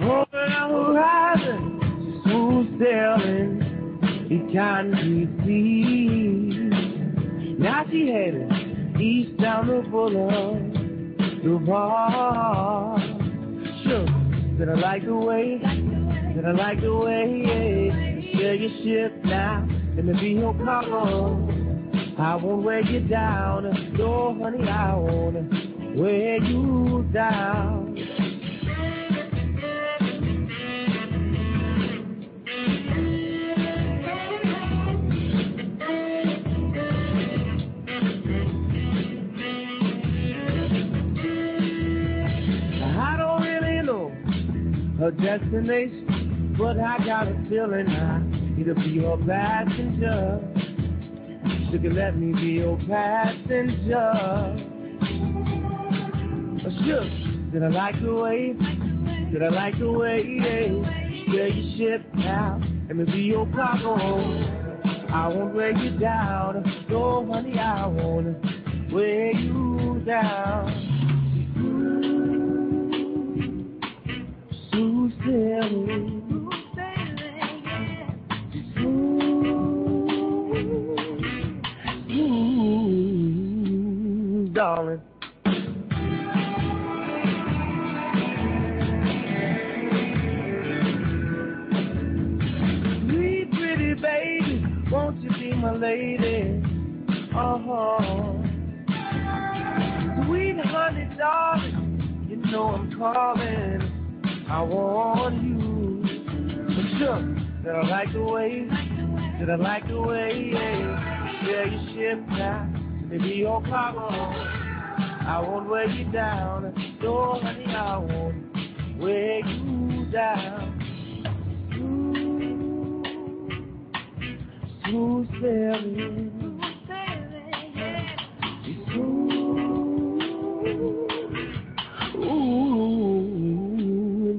Rolling on the horizon, smooth sailing, he can't be seen. Now she's headed east down the boulevard. Sure that I like the way that I like the way you sail your ship now. Let me be your cargo, I won't weigh you down. No, honey, I won't weigh you down. I don't really know her destination, but I got a feeling I need to be your passenger. Sugar, let me be your passenger. Sure that I like the way that I like the way you sail your ship now. Let me be your cargo, I won't weigh you down. No, honey, I won't weigh you down. Smooth, smooth sailing. Smooth sailing, yeah. Smooth. Darling. Sweet pretty baby, won't you be my lady?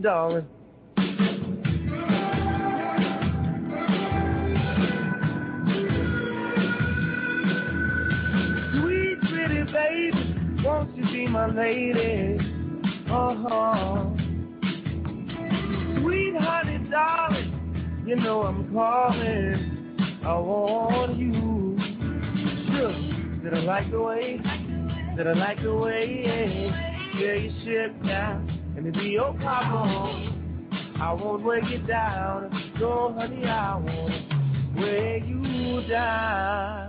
Sweet honey darling, you know I'm calling. I want you. Sure that I like the way that I like the way you sail your ship now. Let me be your cargo, I won't weigh you down. No, honey, I won't weigh you down.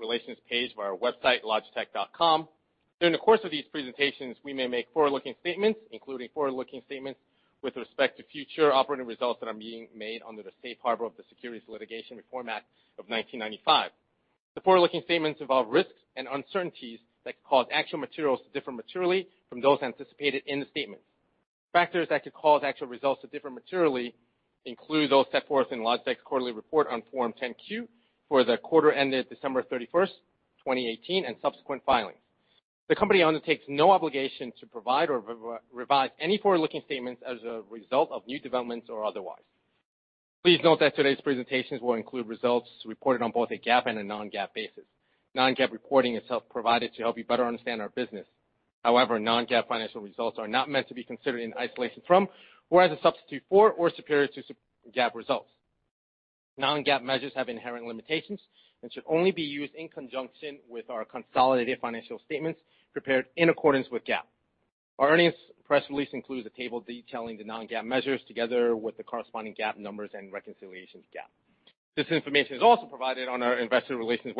relations page of our website, logitech.com. During the course of these presentations, we may make forward-looking statements, including forward-looking statements with respect to future operating results that are being made under the safe harbor of the Securities Litigation Reform Act of 1995. The forward-looking statements involve risks and uncertainties that could cause actual materials to differ materially from those anticipated in the statements. Factors that could cause actual results to differ materially include those set forth in Logitech's quarterly report on Form 10-Q for the quarter ended December 31st, 2018, and subsequent filings. The company undertakes no obligation to provide or revise any forward-looking statements as a result of new developments or otherwise. Please note that today's presentations will include results reported on both a GAAP and a non-GAAP basis. Non-GAAP reporting itself provided to help you better understand our business. Non-GAAP financial results are not meant to be considered in isolation from or as a substitute for or superior to GAAP results. Non-GAAP measures have inherent limitations and should only be used in conjunction with our consolidated financial statements prepared in accordance with GAAP. Our earnings press release includes a table detailing the non-GAAP measures, together with the corresponding GAAP numbers and reconciliations to GAAP. This information is also provided on our investor relations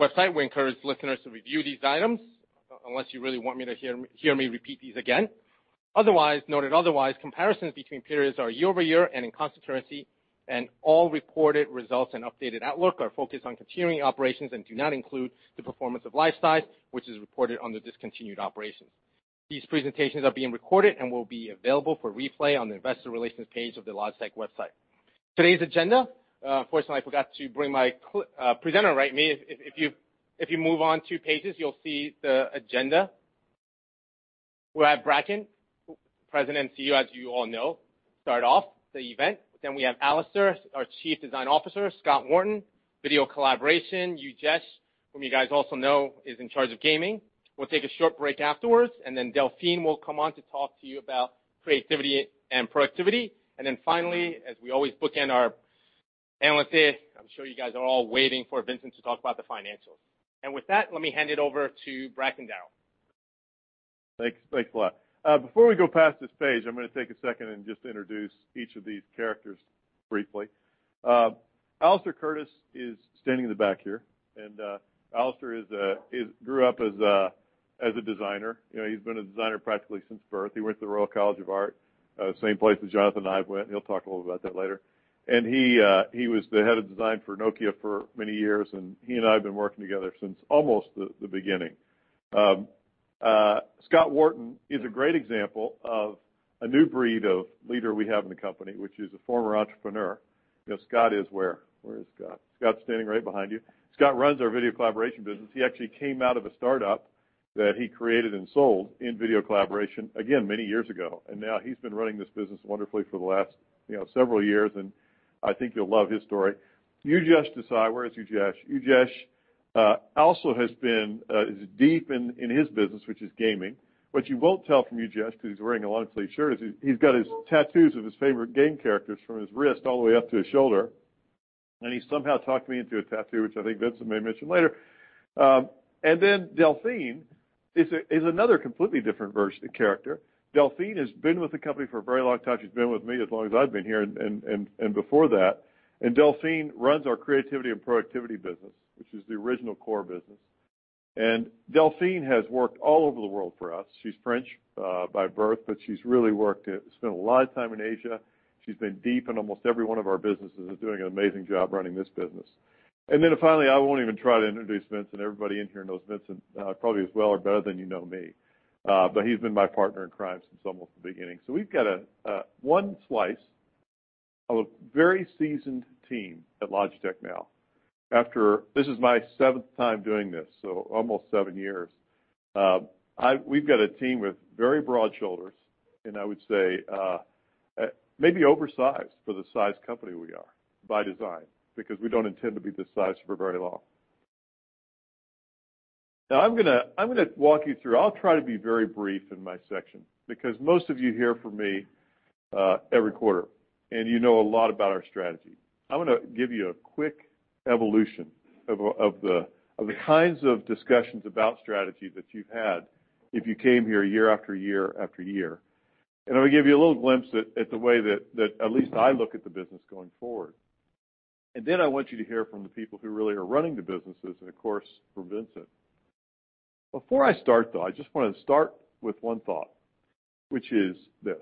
website. We encourage listeners to review these items unless you really want to hear me repeat these again. Noted otherwise, comparisons between periods are year-over-year and in constant currency, and all reported results and updated outlook are focused on continuing operations and do not include the performance of Lifesize, which is reported under discontinued operations. These presentations are being recorded and will be available for replay on the investor relations page of the Logitech website. Today's agenda, unfortunately, I forgot to bring my presenter remote. If you move on two pages you'll see the agenda. We'll have Bracken, President and CEO, as you all know, start off the event. We have Alastair, our Chief Design Officer, Scott Wharton, Video Collaboration, Ujesh, whom you guys also know is in charge of gaming. We'll take a short break afterwards, Delphine will come on to talk to you about Creativity & Productivity. Finally, as we always bookend our analysts here, I'm sure you guys are all waiting for Vincent to talk about the financials. With that, let me hand it over to Bracken Darrell. Thanks a lot. Before we go past this page, I'm going to take a second and just introduce each of these characters briefly. Alastair Curtis is standing in the back here, Alastair grew up as a designer. He's been a designer practically since birth. He went to the Royal College of Art, the same place that Jonathan Ive went. He'll talk a little about that later. He was the head of design for Nokia for many years, he and I have been working together since almost the beginning. Scott Wharton is a great example of a new breed of leader we have in the company, which is a former entrepreneur. Scott is where? Where is Scott? Scott's standing right behind you. Scott runs our video collaboration business. He actually came out of a startup that he created and sold in video collaboration, again, many years ago, now he's been running this business wonderfully for the last several years, I think you'll love his story. Ujesh Desai. Where is Ujesh? Ujesh also has been as deep in his business, which is gaming. What you won't tell from Ujesh, because he's wearing a long-sleeved shirt, is he's got his tattoos of his favorite game characters from his wrist all the way up to his shoulder, he somehow talked me into a tattoo, which I think Vincent may mention later. Delphine is another completely different character. Delphine has been with the company for a very long time. She's been with me as long as I've been here and before that, Delphine runs our Creativity & Productivity business, which is the original core business. Delphine has worked all over the world for us. She's French by birth, she's really spent a lot of time in Asia. She's been deep in almost every one of our businesses and doing an amazing job running this business. Finally, I won't even try to introduce Vincent. Everybody in here knows Vincent probably as well or better than you know me, he's been my partner in crime since almost the beginning. We've got one slice of a very seasoned team at Logitech now. This is my seventh time doing this, so almost seven years. We've got a team with very broad shoulders, I would say, maybe oversized for the size company we are by design because we don't intend to be this size for very long. I'm going to walk you through. I'll try to be very brief in my section because most of you hear from me every quarter, you know a lot about our strategy. I'm going to give you a quick evolution of the kinds of discussions about strategy that you've had if you came here year after year. I'm going to give you a little glimpse at the way that at least I look at the business going forward. Then I want you to hear from the people who really are running the businesses, and of course, from Vincent. Before I start though, I just want to start with one thought, which is this.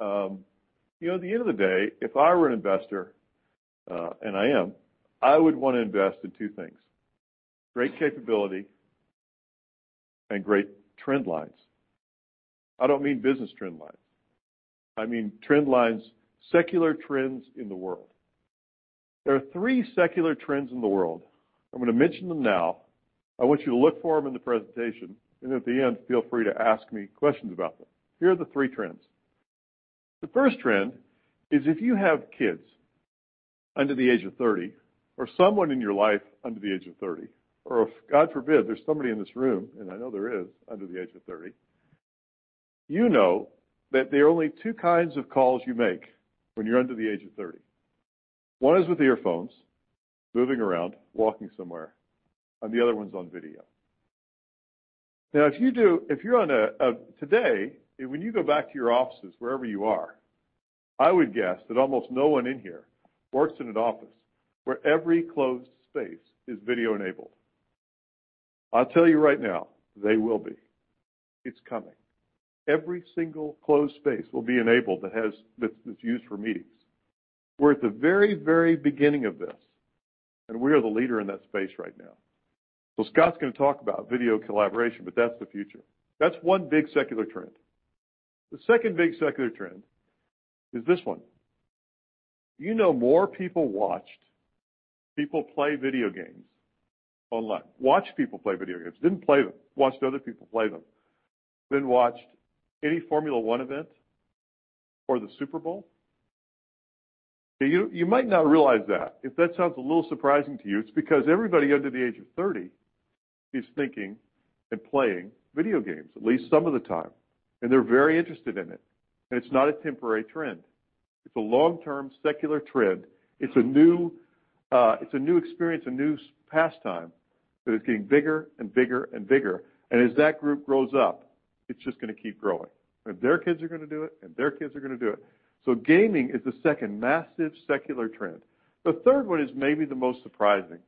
At the end of the day, if I were an investor, and I am, I would want to invest in two things, great capability and great trend lines. I don't mean business trend lines. I mean trend lines, secular trends in the world. There are three secular trends in the world. I'm going to mention them now. I want you to look for them in the presentation, and at the end, feel free to ask me questions about them. Here are the three trends. The first trend is if you have kids under the age of 30, or someone in your life under the age of 30, or if, God forbid, there's somebody in this room, and I know there is, under the age of 30, you know that there are only two kinds of calls you make when you're under the age of 30. One is with earphones, moving around, walking somewhere, the other one's on video. Today, when you go back to your offices, wherever you are, I would guess that almost no one in here works in an office where every closed space is video-enabled. I'll tell you right now, they will be. It's coming. Every single closed space will be enabled that is used for meetings. We're at the very beginning of this, we are the leader in that space right now. Scott's going to talk about video collaboration, but that's the future. That's one big secular trend. The second big secular trend is this one. You know more people watched people play video games online, watched people play video games, didn't play them, watched other people play them, than watched any Formula One event or the Super Bowl? You might not realize that. If that sounds a little surprising to you, it's because everybody under the age of 30 is thinking playing video games at least some of the time, they're very interested in it's not a temporary trend. It's a long-term secular trend. It's a new experience, a new pastime that is getting bigger and bigger. As that group grows up, it's just going to keep growing. Their kids are going to do it, their kids are going to do it. Gaming is the second massive secular trend. The third one is maybe the most surprising.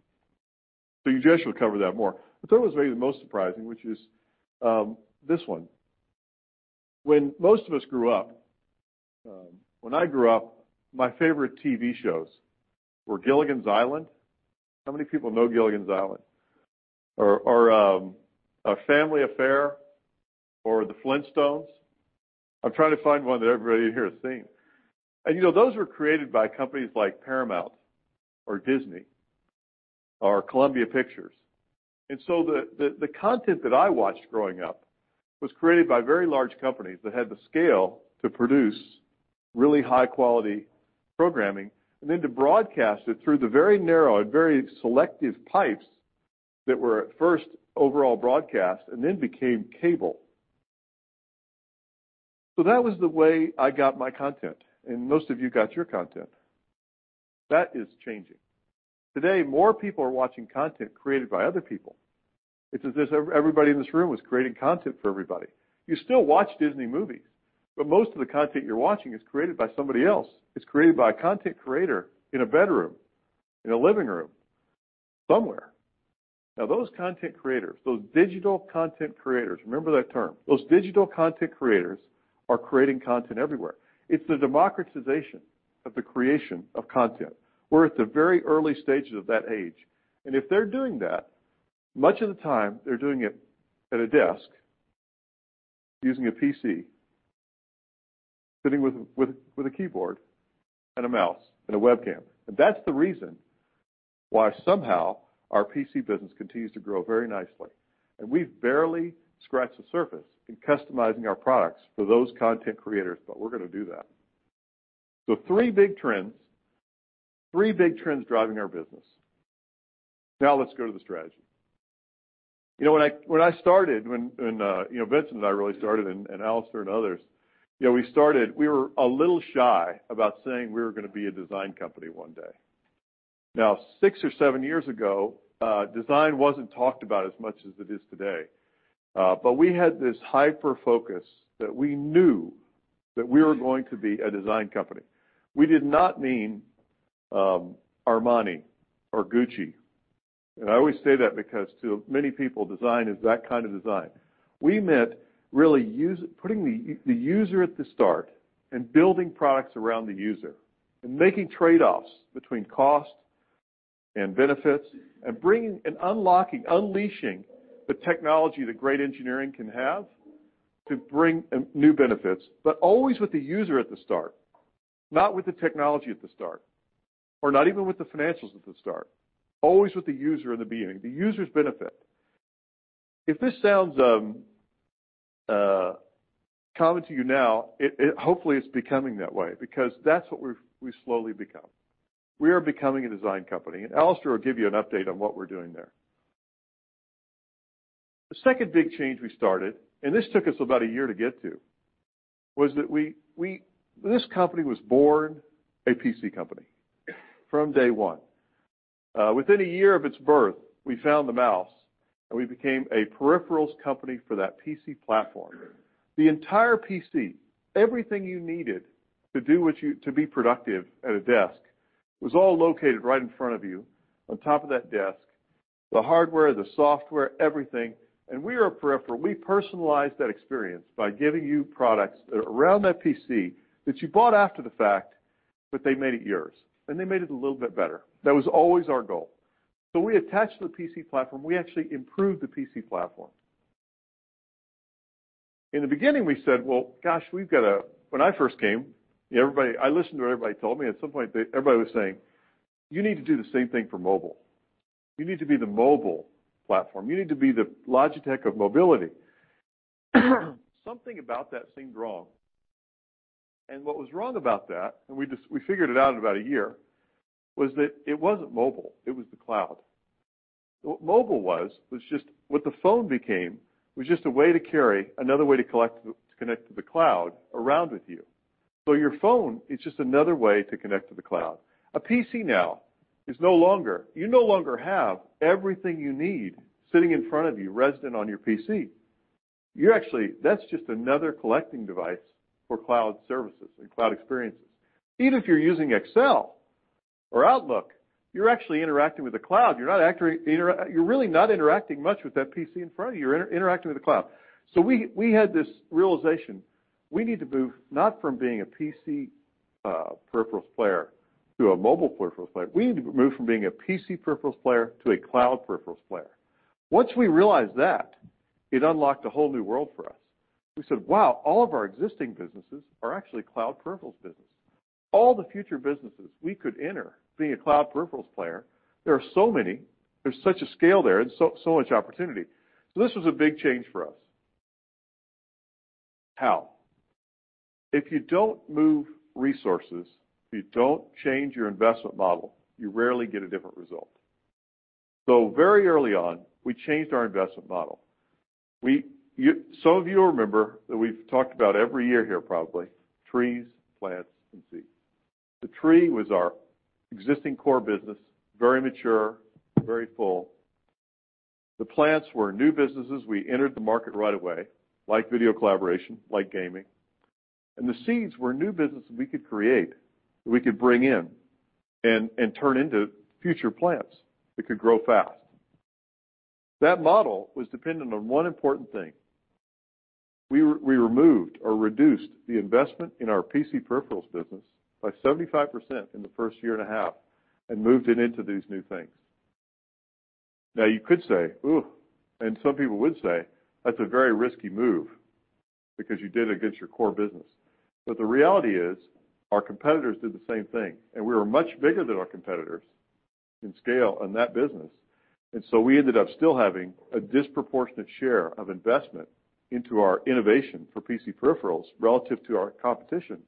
Ujesh will cover that more. The third one is maybe the most surprising, which is this one. When most of us grew up, when I grew up, my favorite TV shows were "Gilligan's Island." How many people know "Gilligan's Island?" "Family Affair" or "The Flintstones." I'm trying to find one that everybody in here has seen. Those were created by companies like Paramount or Disney or Columbia Pictures. The content that I watched growing up was created by very large companies that had the scale to produce really high-quality programming and then to broadcast it through the very narrow and very selective pipes that were at first overall broadcast and then became cable. That was the way I got my content, and most of you got your content. That is changing. Today, more people are watching content created by other people. It's as if everybody in this room is creating content for everybody. You still watch Disney movies, but most of the content you're watching is created by somebody else. It's created by a content creator in a bedroom, in a living room, somewhere. Those content creators, those digital content creators, remember that term, those digital content creators are creating content everywhere. It's the democratization of the creation of content. We're at the very early stages of that age. If they're doing that, much of the time, they're doing it at a desk using a PC, sitting with a keyboard and a mouse and a webcam. That's the reason why somehow our PC business continues to grow very nicely. We've barely scratched the surface in customizing our products for those content creators, but we're going to do that. Three big trends driving our business. Let's go to the strategy. When I started, when Vincent and I really started, Alastair and others, we were a little shy about saying we were going to be a design company one day. Six or seven years ago, design wasn't talked about as much as it is today. We had this hyper-focus that we knew that we were going to be a design company. We did not mean Armani or Gucci. I always say that because to many people, design is that kind of design. We meant really putting the user at the start and building products around the user and making trade-offs between cost and benefits and unlocking, unleashing the technology that great engineering can have to bring new benefits, but always with the user at the start, not with the technology at the start, or not even with the financials at the start. Always with the user in the beginning, the user's benefit. If this sounds common to you now, hopefully, it's becoming that way, because that's what we've slowly become. We are becoming a design company. Alastair will give you an update on what we're doing there. The second big change we started, and this took us about a year to get to, was that this company was born a PC company from day one. Within a year of its birth, we found the mouse, and we became a peripherals company for that PC platform. The entire PC, everything you needed to be productive at a desk, was all located right in front of you on top of that desk, the hardware, the software, everything, and we are a peripheral. We personalize that experience by giving you products that are around that PC that you bought after the fact, but they made it yours, and they made it a little bit better. That was always our goal. We attached to the PC platform. We actually improved the PC platform. In the beginning, we said, when I first came, I listened to what everybody told me. At some point, everybody was saying, "You need to do the same thing for mobile. You need to be the mobile platform. You need to be the Logitech of mobility." Something about that seemed wrong. What was wrong about that, and we figured it out in about a year, was that it wasn't mobile, it was the cloud. What mobile was, what the phone became, was just a way to carry another way to connect to the cloud around with you. Your phone is just another way to connect to the cloud. A PC now is no longer. You no longer have everything you need sitting in front of you, resident on your PC. That's just another collecting device for cloud services and cloud experiences. Even if you're using Excel or Outlook, you're actually interacting with the cloud. You're really not interacting much with that PC in front of you. You're interacting with the cloud. We had this realization, we need to move not from being a PC peripherals player to a mobile peripherals player. We need to move from being a PC peripherals player to a cloud peripherals player. Once we realized that, it unlocked a whole new world for us. We said, "Wow, all of our existing businesses are actually cloud peripherals business." All the future businesses we could enter being a cloud peripherals player, there are so many, there's such a scale there, and so much opportunity. This was a big change for us. How? If you don't move resources, if you don't change your investment model, you rarely get a different result. Very early on, we changed our investment model. Some of you will remember that we've talked about every year here, probably, trees, plants, and seeds. The tree was our existing core business, very mature, very full. The plants were new businesses we entered the market right away, like Video Collaboration, like Gaming. The seeds were new business we could create, we could bring in and turn into future plants that could grow fast. That model was dependent on one important thing. We removed or reduced the investment in our PC peripherals business by 75% in the first year and a half and moved it into these new things. Now you could say, "Ooh," and some people would say, "That's a very risky move because you did it against your core business." The reality is, our competitors did the same thing, and we were much bigger than our competitors in scale in that business. We ended up still having a disproportionate share of investment into our innovation for PC peripherals relative to our competition.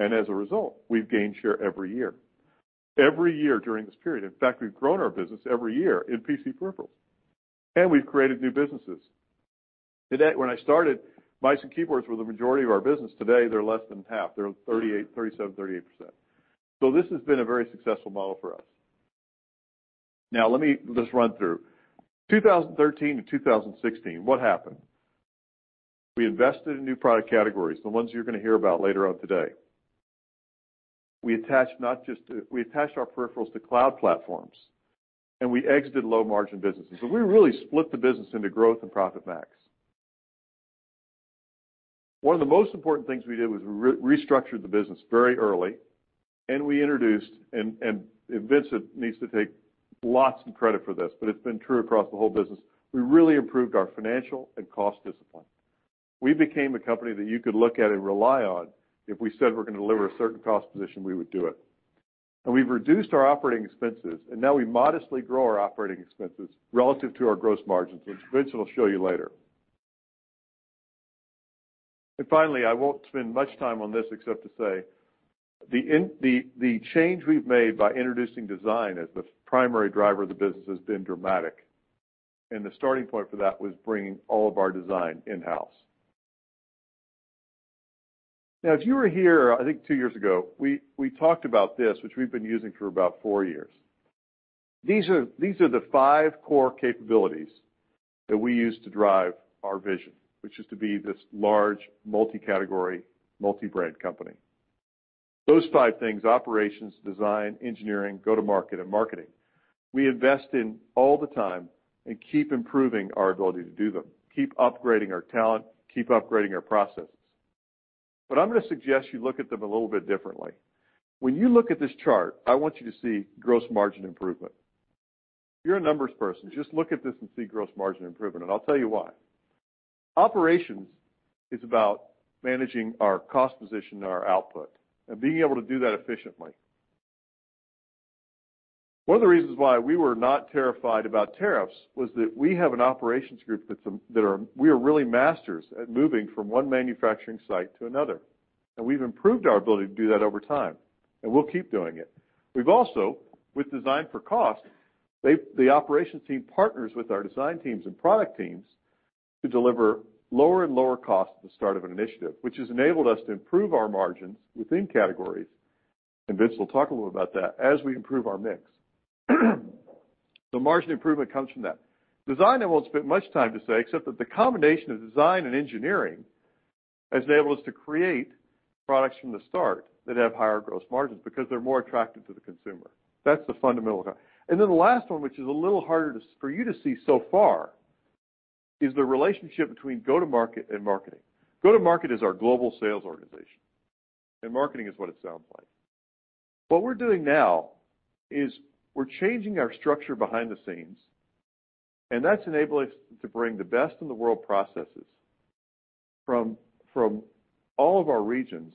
As a result, we've gained share every year. Every year during this period. In fact, we've grown our business every year in PC peripherals. We've created new businesses. When I started, mice and keyboards were the majority of our business. Today, they're less than half. They're 37%, 38%. This has been a very successful model for us. Let me just run through. 2013 to 2016, what happened? We invested in new product categories, the ones you're going to hear about later on today. We attached our peripherals to cloud platforms, and we exited low-margin businesses. We really split the business into growth and profit max. One of the most important things we did was restructured the business very early, and we introduced, and Vincent needs to take lots of credit for this, but it's been true across the whole business. We really improved our financial and cost discipline. We became a company that you could look at and rely on. If we said we're going to deliver a certain cost position, we would do it. We've reduced our operating expenses, and now we modestly grow our operating expenses relative to our gross margins, which Vincent will show you later. Finally, I won't spend much time on this except to say, the change we've made by introducing design as the primary driver of the business has been dramatic. The starting point for that was bringing all of our design in-house. If you were here, I think two years ago, we talked about this, which we've been using for about four years. These are the five core capabilities that we use to drive our vision, which is to be this large, multi-category, multi-brand company. Those five things, operations, design, engineering, go-to-market, and marketing. We invest in all the time and keep improving our ability to do them, keep upgrading our talent, keep upgrading our processes. I'm going to suggest you look at them a little bit differently. When you look at this chart, I want you to see gross margin improvement. If you're a numbers person, just look at this and see gross margin improvement, and I'll tell you why. Operations is about managing our cost position and our output and being able to do that efficiently. One of the reasons why we were not terrified about tariffs was that we are really masters at moving from one manufacturing site to another, and we've improved our ability to do that over time, and we'll keep doing it. We've also, with design for cost, the operations team partners with our design teams and product teams to deliver lower and lower costs at the start of an initiative, which has enabled us to improve our margins within categories, and Vince will talk a little about that as we improve our mix. The margin improvement comes from that. Design, I won't spend much time to say, except that the combination of design and engineering has enabled us to create products from the start that have higher gross margins because they're more attractive to the consumer. That's the fundamental. Then the last one, which is a little harder for you to see so far, is the relationship between go-to-market and marketing. Go-to-market is our global sales organization. Marketing is what it sounds like. What we're doing now is we're changing our structure behind the scenes, that's enabled us to bring the best-in-the-world processes from all of our regions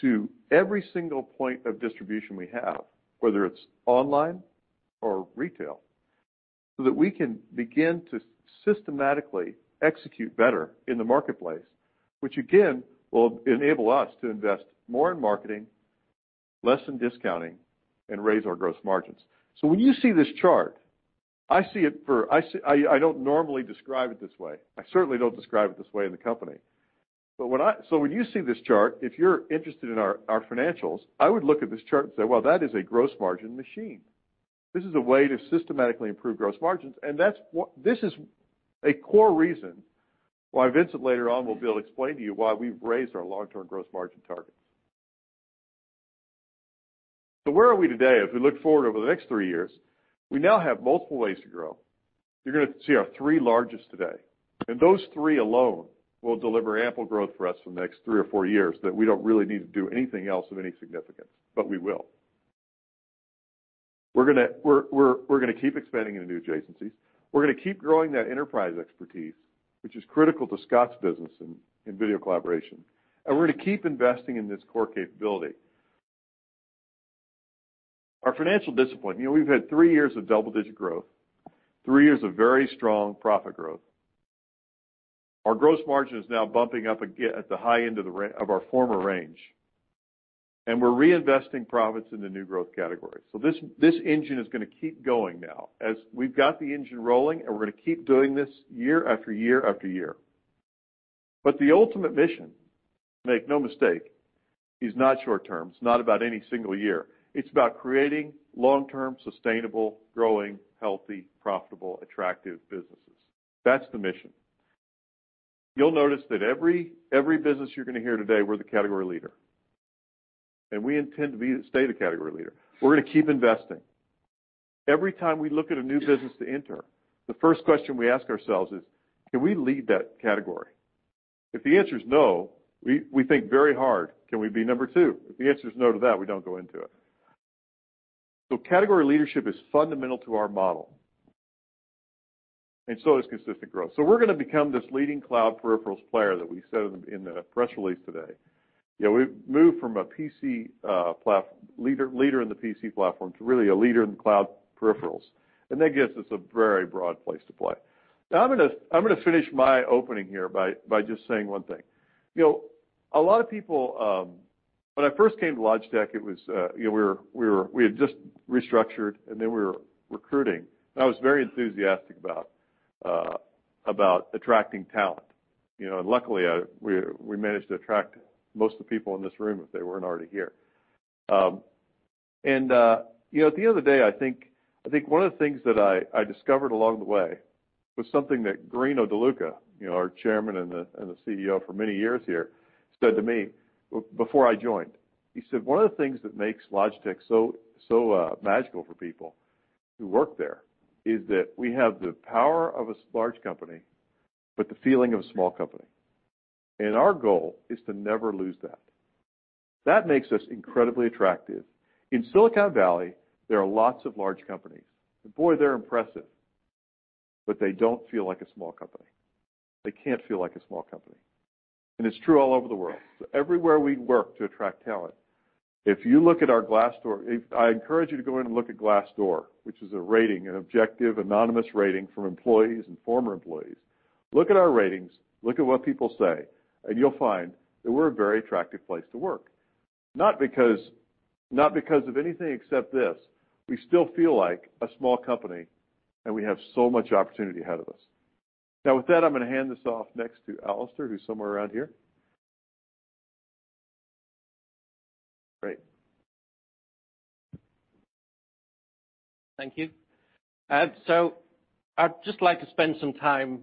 to every single point of distribution we have, whether it's online or retail, that we can begin to systematically execute better in the marketplace, which again, will enable us to invest more in marketing, less in discounting, and raise our gross margins. When you see this chart, I don't normally describe it this way. I certainly don't describe it this way in the company. When you see this chart, if you're interested in our financials, I would look at this chart and say, "Well, that is a gross margin machine." This is a way to systematically improve gross margins, this is a core reason why Vincent later on will be able to explain to you why we've raised our long-term gross margin targets. Where are we today as we look forward over the next three years? We now have multiple ways to grow. You're going to see our three largest today, those three alone will deliver ample growth for us for the next three or four years that we don't really need to do anything else of any significance. We will. We're going to keep expanding into new adjacencies. We're going to keep growing that enterprise expertise, which is critical to Scott's business in video collaboration, we're going to keep investing in this core capability. Our financial discipline, we've had three years of double-digit growth, three years of very strong profit growth. Our gross margin is now bumping up again at the high end of our former range, we're reinvesting profits in the new growth category. This engine is going to keep going now, as we've got the engine rolling, we're going to keep doing this year after year after year. The ultimate mission, make no mistake, is not short-term. It's not about any single year. It's about creating long-term, sustainable, growing, healthy, profitable, attractive businesses. That's the mission. You'll notice that every business you're going to hear today, we're the category leader, we intend to stay the category leader. We're going to keep investing. Every time we look at a new business to enter, the first question we ask ourselves is: Can we lead that category? If the answer is no, we think very hard. Can we be number 2? If the answer is no to that, we don't go into it. Category leadership is fundamental to our model, so is consistent growth. We're going to become this leading cloud peripherals player that we said in the press release today. We've moved from a leader in the PC platform to really a leader in the cloud peripherals. That gives us a very broad place to play. I'm going to finish my opening here by just saying one thing. When I first came to Logitech, we had just restructured, then we were recruiting. I was very enthusiastic about attracting talent. Luckily, we managed to attract most of the people in this room if they weren't already here. At the end of the day, I think one of the things that I discovered along the way was something that Guerrino De Luca, our Chairman and the CEO for many years here, said to me before I joined. He said, "One of the things that makes Logitech so magical for people who work there is that we have the power of a large company, but the feeling of a small company." Our goal is to never lose that. That makes us incredibly attractive. In Silicon Valley, there are lots of large companies. Boy, they're impressive, but they don't feel like a small company. They can't feel like a small company. It's true all over the world. Everywhere we work to attract talent, if you look at our Glassdoor. I encourage you to go in and look at Glassdoor, which is a rating, an objective, anonymous rating from employees and former employees. Look at our ratings, look at what people say, and you'll find that we're a very attractive place to work. Not because of anything except this. We still feel like a small company, and we have so much opportunity ahead of us. With that, I'm going to hand this off next to Alastair, who's somewhere around here. Great. Thank you. I'd just like to spend some time,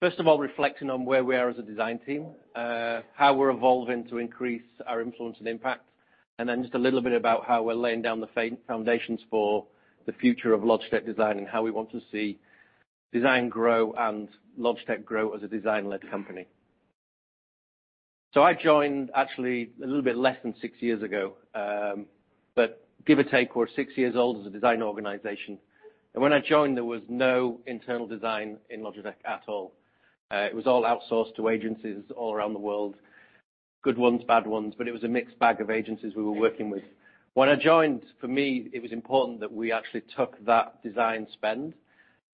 first of all, reflecting on where we are as a design team, how we're evolving to increase our influence and impact, then just a little bit about how we're laying down the foundations for the future of Logitech design and how we want to see design grow and Logitech grow as a design-led company. I joined actually a little bit less than six years ago, but give or take, we're six years old as a design organization. When I joined, there was no internal design in Logitech at all. It was all outsourced to agencies all around the world. Good ones, bad ones, but it was a mixed bag of agencies we were working with. When I joined, for me, it was important that we actually took that design spend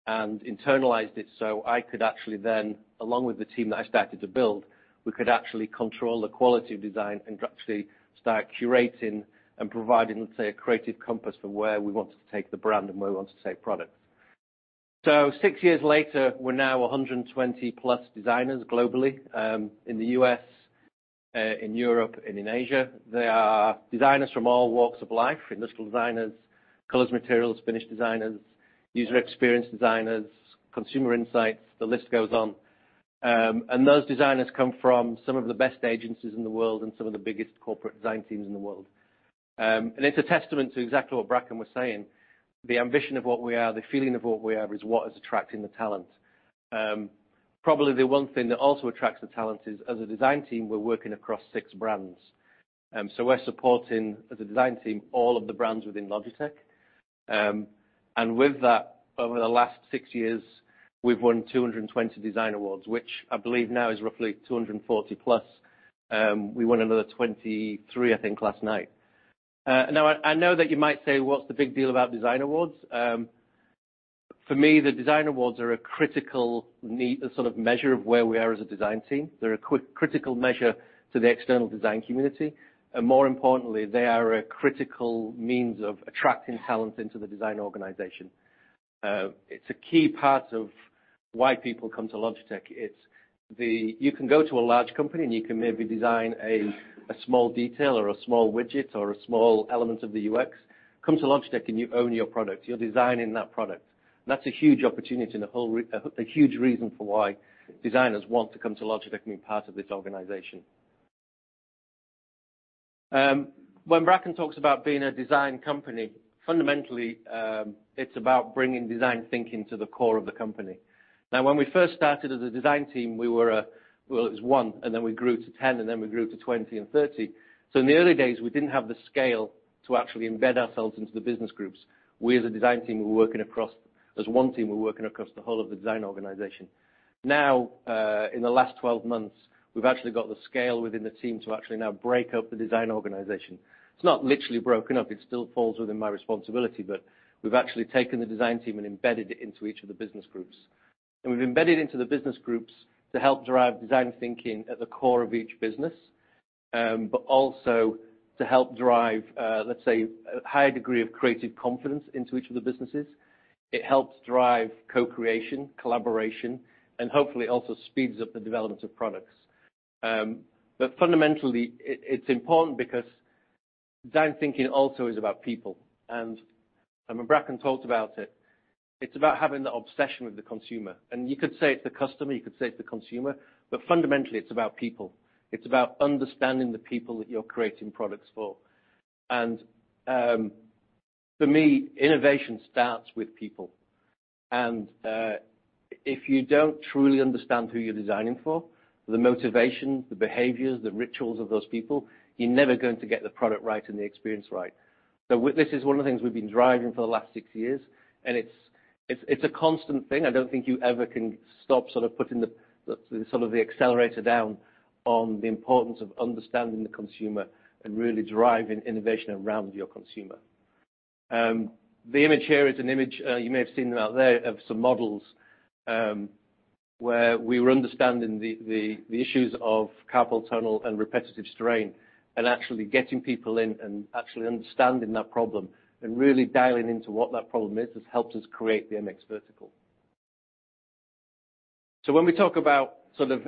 and internalized it so I could actually then, along with the team that I started to build, we could actually control the quality of design and could actually start curating and providing, let's say, a creative compass for where we wanted to take the brand and where we wanted to take products. Six years later, we're now 120-plus designers globally, in the U.S., in Europe and in Asia. They are designers from all walks of life, industrial designers, colors, materials, finish designers, user experience designers, consumer insights, the list goes on. Those designers come from some of the best agencies in the world and some of the biggest corporate design teams in the world. It's a testament to exactly what Bracken was saying. The ambition of what we are, the feeling of what we are, is what is attracting the talent. Probably the one thing that also attracts the talent is, as a design team, we're working across six brands. We're supporting, as a design team, all of the brands within Logitech. With that, over the last six years, we've won 220 design awards, which I believe now is roughly 240-plus. We won another 23, I think, last night. I know that you might say, what's the big deal about design awards? For me, the design awards are a critical need, a sort of measure of where we are as a design team. They're a critical measure to the external design community. More importantly, they are a critical means of attracting talent into the design organization. It's a key part of why people come to Logitech. You can go to a large company, and you can maybe design a small detail or a small widget or a small element of the UX. Come to Logitech, and you own your product, you're designing that product. That's a huge opportunity and a huge reason for why designers want to come to Logitech and be part of this organization. When Bracken talks about being a design company, fundamentally, it's about bringing design thinking to the core of the company. When we first started as a design team, it was one, and then we grew to 10, and then we grew to 20 and 30. In the early days, we didn't have the scale to actually embed ourselves into the business groups. We as a design team were working across, as one team, we're working across the whole of the design organization. In the last 12 months, we've actually got the scale within the team to actually now break up the design organization. It's not literally broken up. It still falls within my responsibility, but we've actually taken the design team and embedded it into each of the business groups. We've embedded into the business groups to help drive design thinking at the core of each business. Also to help drive, let's say, a higher degree of creative confidence into each of the businesses. It helps drive co-creation, collaboration, and hopefully, also speeds up the development of products. Fundamentally, it's important because design thinking also is about people. Bracken talked about it. It's about having the obsession with the consumer. You could say it's the customer, you could say it's the consumer, but fundamentally, it's about people. It's about understanding the people that you're creating products for. For me, innovation starts with people. If you don't truly understand who you're designing for, the motivation, the behaviors, the rituals of those people, you're never going to get the product right and the experience right. This is one of the things we've been driving for the last six years, and it's a constant thing. I don't think you ever can stop putting the accelerator down on the importance of understanding the consumer and really driving innovation around your consumer. The image here is an image, you may have seen them out there, of some models, where we were understanding the issues of carpal tunnel and repetitive strain. Actually getting people in and actually understanding that problem and really dialing into what that problem is has helped us create the MX Vertical. When we talk about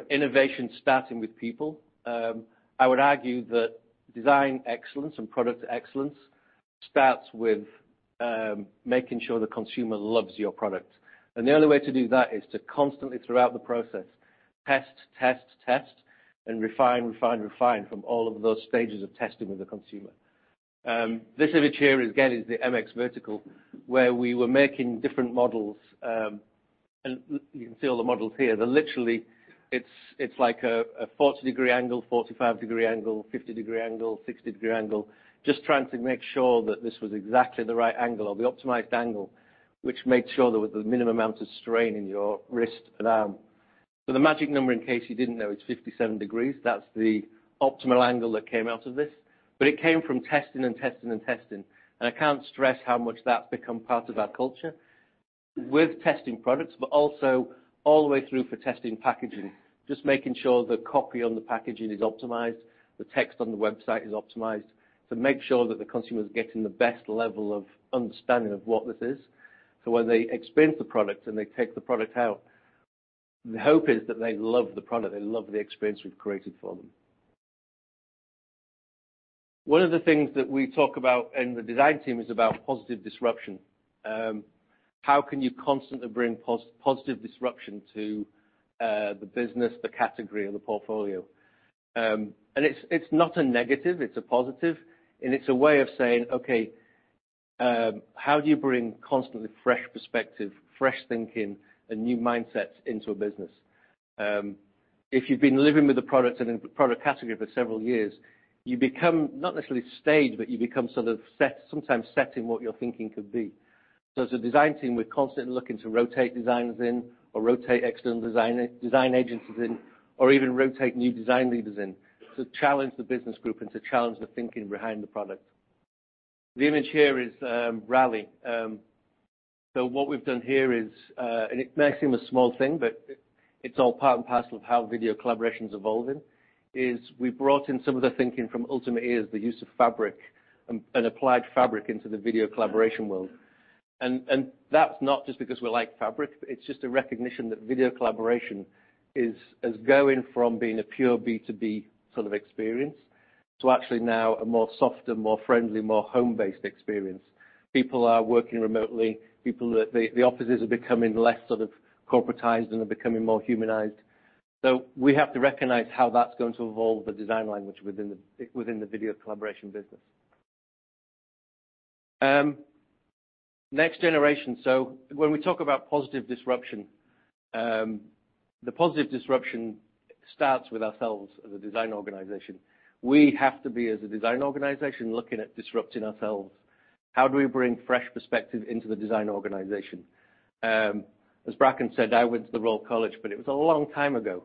innovation starting with people, I would argue that design excellence and product excellence starts with making sure the consumer loves your product. The only way to do that is to constantly, throughout the process, test, test, and refine, refine from all of those stages of testing with the consumer. This image here, again, is the MX Vertical, where we were making different models. You can see all the models here. Literally, it is like a 40-degree angle, 45-degree angle, 50-degree angle, 60-degree angle. Just trying to make sure that this was exactly the right angle or the optimized angle, which made sure there was a minimum amount of strain in your wrist and arm. The magic number, in case you didn't know, is 57 degrees. That's the optimal angle that came out of this. It came from testing and testing and testing. I can't stress how much that's become part of our culture. With testing products, but also all the way through for testing packaging. Just making sure the copy on the packaging is optimized, the text on the website is optimized, to make sure that the consumer's getting the best level of understanding of what this is. When they experience the product and they take the product out, the hope is that they love the product and love the experience we've created for them. One of the things that we talk about in the design team is about positive disruption. How can you constantly bring positive disruption to the business, the category, or the portfolio? It's not a negative, it's a positive. It's a way of saying, okay, how do you bring constantly fresh perspective, fresh thinking, and new mindsets into a business? If you've been living with a product and in product category for several years, you become, not necessarily stayed, but you become sort of sometimes set in what your thinking could be. As a design team, we're constantly looking to rotate designers in or rotate external design agencies in, or even rotate new design leaders in to challenge the business group and to challenge the thinking behind the product. The image here is Rally. What we've done here is, and it may seem a small thing, but it's all part and parcel of how video collaboration's evolving, is we brought in some of the thinking from Ultimate Ears, the use of fabric, and applied fabric into the video collaboration world. That's not just because we like fabric. It's just a recognition that video collaboration is going from being a pure B2B sort of experience to actually now a more softer, more friendly, more home-based experience. People are working remotely. The offices are becoming less corporatized and are becoming more humanized. We have to recognize how that's going to evolve the design language within the video collaboration business. Next generation. When we talk about positive disruption, the positive disruption starts with ourselves as a design organization. We have to be, as a design organization, looking at disrupting ourselves. How do we bring fresh perspective into the design organization? As Bracken said, I went to the Royal College, it was a long time ago.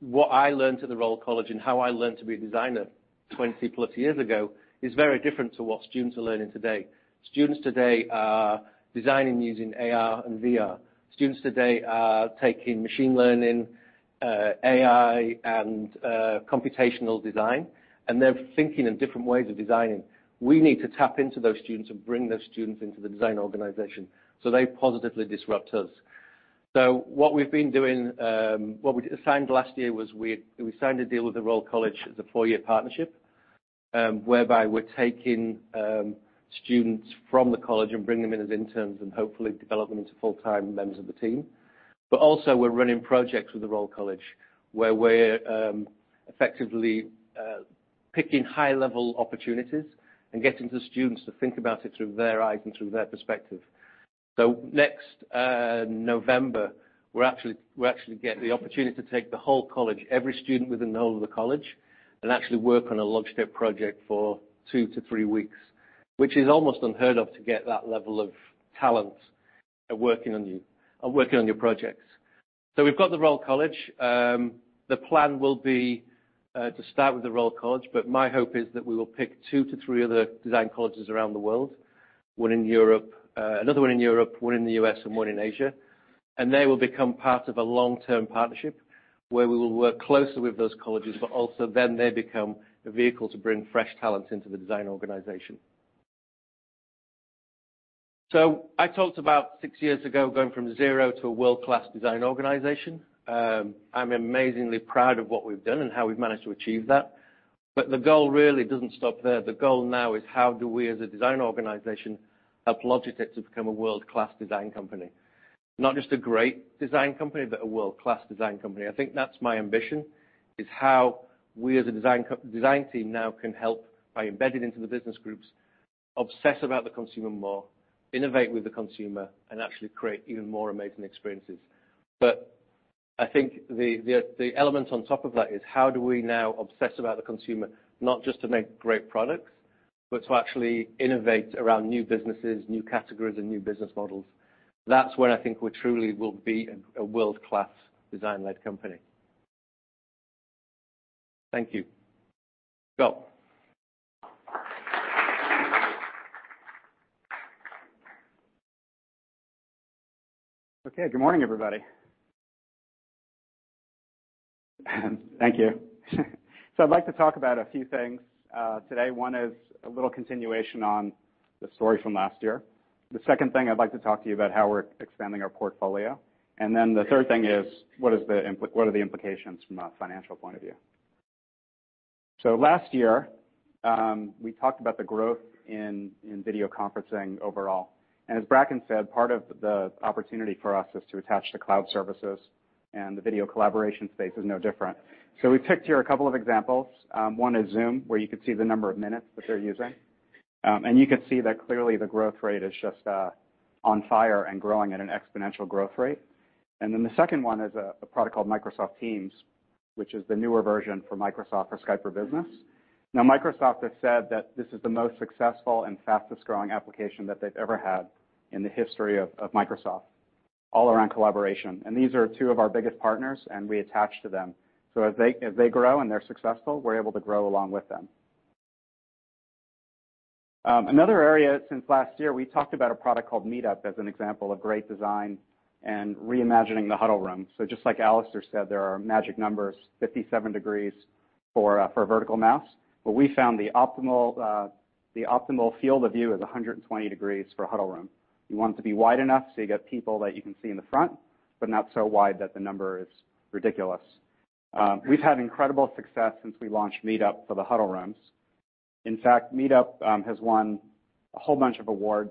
What I learned at the Royal College and how I learned to be a designer 20-plus years ago is very different to what students are learning today. Students today are designing using AR and VR. Students today are taking machine learning, AI, and computational design, they're thinking in different ways of designing. We need to tap into those students and bring those students into the design organization so they positively disrupt us. What we signed last year was, we signed a deal with the Royal College. It's a four-year partnership, whereby we're taking students from the college and bring them in as interns and hopefully develop them into full-time members of the team. Also we're running projects with the Royal College, where we're effectively picking high-level opportunities and getting the students to think about it through their eyes and through their perspective. Next November, we actually get the opportunity to take the whole college, every student within the whole of the college, and actually work on a Logitech project for two to three weeks, which is almost unheard of, to get that level of talent working on your projects. We've got the Royal College. The plan will be to start with the Royal College, but my hope is that we will pick two to three other design colleges around the world, another one in Europe, one in the U.S., and one in Asia. They will become part of a long-term partnership where we will work closely with those colleges, but also then they become a vehicle to bring fresh talent into the design organization. I talked about six years ago, going from zero to a world-class design organization. I'm amazingly proud of what we've done and how we've managed to achieve that. The goal really doesn't stop there. The goal now is how do we, as a design organization, help Logitech to become a world-class design company? Not just a great design company, but a world-class design company. I think that's my ambition, is how we as a design team now can help by embedding into the business groups, obsess about the consumer more, innovate with the consumer, and actually create even more amazing experiences. I think the element on top of that is how do we now obsess about the consumer not just to make great products, but to actually innovate around new businesses, new categories, and new business models. That's where I think we truly will be a world-class design-led company. Thank you. Scott. Okay. Good morning, everybody. Thank you. I'd like to talk about a few things, today. One is a little continuation on the story from last year. The second thing I'd like to talk to you about how we're expanding our portfolio. Then the third thing is, what are the implications from a financial point of view. Last year, we talked about the growth in video conferencing overall, as Bracken said, part of the opportunity for us is to attach to cloud services, and the video collaboration space is no different. We picked here a couple of examples. One is Zoom, where you could see the number of minutes that they're using. You could see that clearly the growth rate is just on fire and growing at an exponential growth rate. The second one is a product called Microsoft Teams, which is the newer version for Microsoft or Skype for Business. Microsoft has said that this is the most successful and fastest-growing application that they've ever had in the history of Microsoft, all around collaboration. These are two of our biggest partners, and we attach to them. As they grow and they're successful, we're able to grow along with them. Another area since last year, we talked about a product called MeetUp as an example of great design and re-imagining the huddle room. Just like Alastair said, there are magic numbers, 57 degrees for a vertical mouse. We found the optimal field of view is 120 degrees for a huddle room. You want it to be wide enough you get people that you can see in the front, not so wide that the number is ridiculous. We've had incredible success since we launched MeetUp for the huddle rooms. In fact, MeetUp has won a whole bunch of awards,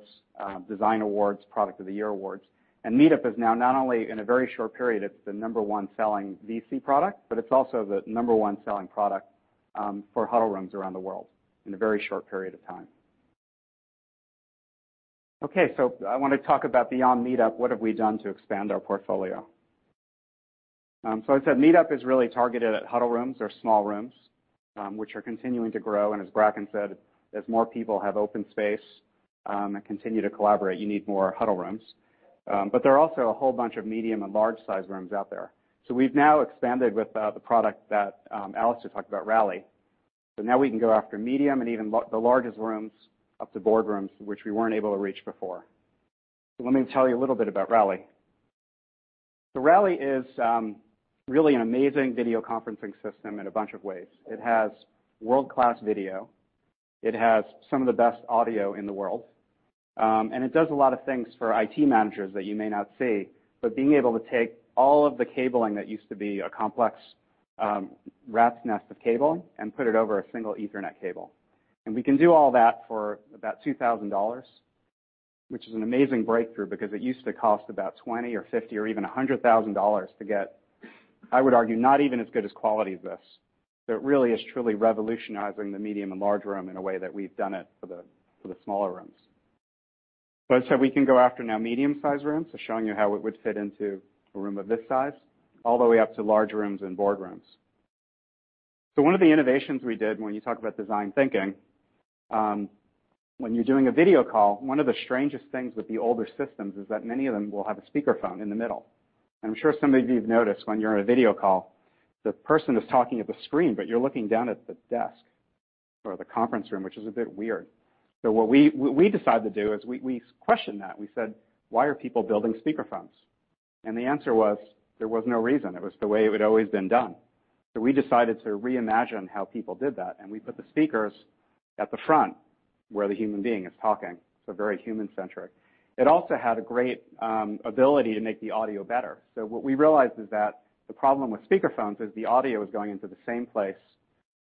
design awards, product of the year awards. MeetUp is now not only in a very short period, it's the number 1 selling VC product, but it's also the number 1 selling product for huddle rooms around the world in a very short period of time. I want to talk about beyond MeetUp, what have we done to expand our portfolio? I said MeetUp is really targeted at huddle rooms or small rooms, which are continuing to grow. As Bracken said, as more people have open space and continue to collaborate, you need more huddle rooms. There are also a whole bunch of medium and large size rooms out there. We've now expanded with the product that Alex just talked about, Rally. Now we can go after medium and even the largest rooms, up to boardrooms, which we weren't able to reach before. Let me tell you a little bit about Rally. Rally is really an amazing video conferencing system in a bunch of ways. It has world-class video, it has some of the best audio in the world, and it does a lot of things for IT managers that you may not see, but being able to take all of the cabling that used to be a complex rat's nest of cable and put it over a single ethernet cable. We can do all that for about $2,000, which is an amazing breakthrough because it used to cost about $20 or $50 or even $100,000 to get, I would argue, not even as good as quality as this. It really is truly revolutionizing the medium and large room in a way that we've done it for the smaller rooms. We can go after now medium-sized rooms. Showing you how it would fit into a room of this size, all the way up to large rooms and boardrooms. One of the innovations we did when you talk about design thinking, when you're doing a video call, one of the strangest things with the older systems is that many of them will have a speakerphone in the middle. I'm sure some of you have noticed when you're on a video call, the person is talking at the screen, but you're looking down at the desk or the conference room, which is a bit weird. What we decided to do is we questioned that. We said, "Why are people building speaker phones?" The answer was, there was no reason. It was the way it would always been done. We decided to reimagine how people did that, and we put the speakers at the front where the human being is talking. Very human-centric. It also had a great ability to make the audio better. What we realized is that the problem with speaker phones is the audio is going into the same place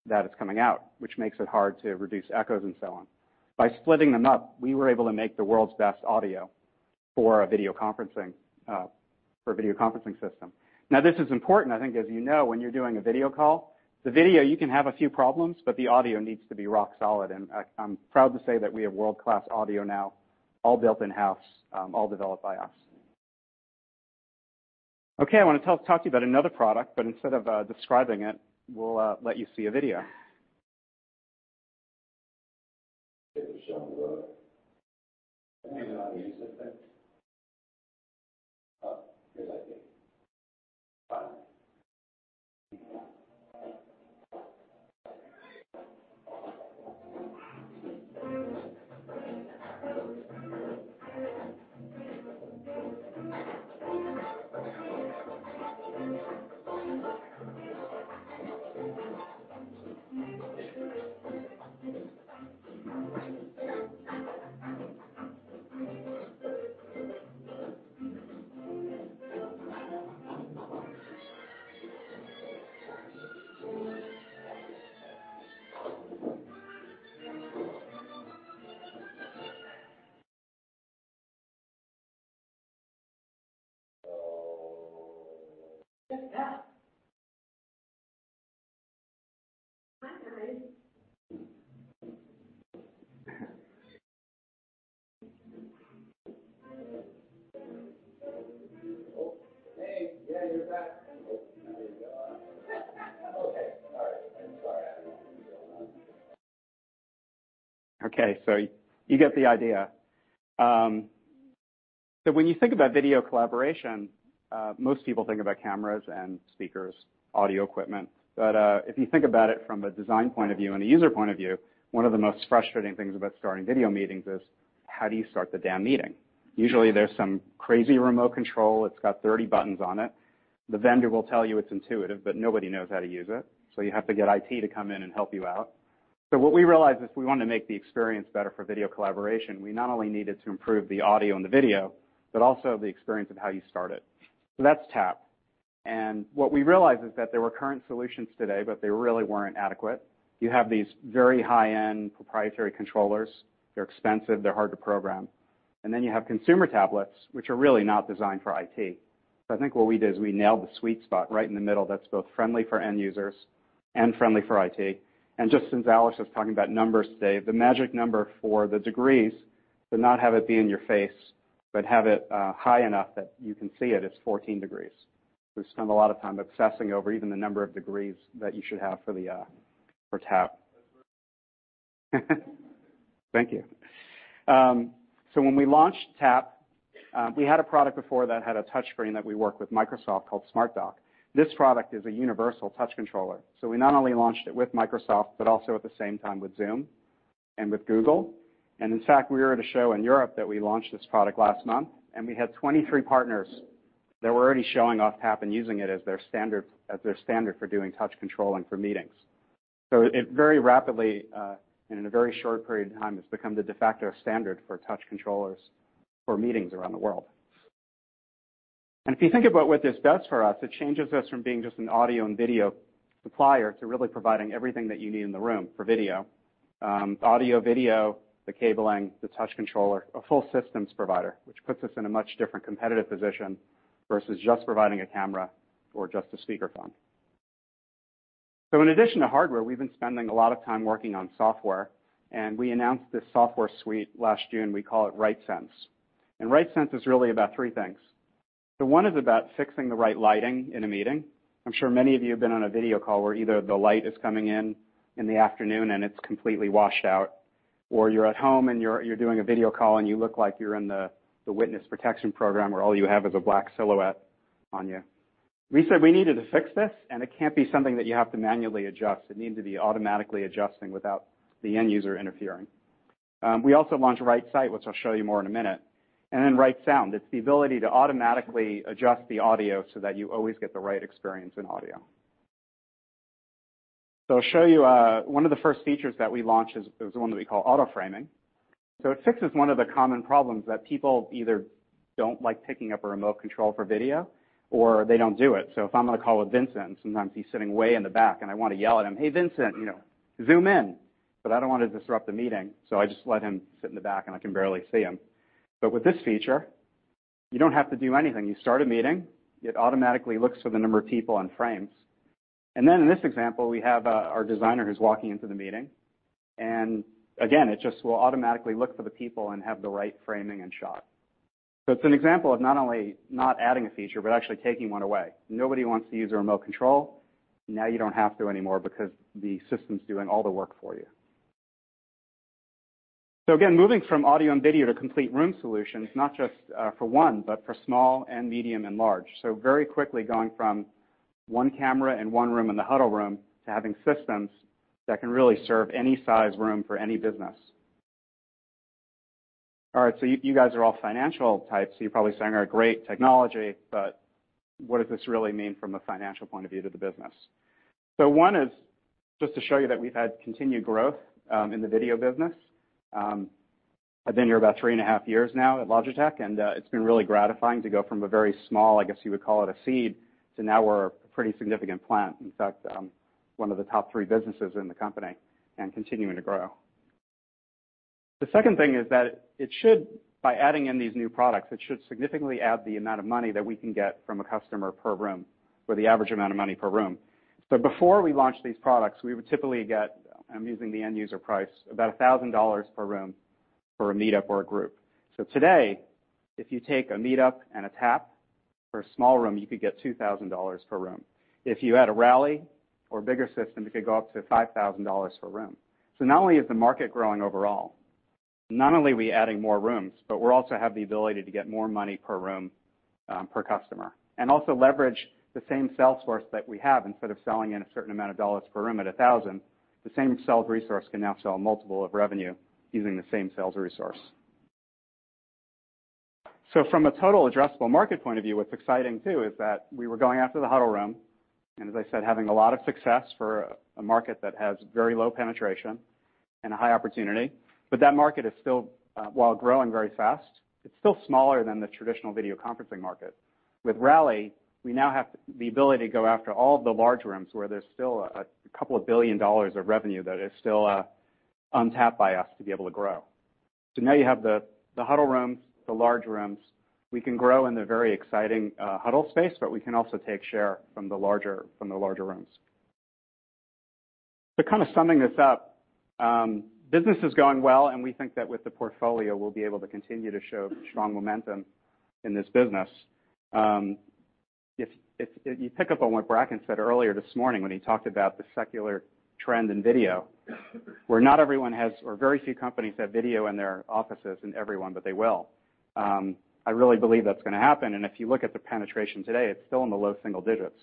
that it's coming out, which makes it hard to reduce echoes and so on. By splitting them up, we were able to make the world's best audio for a video conferencing system. This is important, I think as you know, when you're doing a video call, the video, you can have a few problems, but the audio needs to be rock solid, and I'm proud to say that we have world-class audio now, all built in-house, all developed by us. I want to talk to you about another product, but instead of describing it, we'll let you see a video. It was shown below. I don't even know how to use this thing. Good idea. Got it. Hey. Yeah, you're back. Now you're gone. I'm sorry. You get the idea. When you think about video collaboration, most people think about cameras and speakers, audio equipment. If you think about it from a design point of view and a user point of view, one of the most frustrating things about starting video meetings is, how do you start the damn meeting? Usually, there is some crazy remote control. It's got 30 buttons on it. The vendor will tell you it's intuitive, but nobody knows how to use it, you have to get IT to come in and help you out. What we realized is, if we want to make the experience better for video collaboration, we not only needed to improve the audio and the video, but also the experience of how you start it. That's Tap. What we realized is that there were current solutions today, they really weren't adequate. You have these very high-end proprietary controllers. They're expensive. They're hard to program. Then you have consumer tablets, which are really not designed for IT. I think what we did is we nailed the sweet spot right in the middle that's both friendly for end users and friendly for IT. Just since Alex was talking about numbers today, the magic number for the degrees, to not have it be in your face, but have it high enough that you can see it, is 14 degrees. We spent a lot of time obsessing over even the number of degrees that you should have for Tap. Thank you. When we launched Tap, we had a product before that had a touch screen that we worked with Microsoft, called SmartDock. This product is a universal touch controller. We not only launched it with Microsoft, also at the same time with Zoom and with Google. In fact, we were at a show in Europe that we launched this product last month, and we had 23 partners that were already showing off Tap and using it as their standard for doing touch controlling for meetings. It very rapidly, and in a very short period of time, has become the de facto standard for touch controllers for meetings around the world. If you think about what this does for us, it changes us from being just an audio and video supplier to really providing everything that you need in the room for video. Audio, video, the cabling, the touch controller, a full systems provider, which puts us in a much different competitive position versus just providing a camera or just a speakerphone. In addition to hardware, we've been spending a lot of time working on software, we announced this software suite last June. We call it RightSense. RightSense is really about three things. One is about fixing the right lighting in a meeting. I'm sure many of you have been on a video call where either the light is coming in in the afternoon and it's completely washed out, or you're at home and you're doing a video call and you look like you're in the witness protection program, where all you have is a black silhouette on you. We said we needed to fix this, it can't be something that you have to manually adjust. It needs to be automatically adjusting without the end user interfering. We also launched RightSight, which I'll show you more in a minute, and then RightSound. It's the ability to automatically adjust the audio so that you always get the right experience in audio. I'll show you one of the first features that we launched is the one that we call auto framing. It fixes one of the common problems that people either don't like picking up a remote control for video or they don't do it. If I'm on a call with Vincent, sometimes he's sitting way in the back and I want to yell at him, "Hey, Vincent, zoom in." I don't want to disrupt the meeting, so I just let him sit in the back and I can barely see him. With this feature, you don't have to do anything. You start a meeting, it automatically looks for the number of people and frames. In this example, we have our designer who's walking into the meeting, and again, it just will automatically look for the people and have the right framing and shot. It's an example of not only not adding a feature, but actually taking one away. Nobody wants to use a remote control. Now you don't have to anymore because the system's doing all the work for you. Again, moving from audio and video to complete room solutions, not just for one, but for small and medium and large. Very quickly going from one camera and one room in the huddle room to having systems that can really serve any size room for any business. All right, you guys are all financial types, you're probably saying, "All right, great technology, but what does this really mean from a financial point of view to the business?" One is just to show you that we've had continued growth in the video business. I've been here about three and a half years now at Logitech, and it's been really gratifying to go from a very small, I guess you would call it a seed, to now we're a pretty significant plant. In fact, one of the top three businesses in the company, and continuing to grow. The second thing is that it should, by adding in these new products, it should significantly add the amount of money that we can get from a customer per room, or the average amount of money per room. Before we launched these products, we would typically get, I'm using the end user price, about CHF 1,000 per room for a MeetUp or a GROUP. Today, if you take a MeetUp and a Tap for a small room, you could get CHF 2,000 per room. If you add a Rally or bigger system, it could go up to CHF 5,000 per room. Not only is the market growing overall, not only are we adding more rooms, but we also have the ability to get more money per room, per customer, and also leverage the same sales force that we have. Instead of selling in a certain amount of dollars per room at 1,000, the same sales resource can now sell a multiple of revenue using the same sales resource. From a total addressable market point of view, what's exciting too is that we were going after the huddle room, and as I said, having a lot of success for a market that has very low penetration and a high opportunity. That market is still, while growing very fast, it's still smaller than the traditional video conferencing market. With Rally, we now have the ability to go after all the large rooms where there's still a couple of billion CHF of revenue that is still untapped by us to be able to grow. Now you have the huddle rooms, the large rooms. We can grow in the very exciting huddle space, but we can also take share from the larger rooms. Kind of summing this up, business is going well, and we think that with the portfolio, we'll be able to continue to show strong momentum in this business. If you pick up on what Bracken said earlier this morning when he talked about the secular trend in video, where not everyone has, or very few companies have video in their offices and everyone, but they will. I really believe that's going to happen, and if you look at the penetration today, it's still in the low single digits.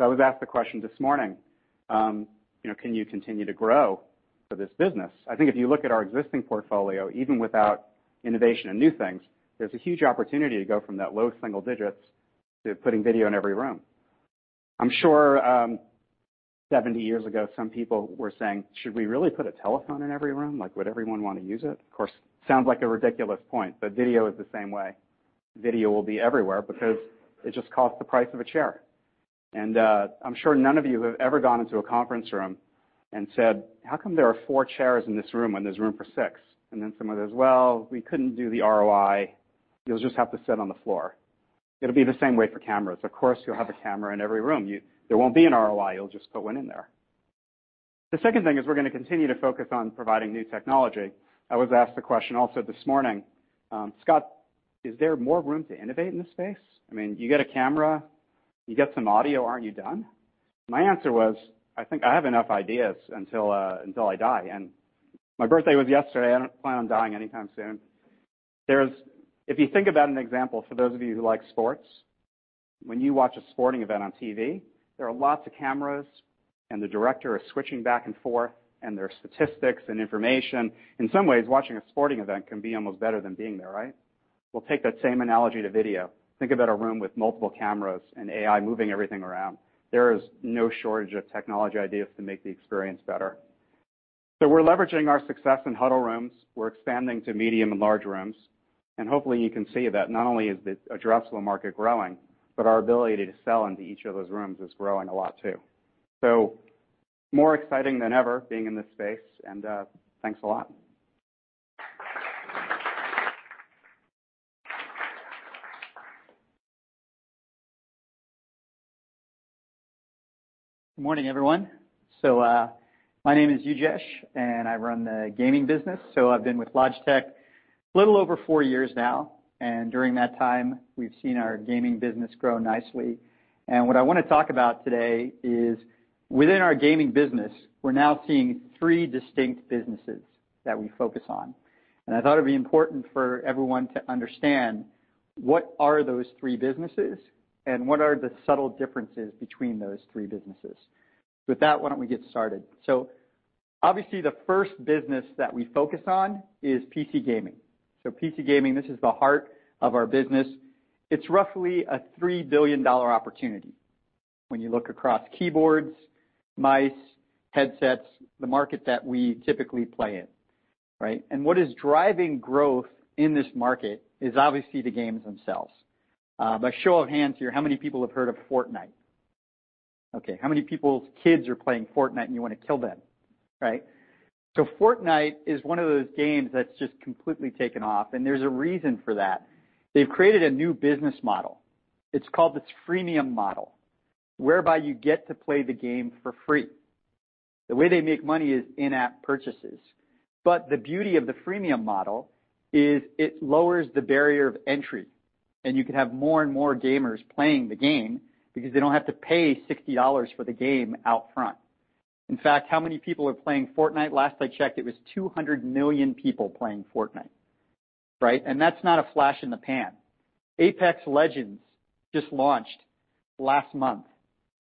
I was asked the question this morning, "Can you continue to grow for this business?" I think if you look at our existing portfolio, even without innovation and new things, there's a huge opportunity to go from that low single digits to putting video in every room. I'm sure 70 years ago, some people were saying, "Should we really put a telephone in every room? Would everyone want to use it?" Of course, sounds like a ridiculous point, but video is the same way. Video will be everywhere because it just costs the price of a chair. I'm sure none of you have ever gone into a conference room and said, "How come there are four chairs in this room when there's room for six?" Then someone says, "Well, we couldn't do the ROI. You'll just have to sit on the floor." It'll be the same way for cameras. Of course, you'll have a camera in every room. There won't be an ROI, you'll just put one in there. The second thing is we're going to continue to focus on providing new technology. I was asked the question also this morning, "Scott, is there more room to innovate in this space? I mean, you get a camera, you get some audio, aren't you done?" My answer was, "I think I have enough ideas until I die." My birthday was yesterday. I don't plan on dying anytime soon. If you think about an example, for those of you who like sports, when you watch a sporting event on TV, there are lots of cameras and the director is switching back and forth, and there are statistics and information. In some ways, watching a sporting event can be almost better than being there, right? Well, take that same analogy to video. Think about a room with multiple cameras and AI moving everything around. There is no shortage of technology ideas to make the experience better. We're leveraging our success in huddle rooms. We're expanding to medium and large rooms. Hopefully you can see that not only is the addressable market growing, but our ability to sell into each of those rooms is growing a lot, too. More exciting than ever being in this space, and thanks a lot. Good morning, everyone. My name is Ujesh, and I run the gaming business. I've been with Logitech a little over four years now, and during that time, we've seen our gaming business grow nicely. What I want to talk about today is within our gaming business, we're now seeing three distinct businesses that we focus on. I thought it'd be important for everyone to understand what are those three businesses and what are the subtle differences between those three businesses. With that, why don't we get started? Obviously, the first business that we focus on is PC gaming. PC gaming, this is the heart of our business. It's roughly a CHF 3 billion opportunity when you look across keyboards, mice, headsets, the market that we typically play in, right? What is driving growth in this market is obviously the games themselves. By show of hands here, how many people have heard of "Fortnite"? Okay. How many people's kids are playing "Fortnite" and you want to kill them, right? "Fortnite" is one of those games that's just completely taken off, and there's a reason for that. They've created a new business model. It's called this freemium model, whereby you get to play the game for free. The way they make money is in-app purchases. The beauty of the freemium model is it lowers the barrier of entry, and you can have more and more gamers playing the game because they don't have to pay CHF 60 for the game out front. In fact, how many people are playing "Fortnite"? Last I checked, it was 200 million people playing "Fortnite", right? That's not a flash in the pan. "Apex Legends" just launched last month.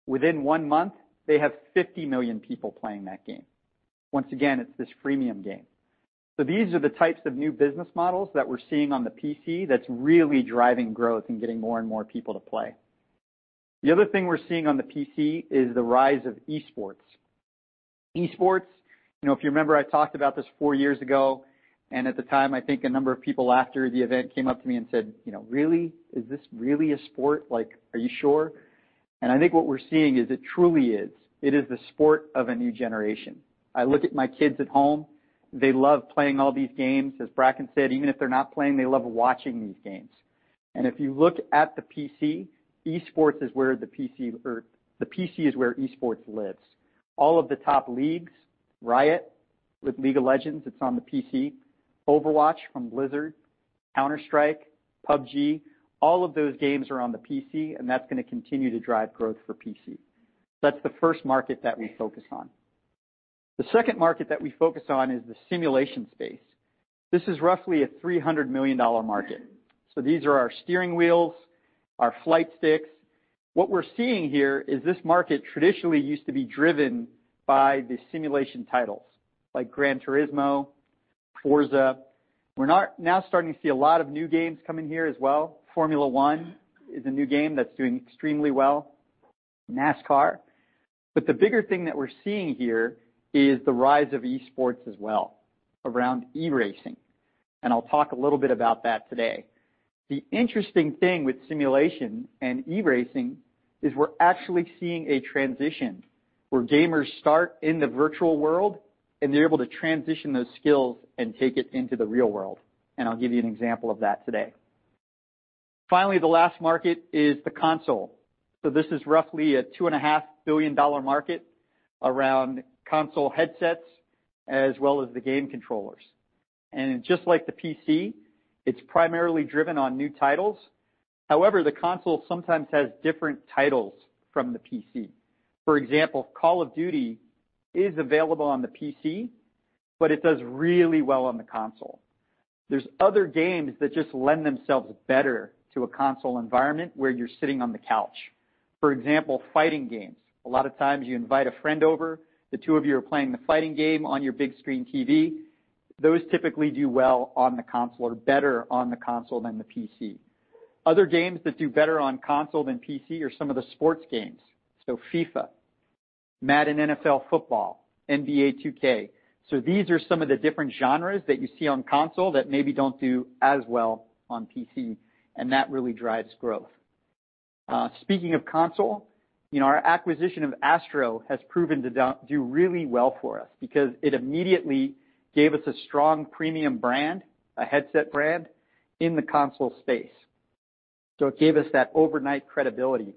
Within one month, they have 50 million people playing that game. Once again, it's this freemium game. These are the types of new business models that we're seeing on the PC that's really driving growth and getting more and more people to play. The other thing we're seeing on the PC is the rise of esports. Esports, if you remember, I talked about this four years ago, and at the time, I think a number of people after the event came up to me and said, "Really? Is this really a sport? Like, are you sure?" I think what we're seeing is it truly is. It is the sport of a new generation. I look at my kids at home. They love playing all these games. As Bracken said, even if they're not playing, they love watching these games. If you look at the PC, the PC is where esports lives. All of the top leagues, Riot with "League of Legends," it's on the PC. "Overwatch" from Blizzard, "Counter-Strike," "PUBG," all of those games are on the PC, that's going to continue to drive growth for PC. That's the first market that we focus on. The second market that we focus on is the simulation space. This is roughly a $300 million market. These are our steering wheels, our flight sticks. What we're seeing here is this market traditionally used to be driven by the simulation titles like "Gran Turismo," "Forza." We're now starting to see a lot of new games coming here as well. "Formula One" is a new game that's doing extremely well. "NASCAR The bigger thing that we're seeing here is the rise of esports as well around e-racing, I'll talk a little bit about that today. The interesting thing with simulation and e-racing is we're actually seeing a transition where gamers start in the virtual world, they're able to transition those skills and take it into the real world, I'll give you an example of that today. Finally, the last market is the console. This is roughly a $2.5 billion market around console headsets as well as the game controllers. Just like the PC, it's primarily driven on new titles. However, the console sometimes has different titles from the PC. For example, "Call of Duty" is available on the PC, but it does really well on the console. There's other games that just lend themselves better to a console environment where you're sitting on the couch. For example, fighting games. A lot of times you invite a friend over, the two of you are playing the fighting game on your big screen TV. Those typically do well on the console or better on the console than the PC. Other games that do better on console than PC are some of the sports games. "FIFA," "Madden NFL Football," "NBA 2K." These are some of the different genres that you see on console that maybe don't do as well on PC, that really drives growth. Speaking of console, our acquisition of ASTRO has proven to do really well for us because it immediately gave us a strong premium brand, a headset brand, in the console space. It gave us that overnight credibility.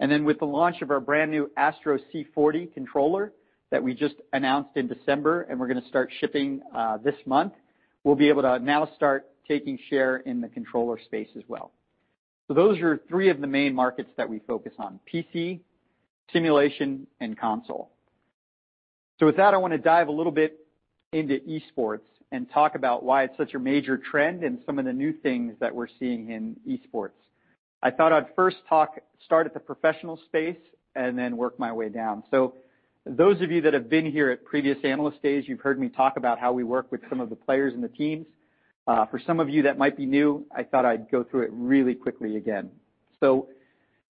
With the launch of our brand new ASTRO C40 Controller that we just announced in December, we're going to start shipping this month, we'll be able to now start taking share in the controller space as well. Those are three of the main markets that we focus on: PC, simulation, and console. With that, I want to dive a little bit into esports and talk about why it's such a major trend and some of the new things that we're seeing in esports. I thought I'd first start at the professional space and then work my way down. Those of you that have been here at previous analyst days, you've heard me talk about how we work with some of the players and the teams. For some of you that might be new, I thought I'd go through it really quickly again.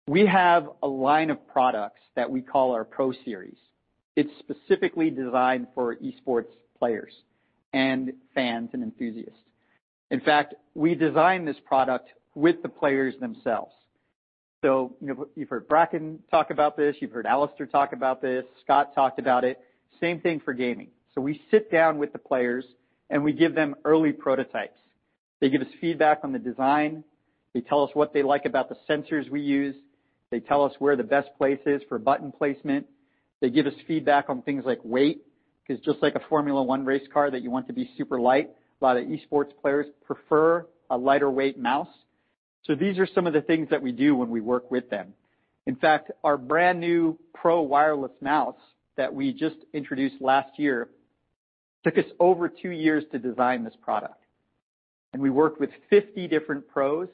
We have a line of products that we call our PRO Series. It's specifically designed for esports players and fans and enthusiasts. In fact, we designed this product with the players themselves. You've heard Bracken talk about this, you've heard Alastair talk about this, Scott talked about it. Same thing for gaming. We sit down with the players, and we give them early prototypes. They give us feedback on the design. They tell us what they like about the sensors we use. They tell us where the best place is for button placement. They give us feedback on things like weight, because just like a Formula One race car that you want to be super light, a lot of esports players prefer a lighter weight mouse. These are some of the things that we do when we work with them. In fact, our brand-new pro wireless mouse that we just introduced last year, took us over two years to design this product. We worked with 50 different pros,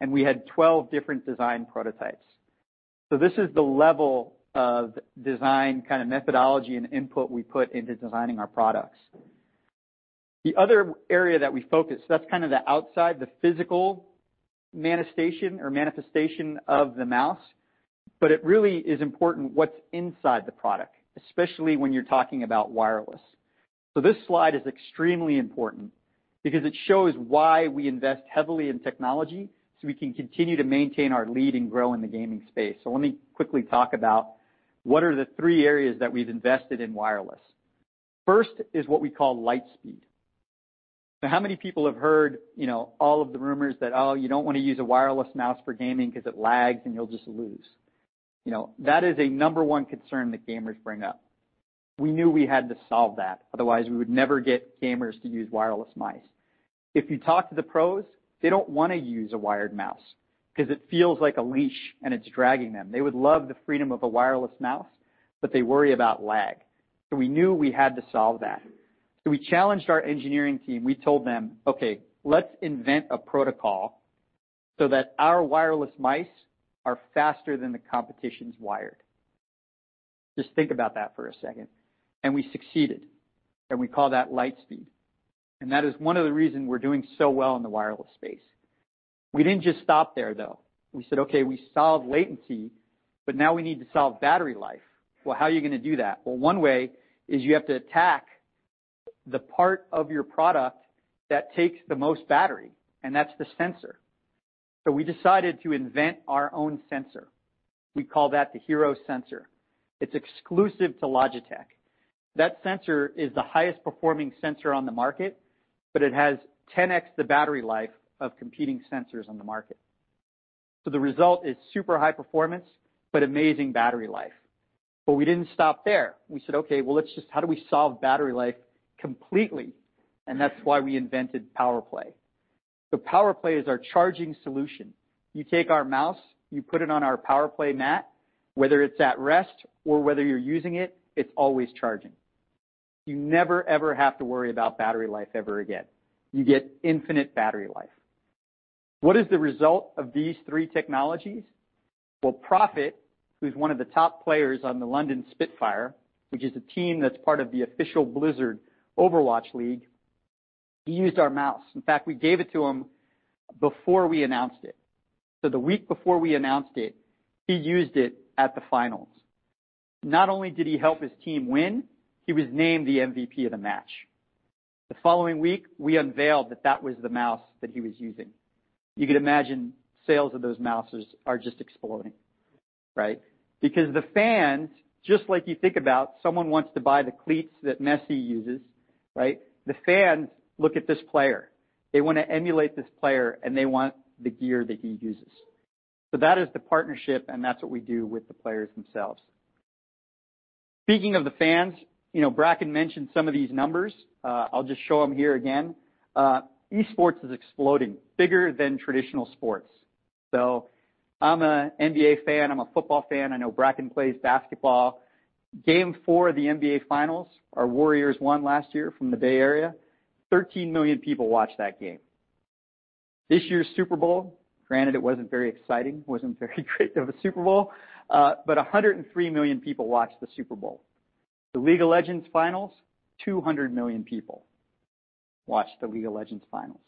and we had 12 different design prototypes. This is the level of design kind of methodology and input we put into designing our products. The other area that we focus, that's kind of the outside, the physical manifestation of the mouse, but it really is important what's inside the product, especially when you're talking about wireless. This slide is extremely important because it shows why we invest heavily in technology so we can continue to maintain our lead and grow in the gaming space. Let me quickly talk about what are the three areas that we've invested in wireless. First is what we call LIGHTSPEED. How many people have heard all of the rumors that, oh, you don't want to use a wireless mouse for gaming because it lags and you'll just lose? That is a number 1 concern that gamers bring up. We knew we had to solve that. Otherwise, we would never get gamers to use wireless mice. If you talk to the pros, they don't want to use a wired mouse because it feels like a leash and it's dragging them. They would love the freedom of a wireless mouse, but they worry about lag. We knew we had to solve that. We challenged our engineering team. We told them, "Okay, let's invent a protocol so that our wireless mice are faster than the competition's wired." Just think about that for a second. We succeeded, and we call that LIGHTSPEED. That is one of the reason we're doing so well in the wireless space. We didn't just stop there, though. We said, "Okay, we solved latency, but now we need to solve battery life." Well, how are you going to do that? Well, one way is you have to attack the part of your product that takes the most battery, and that's the sensor. We decided to invent our own sensor. We call that the HERO Sensor. It's exclusive to Logitech. That sensor is the highest-performing sensor on the market, but it has 10X the battery life of competing sensors on the market. The result is super high performance but amazing battery life. We didn't stop there. We said, "Okay, well, how do we solve battery life completely?" That's why we invented POWERPLAY. POWERPLAY is our charging solution. You take our mouse, you put it on our POWERPLAY mat, whether it's at rest or whether you're using it's always charging. You never, ever have to worry about battery life ever again. You get infinite battery life. What is the result of these three technologies? Profit, who's one of the top players on the London Spitfire, which is a team that's part of the official Blizzard Overwatch League, he used our mouse. In fact, we gave it to him before we announced it. The week before we announced it, he used it at the finals. Not only did he help his team win, he was named the MVP of the match. The following week, we unveiled that that was the mouse that he was using. You could imagine sales of those mouses are just exploding, right? The fans, just like you think about someone wants to buy the cleats that Messi uses, right? The fans look at this player, they want to emulate this player, and they want the gear that he uses. That is the partnership, and that's what we do with the players themselves. Speaking of the fans, Bracken mentioned some of these numbers. I'll just show them here again. Esports is exploding, bigger than traditional sports. I'm an NBA fan. I'm a football fan. I know Bracken plays basketball. Game 4 of the NBA finals, our Warriors won last year from the Bay Area, 13 million people watched that game. This year's Super Bowl, granted it wasn't very exciting, wasn't very great of a Super Bowl, but 103 million people watched the Super Bowl. The League of Legends finals, 200 million people watched the League of Legends finals.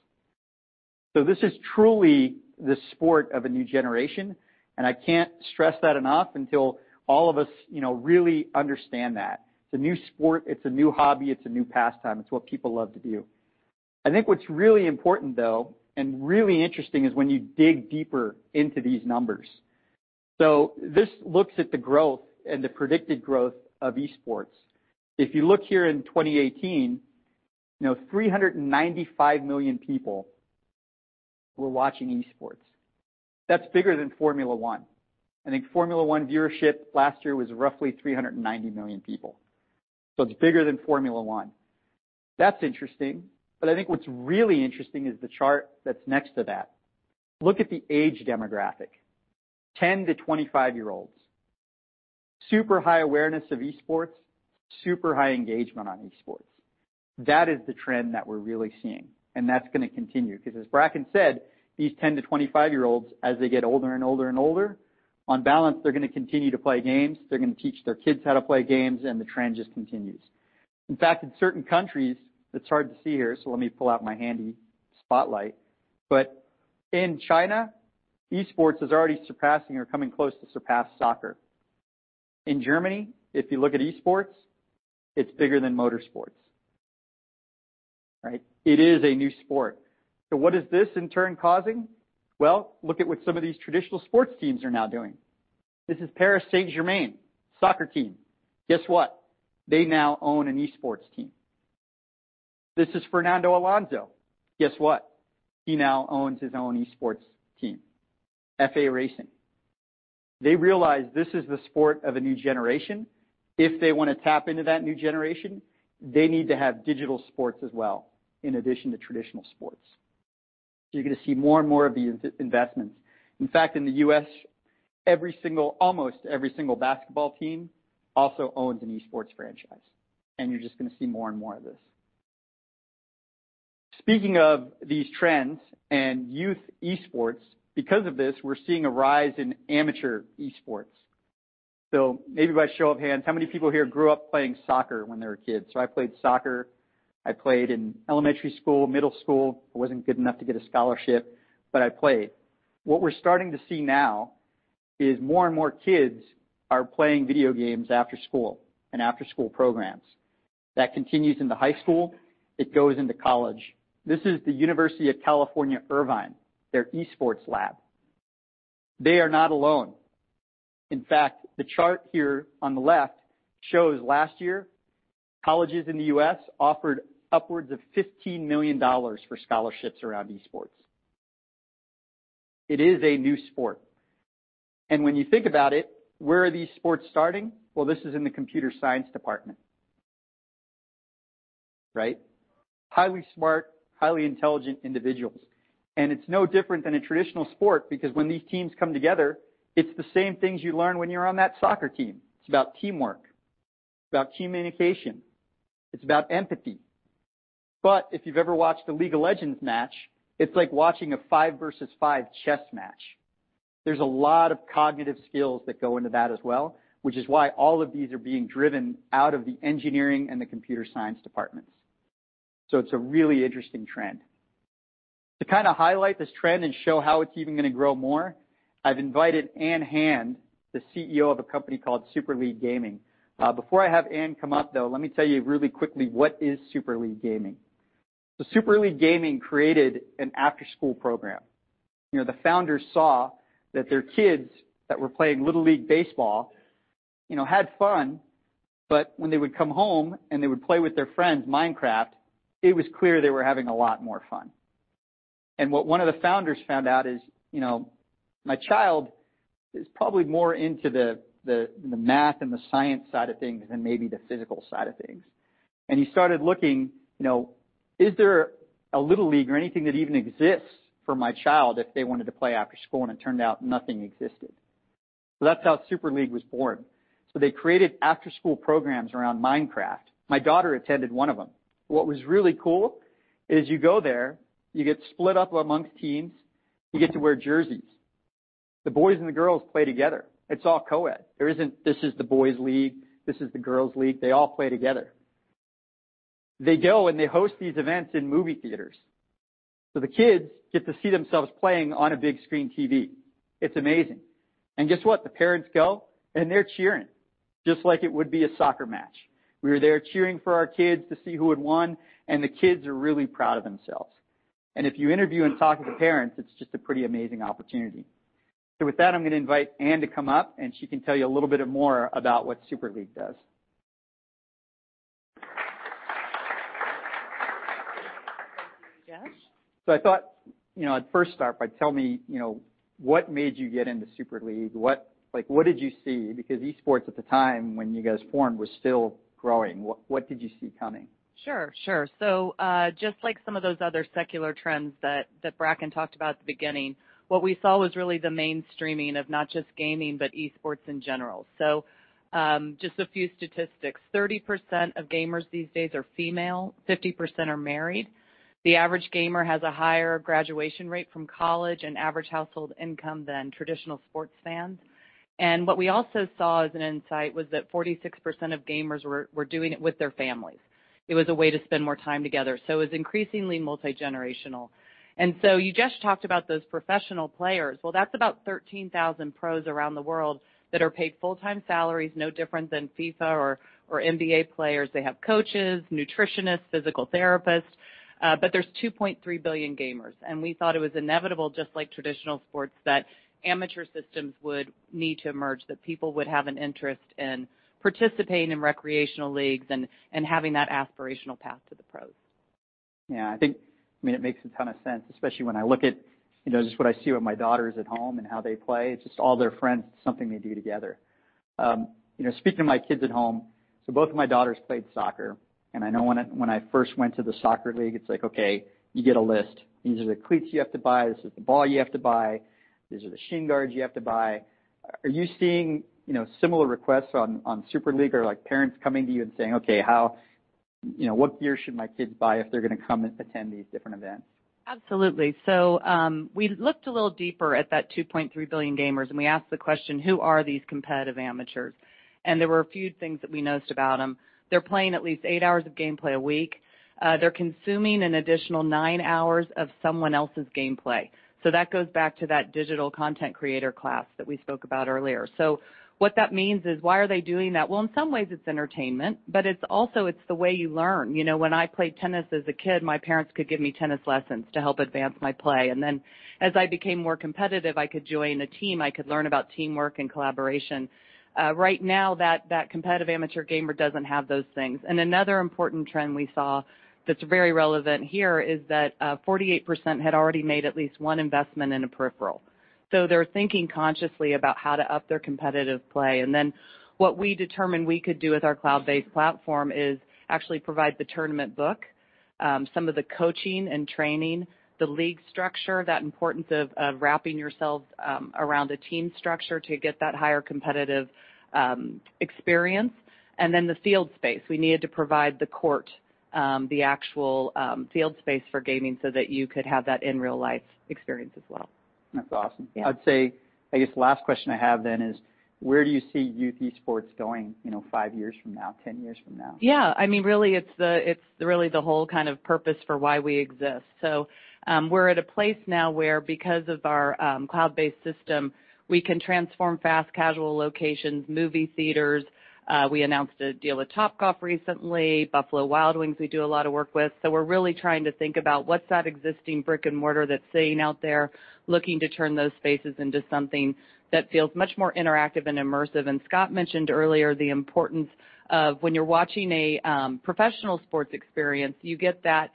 This is truly the sport of a new generation, and I can't stress that enough until all of us really understand that. It's a new sport, it's a new hobby, it's a new pastime. It's what people love to do. I think what's really important, though, and really interesting is when you dig deeper into these numbers. This looks at the growth and the predicted growth of esports. If you look here in 2018, 395 million people were watching esports. That's bigger than Formula One. I think Formula One viewership last year was roughly 390 million people. It's bigger than Formula One. That's interesting, I think what's really interesting is the chart that's next to that. Look at the age demographic, 10 to 25-year-olds. Super high awareness of esports, super high engagement on esports. That is the trend that we're really seeing, and that's going to continue because as Bracken said, these 10 to 25-year-olds, as they get older and older and older, on balance, they're going to continue to play games, they're going to teach their kids how to play games, and the trend just continues. In fact, in certain countries, it's hard to see here, let me pull out my handy spotlight, in China, esports is already surpassing or coming close to surpass soccer. In Germany, if you look at esports, it's bigger than motorsports. It is a new sport. What is this in turn causing? Look at what some of these traditional sports teams are now doing. This is Paris Saint-Germain soccer team. Guess what? They now own an esports team. This is Fernando Alonso. Guess what? He now owns his own esports team, FA Racing. They realize this is the sport of a new generation. If they want to tap into that new generation, they need to have digital sports as well, in addition to traditional sports. You're going to see more and more of the investments. In fact, in the U.S., almost every single basketball team also owns an esports franchise, and you're just going to see more and more of this. Speaking of these trends and youth esports, because of this, we're seeing a rise in amateur esports. Maybe by show of hands, how many people here grew up playing soccer when they were kids? I played soccer. I played in elementary school, middle school. I wasn't good enough to get a scholarship, but I played. What we're starting to see now is more and more kids are playing video games after school and after-school programs. That continues into high school. It goes into college. This is the University of California, Irvine, their esports lab. They are not alone. In fact, the chart here on the left shows last year, colleges in the U.S. offered upwards of $15 million for scholarships around esports. It is a new sport. When you think about it, where are these sports starting? This is in the computer science department. Right? Highly smart, highly intelligent individuals. It's no different than a traditional sport because when these teams come together, it's the same things you learn when you're on that soccer team. It's about teamwork. It's about communication. It's about empathy. If you've ever watched a "League of Legends" match, it's like watching a five versus five chess match. There's a lot of cognitive skills that go into that as well, which is why all of these are being driven out of the engineering and the computer science departments. It's a really interesting trend. To kind of highlight this trend and show how it's even going to grow more, I've invited Ann Hand, the CEO of a company called Super League Gaming. Before I have Ann come up, though, let me tell you really quickly, what is Super League Gaming? Super League Gaming created an after-school program. The founders saw that their kids that were playing Little League baseball had fun, but when they would come home and they would play with their friends, "Minecraft," it was clear they were having a lot more fun. What one of the founders found out is, my child is probably more into the math and the science side of things than maybe the physical side of things. He started looking, is there a Little League or anything that even exists for my child if they wanted to play after school? It turned out nothing existed. That's how Super League was born. They created after-school programs around "Minecraft." My daughter attended one of them. What was really cool is you go there, you get split up amongst teams, you get to wear jerseys. The boys and the girls play together. It's all co-ed. There isn't this is the boys league, this is the girls league. They all play together. They go and they host these events in movie theaters, so the kids get to see themselves playing on a big screen TV. It's amazing. Guess what? The parents go and they're cheering, just like it would be a soccer match. We were there cheering for our kids to see who had won, and the kids are really proud of themselves. If you interview and talk to the parents, it's just a pretty amazing opportunity. With that, I'm going to invite Ann to come up and she can tell you a little bit more about what Super League Gaming does. Thank you, Ujesh. I thought I'd first start by tell me, what made you get into Super League Gaming? What did you see? Because esports at the time when you guys formed was still growing. What did you see coming? Sure. Just like some of those other secular trends that Bracken talked about at the beginning, what we saw was really the mainstreaming of not just gaming, but esports in general. Just a few statistics. 30% of gamers these days are female, 50% are married. The average gamer has a higher graduation rate from college and average household income than traditional sports fans. What we also saw as an insight was that 46% of gamers were doing it with their families. It was a way to spend more time together. It was increasingly multigenerational. You just talked about those professional players. Well, that's about 13,000 pros around the world that are paid full-time salaries, no different than FIFA or NBA players. They have coaches, nutritionists, physical therapists. There's 2.3 billion gamers, and we thought it was inevitable, just like traditional sports, that amateur systems would need to emerge, that people would have an interest in participating in recreational leagues and having that aspirational path to the pros. Yeah, I think it makes a ton of sense, especially when I look at just what I see with my daughters at home and how they play. It's just all their friends, it's something they do together. Speaking of my kids at home, so both of my daughters played soccer, and I know when I first went to the soccer league, it's like, okay, you get a list. These are the cleats you have to buy, this is the ball you have to buy, these are the shin guards you have to buy. Are you seeing similar requests on Super League? Are parents coming to you and saying, "Okay, what gear should my kids buy if they're going to come and attend these different events? Absolutely. We looked a little deeper at that 2.3 billion gamers, and we asked the question: who are these competitive amateurs? There were a few things that we noticed about them. They're playing at least eight hours of gameplay a week. They're consuming an additional nine hours of someone else's gameplay. That goes back to that digital content creator class that we spoke about earlier. What that means is, why are they doing that? Well, in some ways, it's entertainment, but it's also, it's the way you learn. When I played tennis as a kid, my parents could give me tennis lessons to help advance my play, and then as I became more competitive, I could join a team. I could learn about teamwork and collaboration. Right now, that competitive amateur gamer doesn't have those things. Another important trend we saw that's very relevant here is that 48% had already made at least one investment in a peripheral. They're thinking consciously about how to up their competitive play. What we determined we could do with our cloud-based platform is actually provide the tournament book, some of the coaching and training, the league structure, that importance of wrapping yourself around a team structure to get that higher competitive experience, and then the field space. We needed to provide the court, the actual field space for gaming so that you could have that in real-life experience as well. That's awesome. Yeah. I'd say, I guess the last question I have then is: where do you see youth esports going five years from now, 10 years from now? Yeah. It's really the whole kind of purpose for why we exist. We're at a place now where, because of our cloud-based system, we can transform fast casual locations, movie theaters. We announced a deal with Topgolf recently, Buffalo Wild Wings, we do a lot of work with. We're really trying to think about what's that existing brick and mortar that's sitting out there, looking to turn those spaces into something that feels much more interactive and immersive. Scott mentioned earlier the importance of when you're watching a professional sports experience, you get that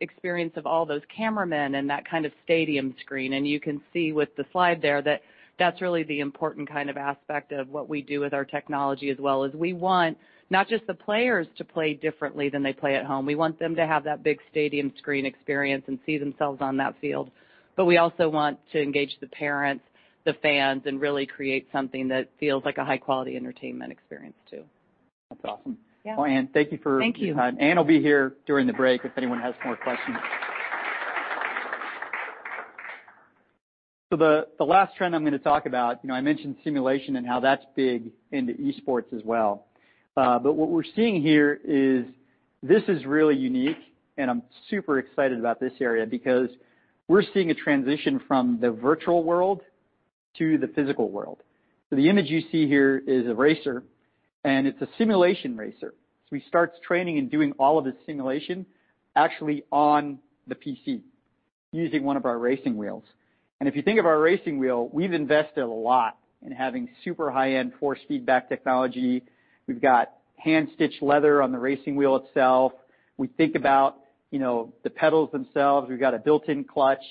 experience of all those cameramen and that kind of stadium screen, and you can see with the slide there that that's really the important kind of aspect of what we do with our technology as well. Is we want not just the players to play differently than they play at home, we want them to have that big stadium screen experience and see themselves on that field. We also want to engage the parents, the fans, and really create something that feels like a high-quality entertainment experience, too. That's awesome. Yeah. Well, Ann, thank you. Thank you your time. Ann will be here during the break if anyone has more questions. The last trend I'm going to talk about, I mentioned simulation and how that's big into esports as well. What we're seeing here is this is really unique, and I'm super excited about this area because we're seeing a transition from the virtual world to the physical world. The image you see here is a racer, and it's a simulation racer. He starts training and doing all of his simulation actually on the PC using one of our racing wheels. If you think of our racing wheel, we've invested a lot in having super high-end force feedback technology. We've got hand-stitched leather on the racing wheel itself. We think about the pedals themselves. We've got a built-in clutch.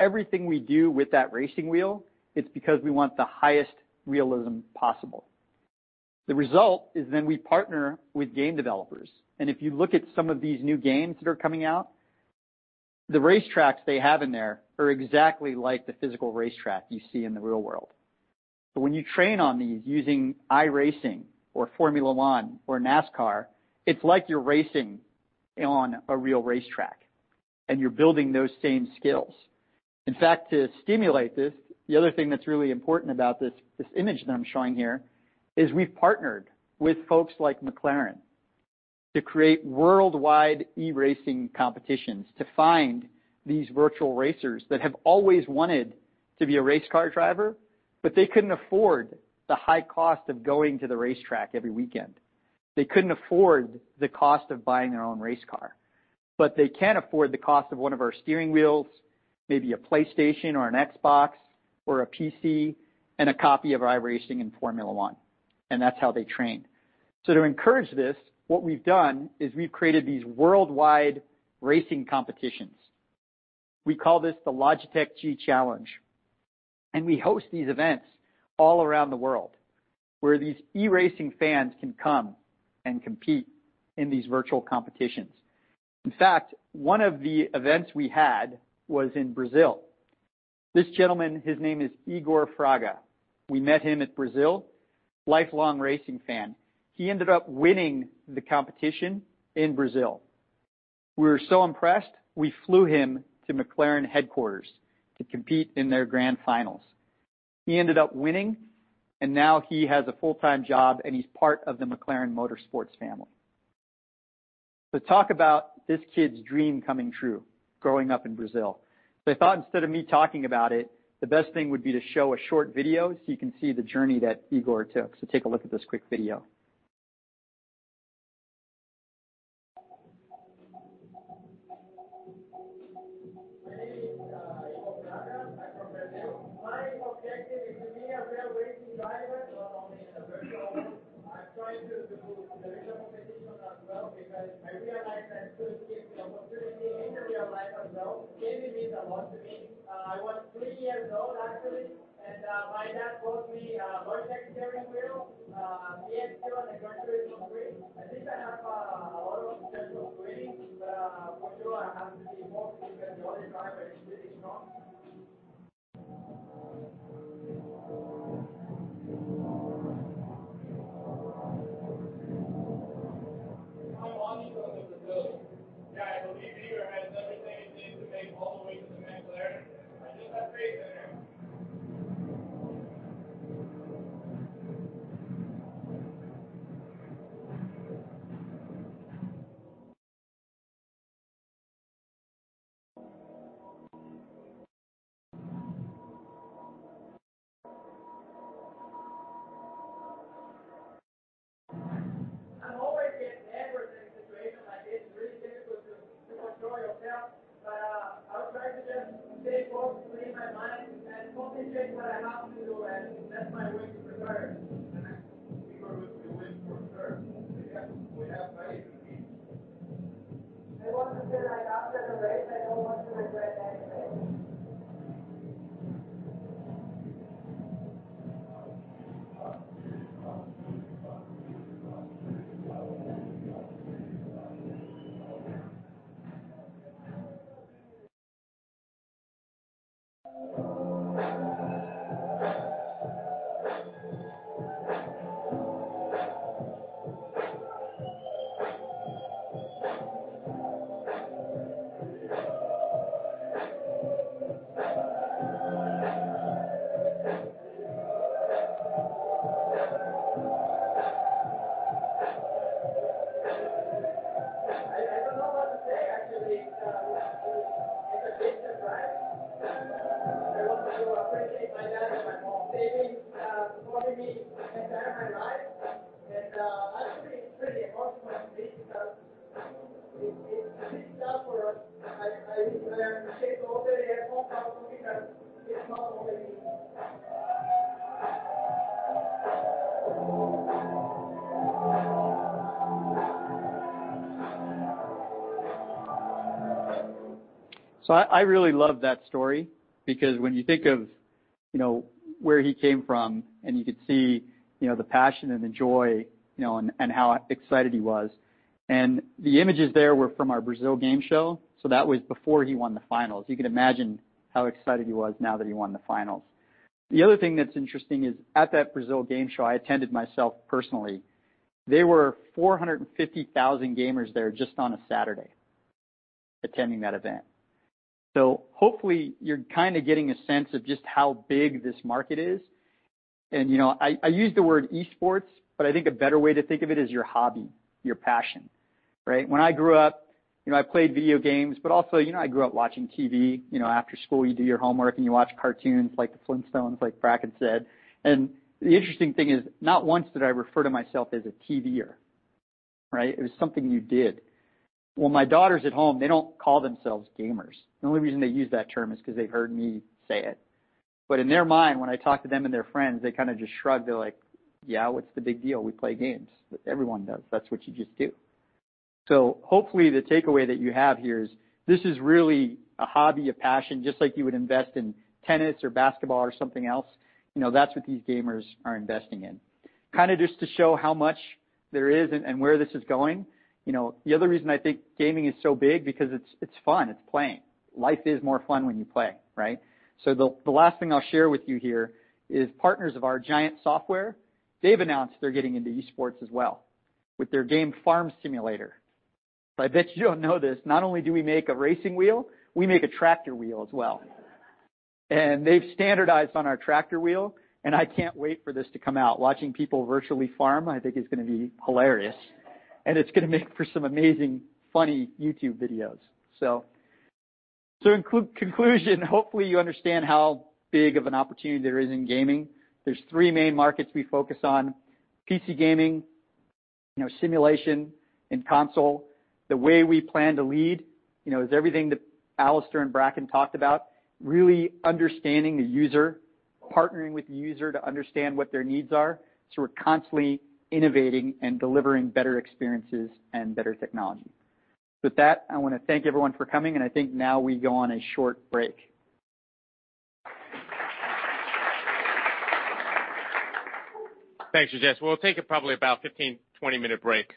Everything we do with that racing wheel, it's because we want the highest realism possible. The result is we partner with game developers. If you look at some of these new games that are coming out, the racetracks they have in there are exactly like the physical racetrack you see in the real world. When you train on these using iRacing or Formula One or NASCAR, it's like you're racing on a real racetrack, and you're building those same skills. In fact, to stimulate this, the other thing that's really important about this image that I'm showing here is we've partnered with folks like McLaren to create worldwide e-racing competitions to find these virtual racers that have always wanted to be a race car driver, but they couldn't afford the high cost of going to the racetrack every weekend. They couldn't afford the cost of buying their own race car. They can afford the cost of one of our steering wheels, maybe a PlayStation or an Xbox or a PC, and a copy of iRacing and Formula One. That's how they train. To encourage this, what we've done is we've created these worldwide racing competitions. We call this the Logitech G Challenge. We host these events all around the world, where these e-racing fans can come and compete in these virtual competitions. In fact, one of the events we had was in Brazil. This gentleman, his name is Igor Fraga. We met him at Brazil, lifelong racing fan. He ended up winning the competition in Brazil. We were so impressed, we flew him to McLaren headquarters to compete in their grand finals. He ended up winning. Now he has a full-time job. He's part of the McLaren Motorsports family. Talk about this kid's dream coming true, growing up in Brazil. I thought instead of me talking about it, the best thing would be to show a short video so you can see the journey that Igor took. Take a look at this quick video. My name is Igor Fraga. I'm from Brazil. My objective is to be a real racing driver, not Hopefully you're getting a sense of just how big this market is. I use the word esports, but I think a better way to think of it is your hobby, your passion. Right? When I grew up, I played video games, but also, I grew up watching TV. After school, you do your homework and you watch cartoons like "The Flintstones," like Bracken said. The interesting thing is, not once did I refer to myself as a TV-er. Right? It was something you did. Well, my daughters at home, they don't call themselves gamers. The only reason they use that term is because they've heard me say it. In their mind, when I talk to them and their friends, they just shrug. They're like, "Yeah, what's the big deal? We play games. Everyone does. That's what you just do." Hopefully the takeaway that you have here is this is really a hobby, a passion, just like you would invest in tennis or basketball or something else. That's what these gamers are investing in. Just to show how much there is and where this is going. The other reason I think gaming is so big because it's fun. It's playing. Life is more fun when you play, right? The last thing I'll share with you here is partners of ours, Giants Software, they've announced they're getting into esports as well with their game "Farming Simulator." I bet you don't know this, not only do we make a racing wheel, we make a tractor wheel as well. They've standardized on our tractor wheel, I can't wait for this to come out. Watching people virtually farm, I think is going to be hilarious and it's going to make for some amazing, funny YouTube videos. In conclusion, hopefully, you understand how big of an opportunity there is in gaming. There's three main markets we focus on, PC gaming, simulation, and console. The way we plan to lead is everything that Alastair and Bracken talked about, really understanding the user, partnering with the user to understand what their needs are so we're constantly innovating and delivering better experiences and better technology. With that, I want to thank everyone for coming, I think now we go on a short break. Thanks, Ujess. We'll take a probably about 15, 20-minute break.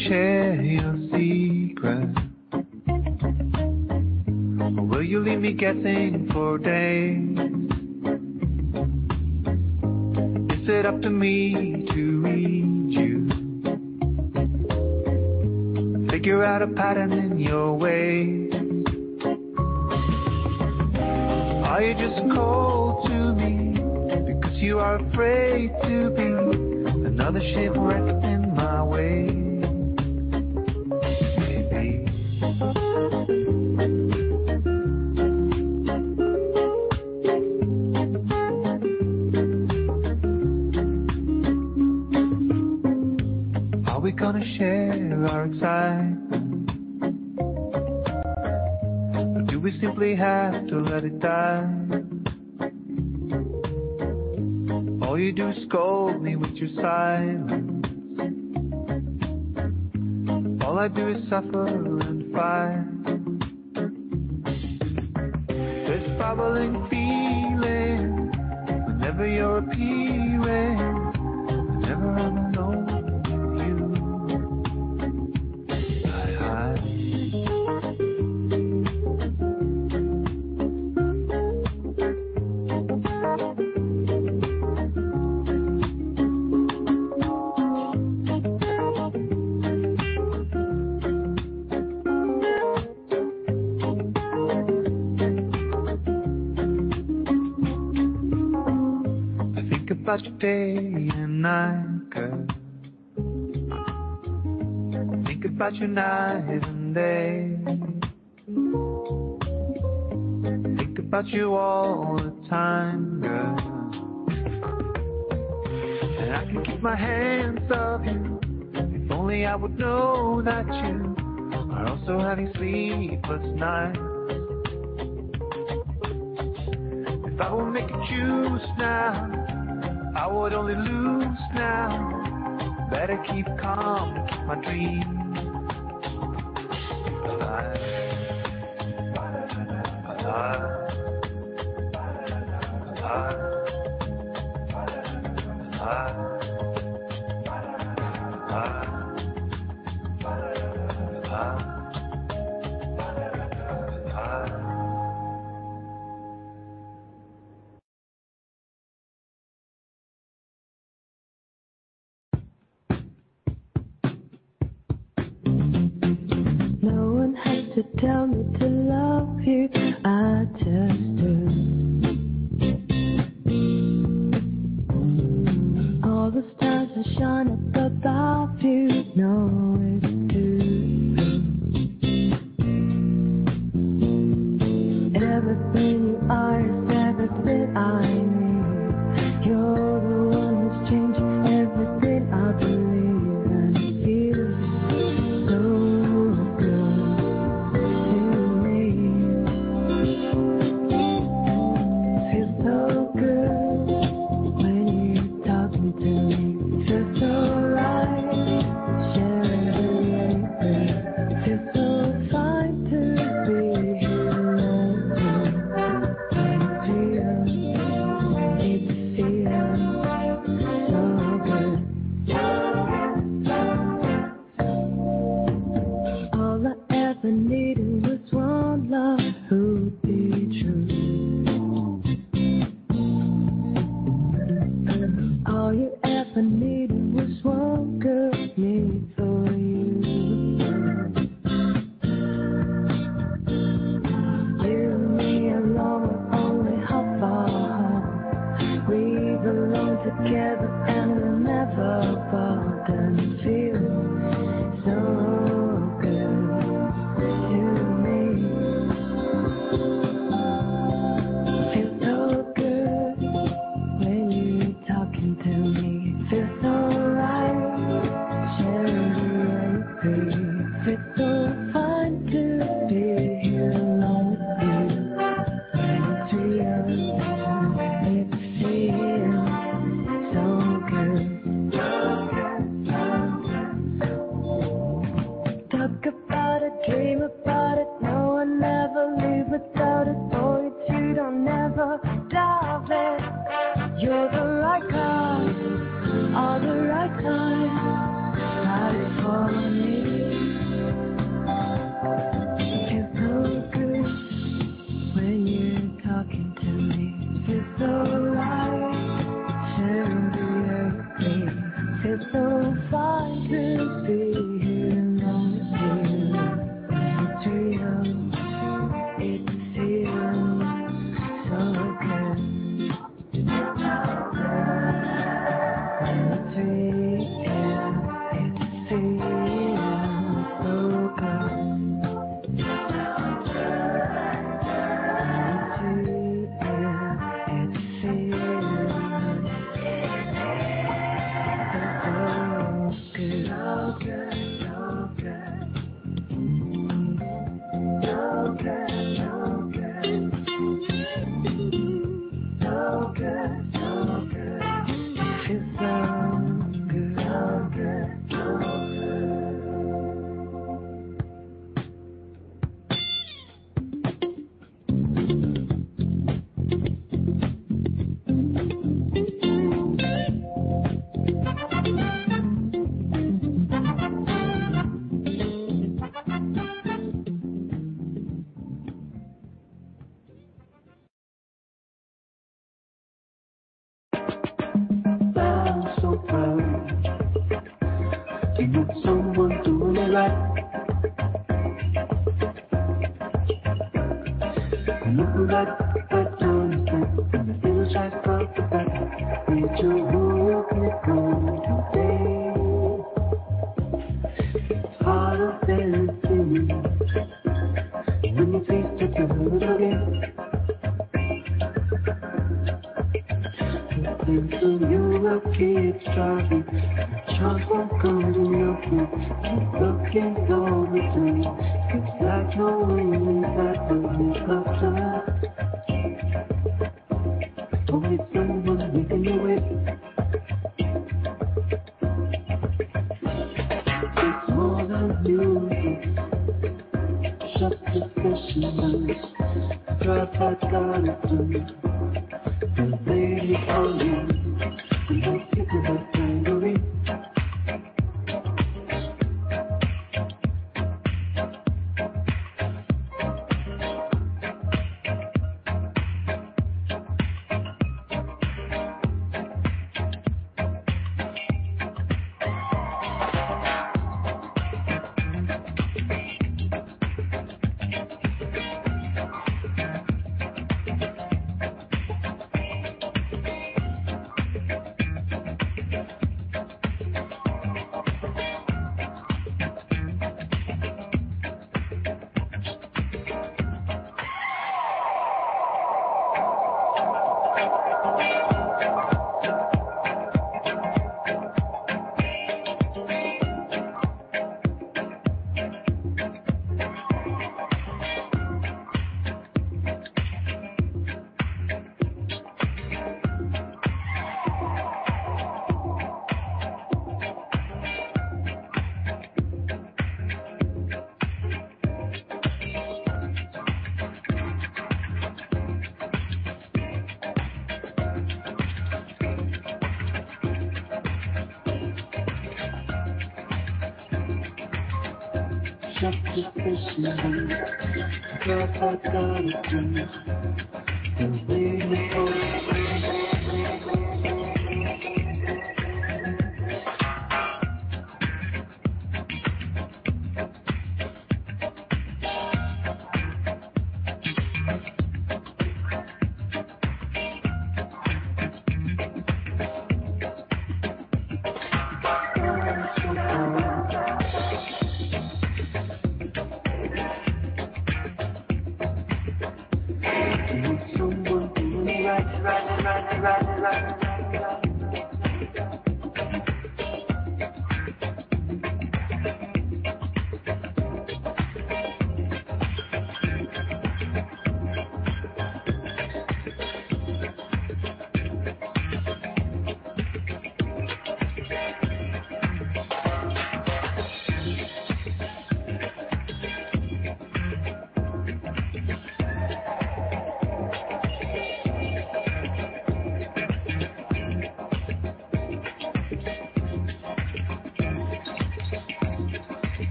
Sure.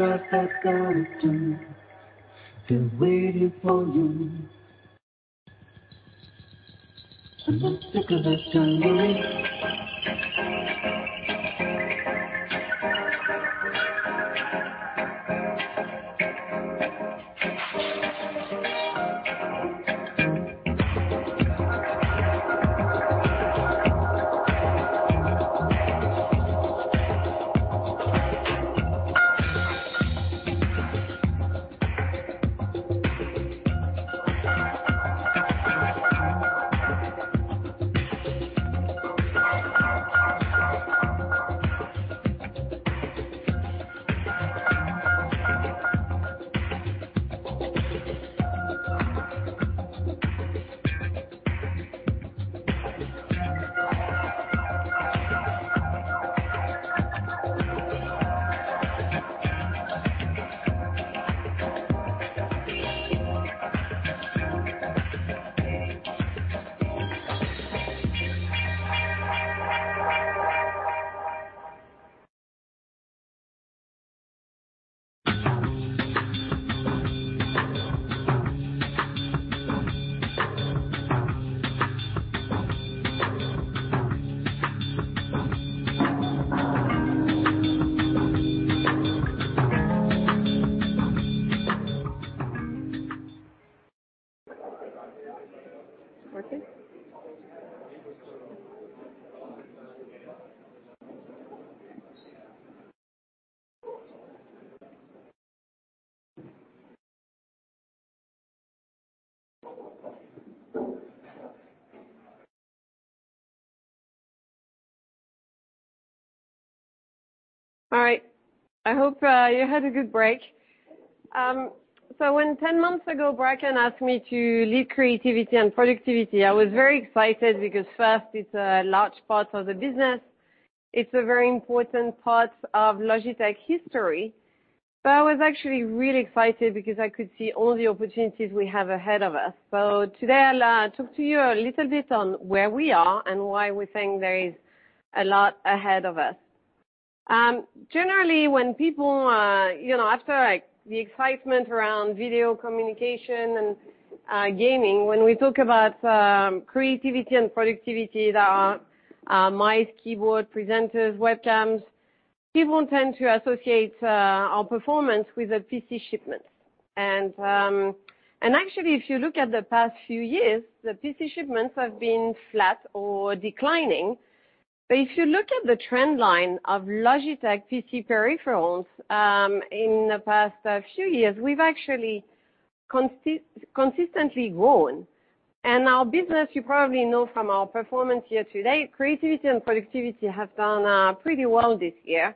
dreams. No one has to tell me to love you, I just do. All Generally, when people after the excitement around video communication and gaming, when we talk about Creativity & Productivity, that are mice, keyboard, presenters, webcams, people tend to associate our performance with the PC shipments. Actually, if you look at the past few years, the PC shipments have been flat or declining. If you look at the trend line of Logitech PC peripherals in the past few years, we've actually consistently grown. Our business, you probably know from our performance here today, Creativity & Productivity have done pretty well this year.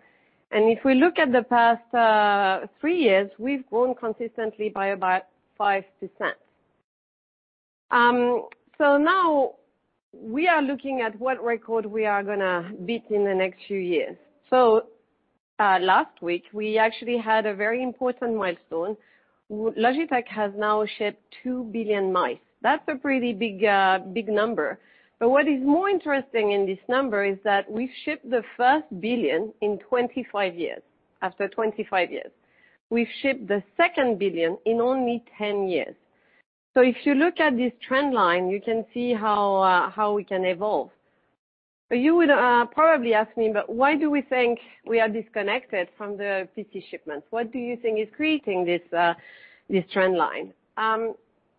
If we look at the past 3 years, we've grown consistently by about 5%. Now we are looking at what record we are going to beat in the next few years. Last week, we actually had a very important milestone. Logitech has now shipped 2 billion mice. That's a pretty big number. What is more interesting in this number is that we've shipped the first billion after 25 years. We've shipped the second billion in only 10 years. If you look at this trend line, you can see how we can evolve. You would probably ask me, "Why do we think we are disconnected from the PC shipments? What do you think is creating this trend line?"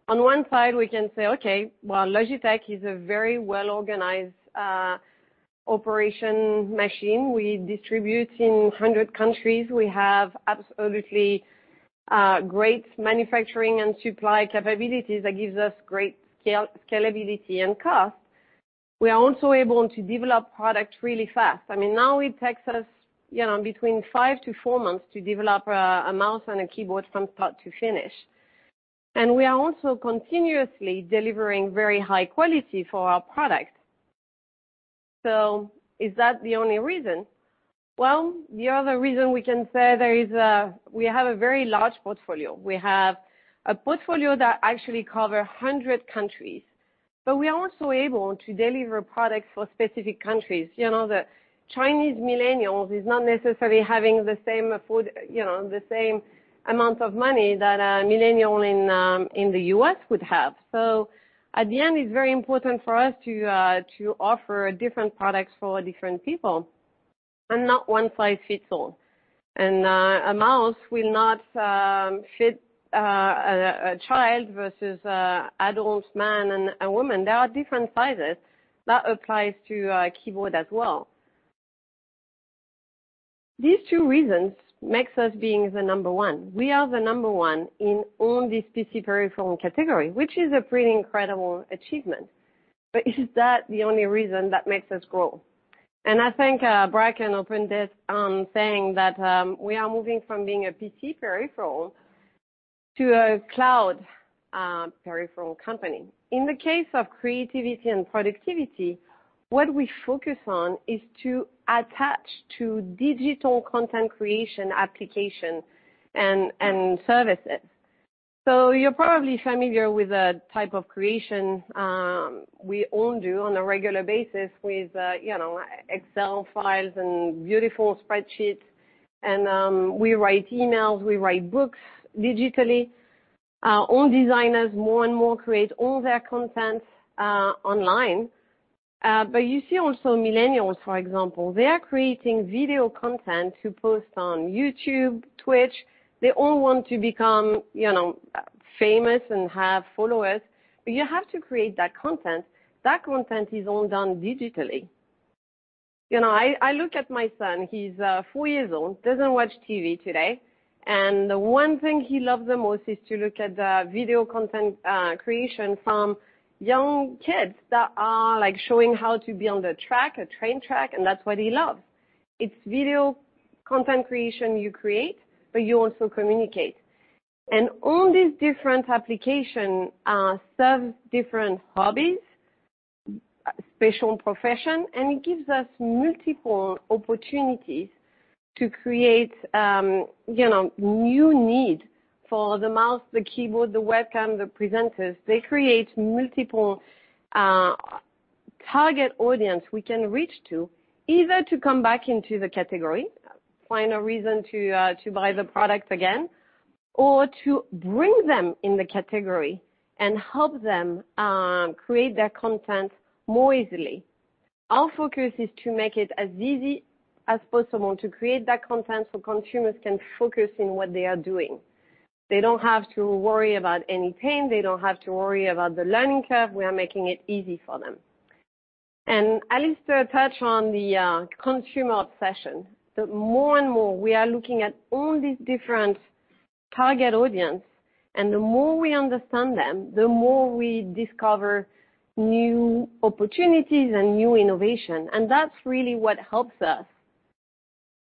On one side, we can say, well, Logitech is a very well-organized operation machine. We distribute in 100 countries. We have absolutely great manufacturing and supply capabilities that gives us great scalability and cost. We are also able to develop products really fast. Now it takes us between five to four months to develop a mouse and a keyboard from start to finish. We are also continuously delivering very high quality for our products. Is that the only reason? Well, the other reason we can say there is we have a very large portfolio. We have a portfolio that actually cover 100 countries, but we are also able to deliver products for specific countries. The Chinese millennials is not necessarily having the same amount of money that a millennial in the U.S. would have. At the end, it's very important for us to offer different products for different people and not one size fits all. A mouse will not fit a child versus adult man and a woman. There are different sizes. That applies to a keyboard as well. These two reasons makes us being the number one. We are the number one in all these PC peripheral category, which is a pretty incredible achievement. Is that the only reason that makes us grow? I think Bracken opened this saying that we are moving from being a PC peripheral to a cloud peripheral company. In the case of creativity and productivity, what we focus on is to attach to digital content creation application and services. You're probably familiar with the type of creation we all do on a regular basis with Excel files and beautiful spreadsheets, we write emails, we write books digitally. All designers more and more create all their content online. You see also millennials, for example, they are creating video content to post on YouTube, Twitch. They all want to become famous and have followers. You have to create that content. That content is all done digitally. I look at my son, he's four years old, doesn't watch TV today. The one thing he loves the most is to look at the video content creation from young kids that are showing how to build a track, a train track, and that's what he loves. It's video content creation you create, but you also communicate. All these different application serves different hobbies, special profession, and it gives us multiple opportunities to create new need for the mouse, the keyboard, the webcam, the presenters. They create multiple target audience we can reach to, either to come back into the category, find a reason to buy the product again, or to bring them in the category and help them create their content more easily. Our focus is to make it as easy as possible to create that content so consumers can focus on what they are doing. They don't have to worry about any pain. They don't have to worry about the learning curve. We are making it easy for them. Alastair touched on the consumer obsession. More and more, we are looking at all these different target audience, and the more we understand them, the more we discover new opportunities and new innovation. That's really what helps us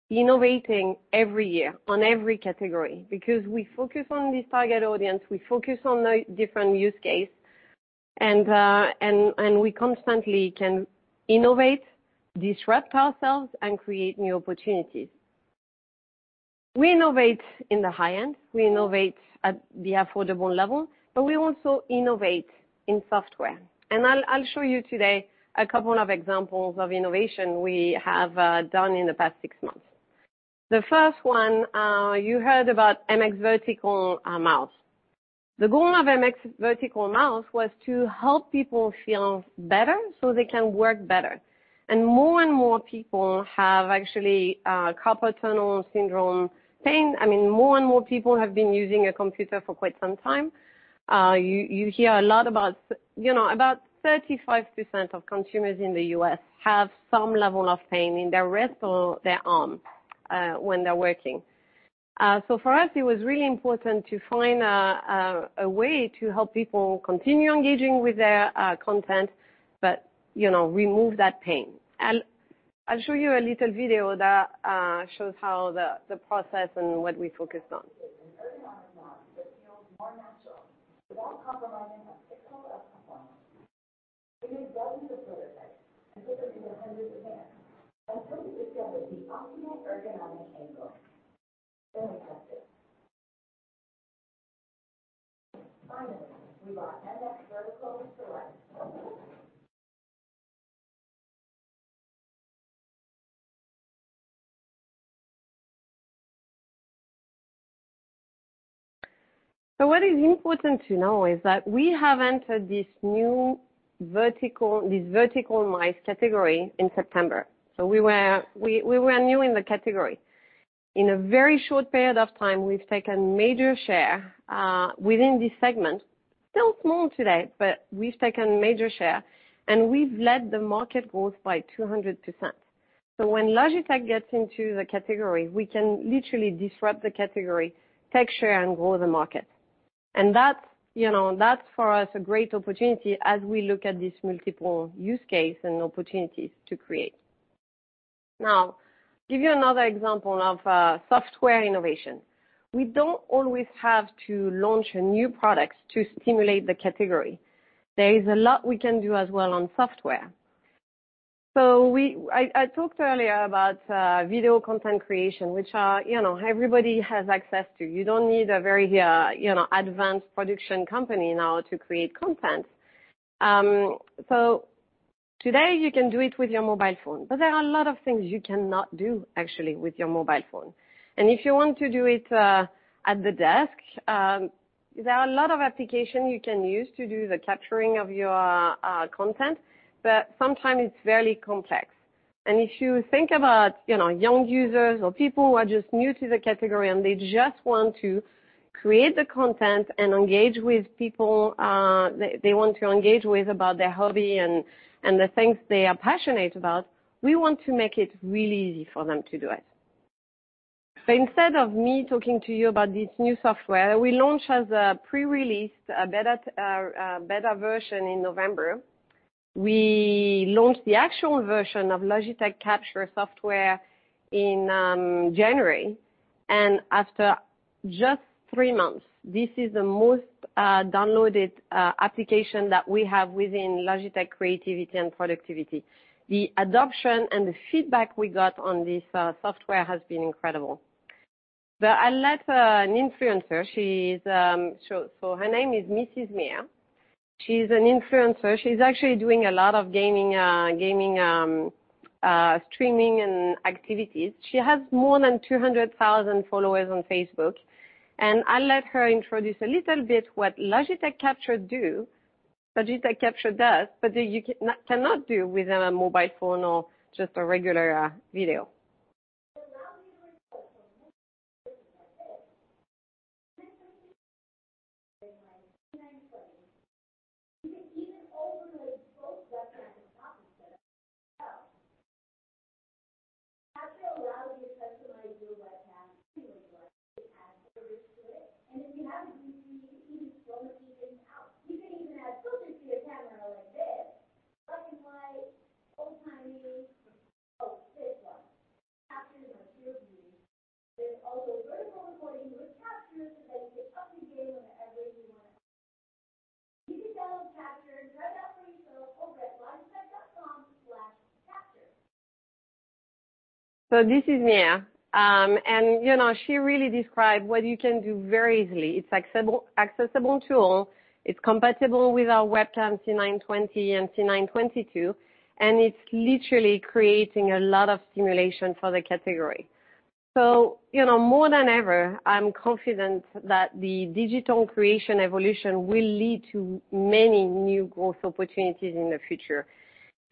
innovating every year on every category, because we focus on this target audience, we focus on the different use case, and we constantly can innovate, disrupt ourselves, and create new opportunities. We innovate in the high-end, we innovate at the affordable level, but we also innovate in software. I'll show you today a couple of examples of innovation we have done in the past six months. The first one, you heard about MX Vertical Mouse. The goal of MX Vertical Mouse was to help people feel better so they can work better. More and more people have actually carpal tunnel syndrome pain. More and more people have been using a computer for quite some time. You hear a lot about 35% of consumers in the U.S. have some level of pain in their wrist or their arm when they're working. For us, it was really important to find a way to help people continue engaging with their content, but remove that pain. I'll show you a little video that shows how the process and what we focused on. An ergonomic mouse that feels more natural without compromising on pixel-perfect performance. We made dozens of prototypes and fitted them to hundreds of hands until we discovered the optimal ergonomic angle, then we tested. Finally, we brought MX Vertical to life. What is important to know is that we have entered this new vertical, this vertical mice category in September. We were new in the category. In a very short period of time, we've taken major share within this segment. Still small today, but we've taken major share, and we've led the market growth by 200%. When Logitech gets into the category, we can literally disrupt the category, take share, and grow the market. That's, for us, a great opportunity as we look at this multiple use case and opportunities to create. Now, give you another example of software innovation. We don't always have to launch a new product to stimulate the category. There is a lot we can do as well on software. I talked earlier about video content creation, which everybody has access to. You don't need a very advanced production company now to create content. Today you can do it with your mobile phone, but there are a lot of things you cannot do, actually, with your mobile phone. If you want to do it at the desk, there are a lot of application you can use to do the capturing of your content, but sometime it's very complex. If you think about young users or people who are just new to the category and they just want to create the content and engage with people, they want to engage with about their hobby and the things they are passionate about, we want to make it really easy for them to do it. Instead of me talking to you about this new software, we launched as a pre-release a beta version in November. We launched the actual version of Logitech Capture in January. After just three months, this is the most downloaded application that we have within Logitech Creativity and Productivity. The adoption and the feedback we got on this software has been incredible. I'll let an influencer. Her name is Mrs. Mia. She's an influencer. She's actually doing a lot of gaming, streaming, and activities. She has more than 200,000 followers on Facebook. I'll let her introduce a little bit what Logitech Capture does, but that you cannot do within a mobile phone or just a regular video. More than ever, I'm confident that the digital creation evolution will lead to many new growth opportunities in the future.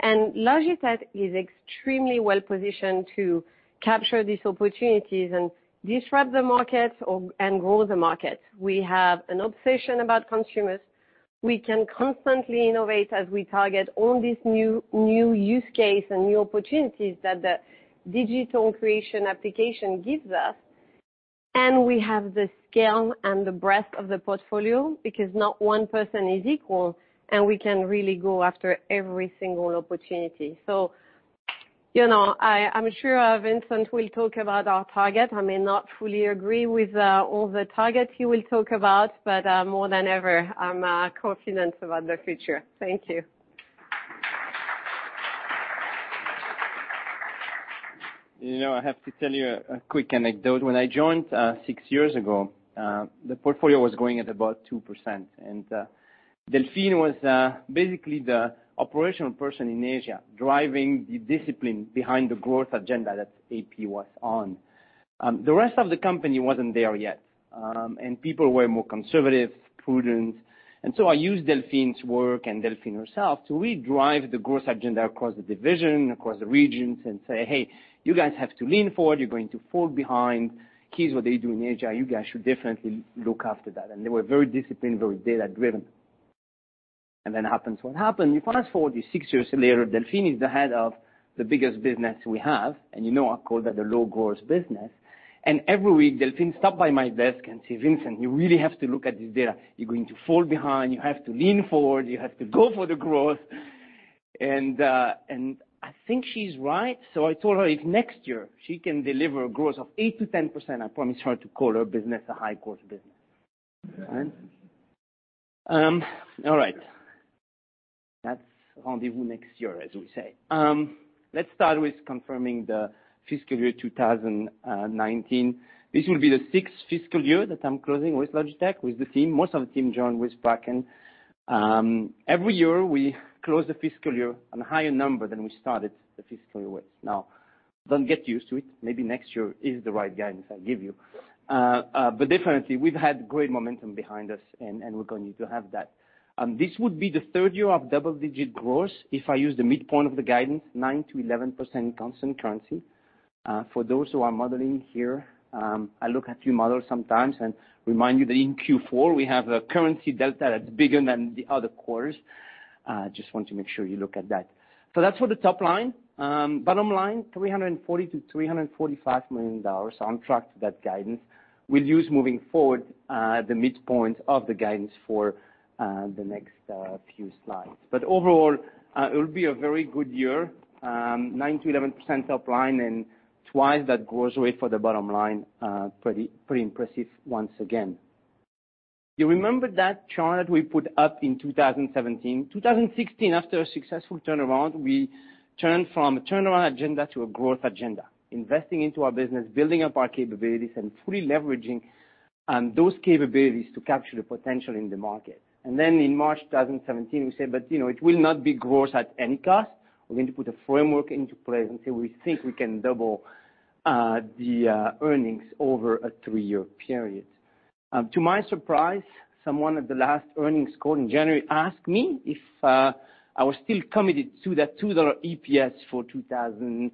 Logitech is extremely well-positioned to capture these opportunities and disrupt the markets and grow the markets. We have an obsession about consumers. We can constantly innovate as we target all these new use case and new opportunities that the digital creation application gives us. We have the scale and the breadth of the portfolio because not one person is equal, and we can really go after every single opportunity. I'm sure Vincent will talk about our target. I may not fully agree with all the targets he will talk about, but more than ever, I'm confident about the future. Thank you. I have to tell you a quick anecdote. When I joined six years ago, the portfolio was growing at about 2%, Delphine was basically the operational person in Asia, driving the discipline behind the growth agenda that AP was on. The rest of the company wasn't there yet, people were more conservative, prudent. I used Delphine's work and Delphine herself to really drive the growth agenda across the division, across the regions, and say, "Hey, you guys have to lean forward. You're going to fall behind. Here's what they do in Asia. You guys should definitely look after that." They were very disciplined, very data-driven. Then happens what happened. You fast-forward to six years later, Delphine is the head of the biggest business we have, and you know I call that the low-growth business. Every week, Delphine stop by my desk and say, "Vincent, you really have to look at this data. You're going to fall behind. You have to lean forward. You have to go for the growth." I think she's right, so I told her if next year she can deliver a growth of 8%-10%, I promise her to call her business a high-growth business. Fine. All right. That's rendezvous next year, as we say. Let's start with confirming the fiscal year 2019. This will be the sixth fiscal year that I'm closing with Logitech, with the team. Most of the team joined with Bracken. Every year, we close the fiscal year on a higher number than we started the fiscal year with. Now, don't get used to it. Maybe next year is the right guidance I give you. Definitely, we've had great momentum behind us, and we're going to have that. This would be the third year of double-digit growth if I use the midpoint of the guidance, 9%-11% constant currency. For those who are modeling here, I look at your models sometimes and remind you that in Q4, we have a currency delta that's bigger than the other quarters. Just want to make sure you look at that. That's for the top line. Bottom line, $340 million-$345 million. I'm tracked to that guidance. We'll use moving forward, the midpoint of the guidance for the next few slides. Overall, it will be a very good year, 9%-11% top line and twice that growth rate for the bottom line. Pretty impressive once again. You remember that chart we put up in 2017? 2016, after a successful turnaround, we turned from a turnaround agenda to a growth agenda, investing into our business, building up our capabilities, and fully leveraging those capabilities to capture the potential in the market. In March 2017, we said, "It will not be growth at any cost. We're going to put a framework into place, until we think we can double the earnings over a three-year period." To my surprise, someone at the last earnings call in January asked me if I was still committed to that CHF 2 EPS for 2020.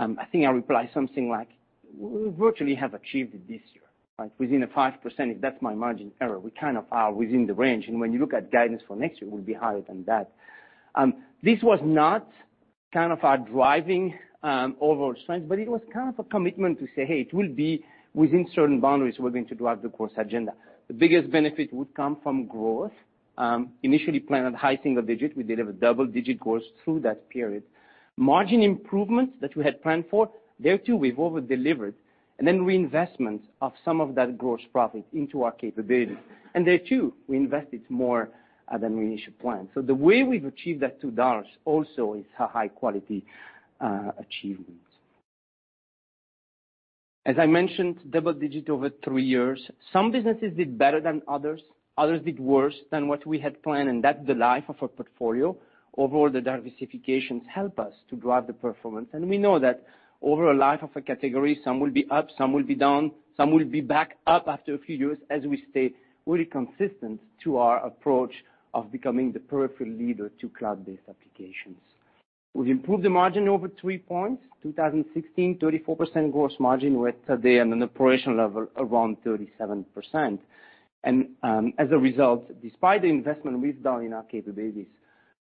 I think I replied something like, we virtually have achieved it this year. Within a 5%, if that's my margin error, we kind of are within the range. When you look at guidance for next year, we'll be higher than that. This was not kind of our driving overall strength, it was kind of a commitment to say, "Hey, it will be within certain boundaries. We're going to drive the course agenda." The biggest benefit would come from growth. Initially planned at high single digits, we delivered double-digit growth through that period. Margin improvements that we had planned for, there too, we've over-delivered. Reinvestments of some of that gross profit into our capabilities. There, too, we invested more than we initially planned. The way we've achieved that CHF 2 also is a high-quality achievement. As I mentioned, double digits over three years. Some businesses did better than others. Others did worse than what we had planned, and that's the life of a portfolio. Overall, the diversifications help us to drive the performance. We know that over a life of a category, some will be up, some will be down, some will be back up after a few years, as we stay really consistent to our approach of becoming the perfect leader to cloud-based applications. We've improved the margin over three points. 2016, 34% gross margin. We're today at an operational level around 37%. As a result, despite the investment we've done in our capabilities,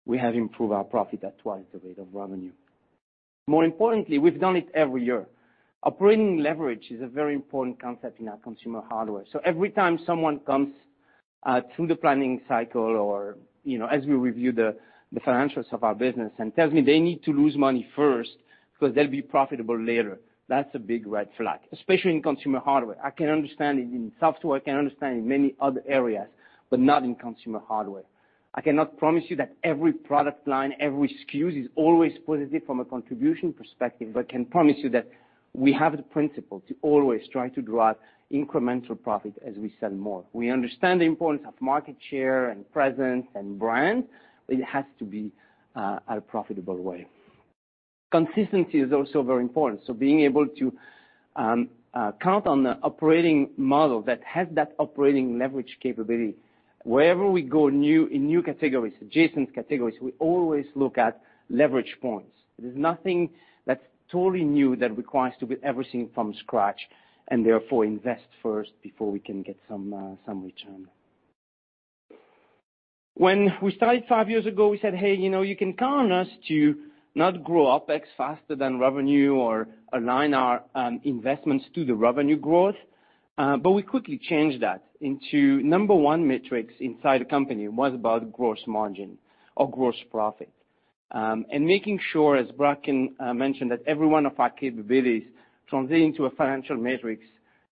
we have improved our profit at twice the rate of revenue. More importantly, we've done it every year. Operating leverage is a very important concept in our consumer hardware. Every time someone comes through the planning cycle or as we review the financials of our business and tells me they need to lose money first because they'll be profitable later, that's a big red flag, especially in consumer hardware. I can understand it in software, I can understand in many other areas, not in consumer hardware. I cannot promise you that every product line, every SKU, is always positive from a contribution perspective. I can promise you that we have the principle to always try to drive incremental profit as we sell more. We understand the importance of market share and presence and brand, it has to be at a profitable way. Consistency is also very important. Being able to count on the operating model that has that operating leverage capability. Wherever we go in new categories, adjacent categories, we always look at leverage points. There's nothing that's totally new that requires to build everything from scratch, and therefore invest first before we can get some return. When we started five years ago, we said, "Hey, you can count on us to not grow OpEx faster than revenue or align our investments to the revenue growth." We quickly changed that into number 1 metrics inside the company was about gross margin or gross profit. Making sure, as Bracken mentioned, that every one of our capabilities translating to a financial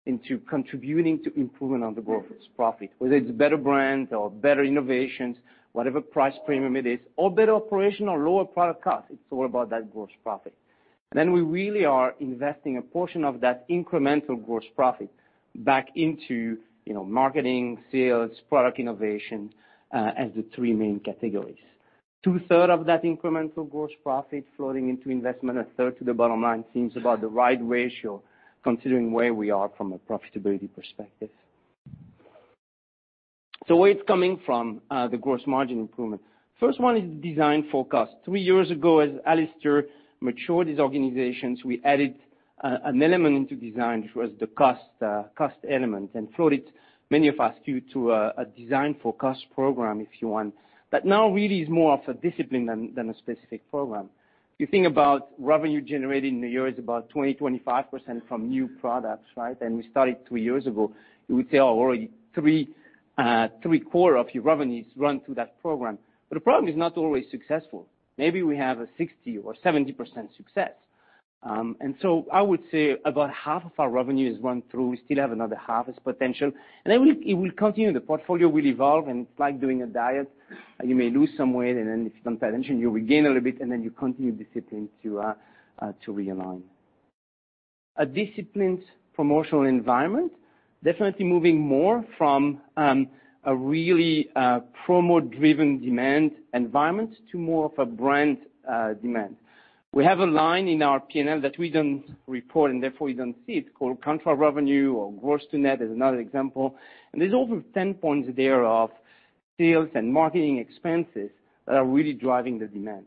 metrics, contributing to improving on the gross profit. Whether it's better brands or better innovations, whatever price premium it is, or better operational or lower product cost, it's all about that gross profit. Then we really are investing a portion of that incremental gross profit back into marketing, sales, product innovation as the 3 main categories. Two-thirds of that incremental gross profit flowing into investment, a third to the bottom line seems about the right ratio considering where we are from a profitability perspective. Where it's coming from, the gross margin improvement. First one is design for cost. Three years ago, as Alastair matured his organizations, we added an element into design, which was the cost element, and floated many of our SKUs to a design for cost program, if you want. Now really is more of a discipline than a specific program. If you think about revenue generated in the year is about 20%-25% from new products. We started three years ago. You would say, oh, already three-quarters of your revenue is run through that program. The program is not always successful. Maybe we have a 60% or 70% success. I would say about half of our revenue is run through. We still have another half as potential. It will continue. The portfolio will evolve, and it's like doing a diet. You may lose some weight, then if you don't pay attention, you regain a little bit, then you continue discipline to realign. A disciplined promotional environment, definitely moving more from a really promo-driven demand environment to more of a brand demand. We have a line in our P&L that we don't report and therefore you don't see. It's called contra revenue or gross to net is another example. There's over 10 points there of sales and marketing expenses that are really driving the demand.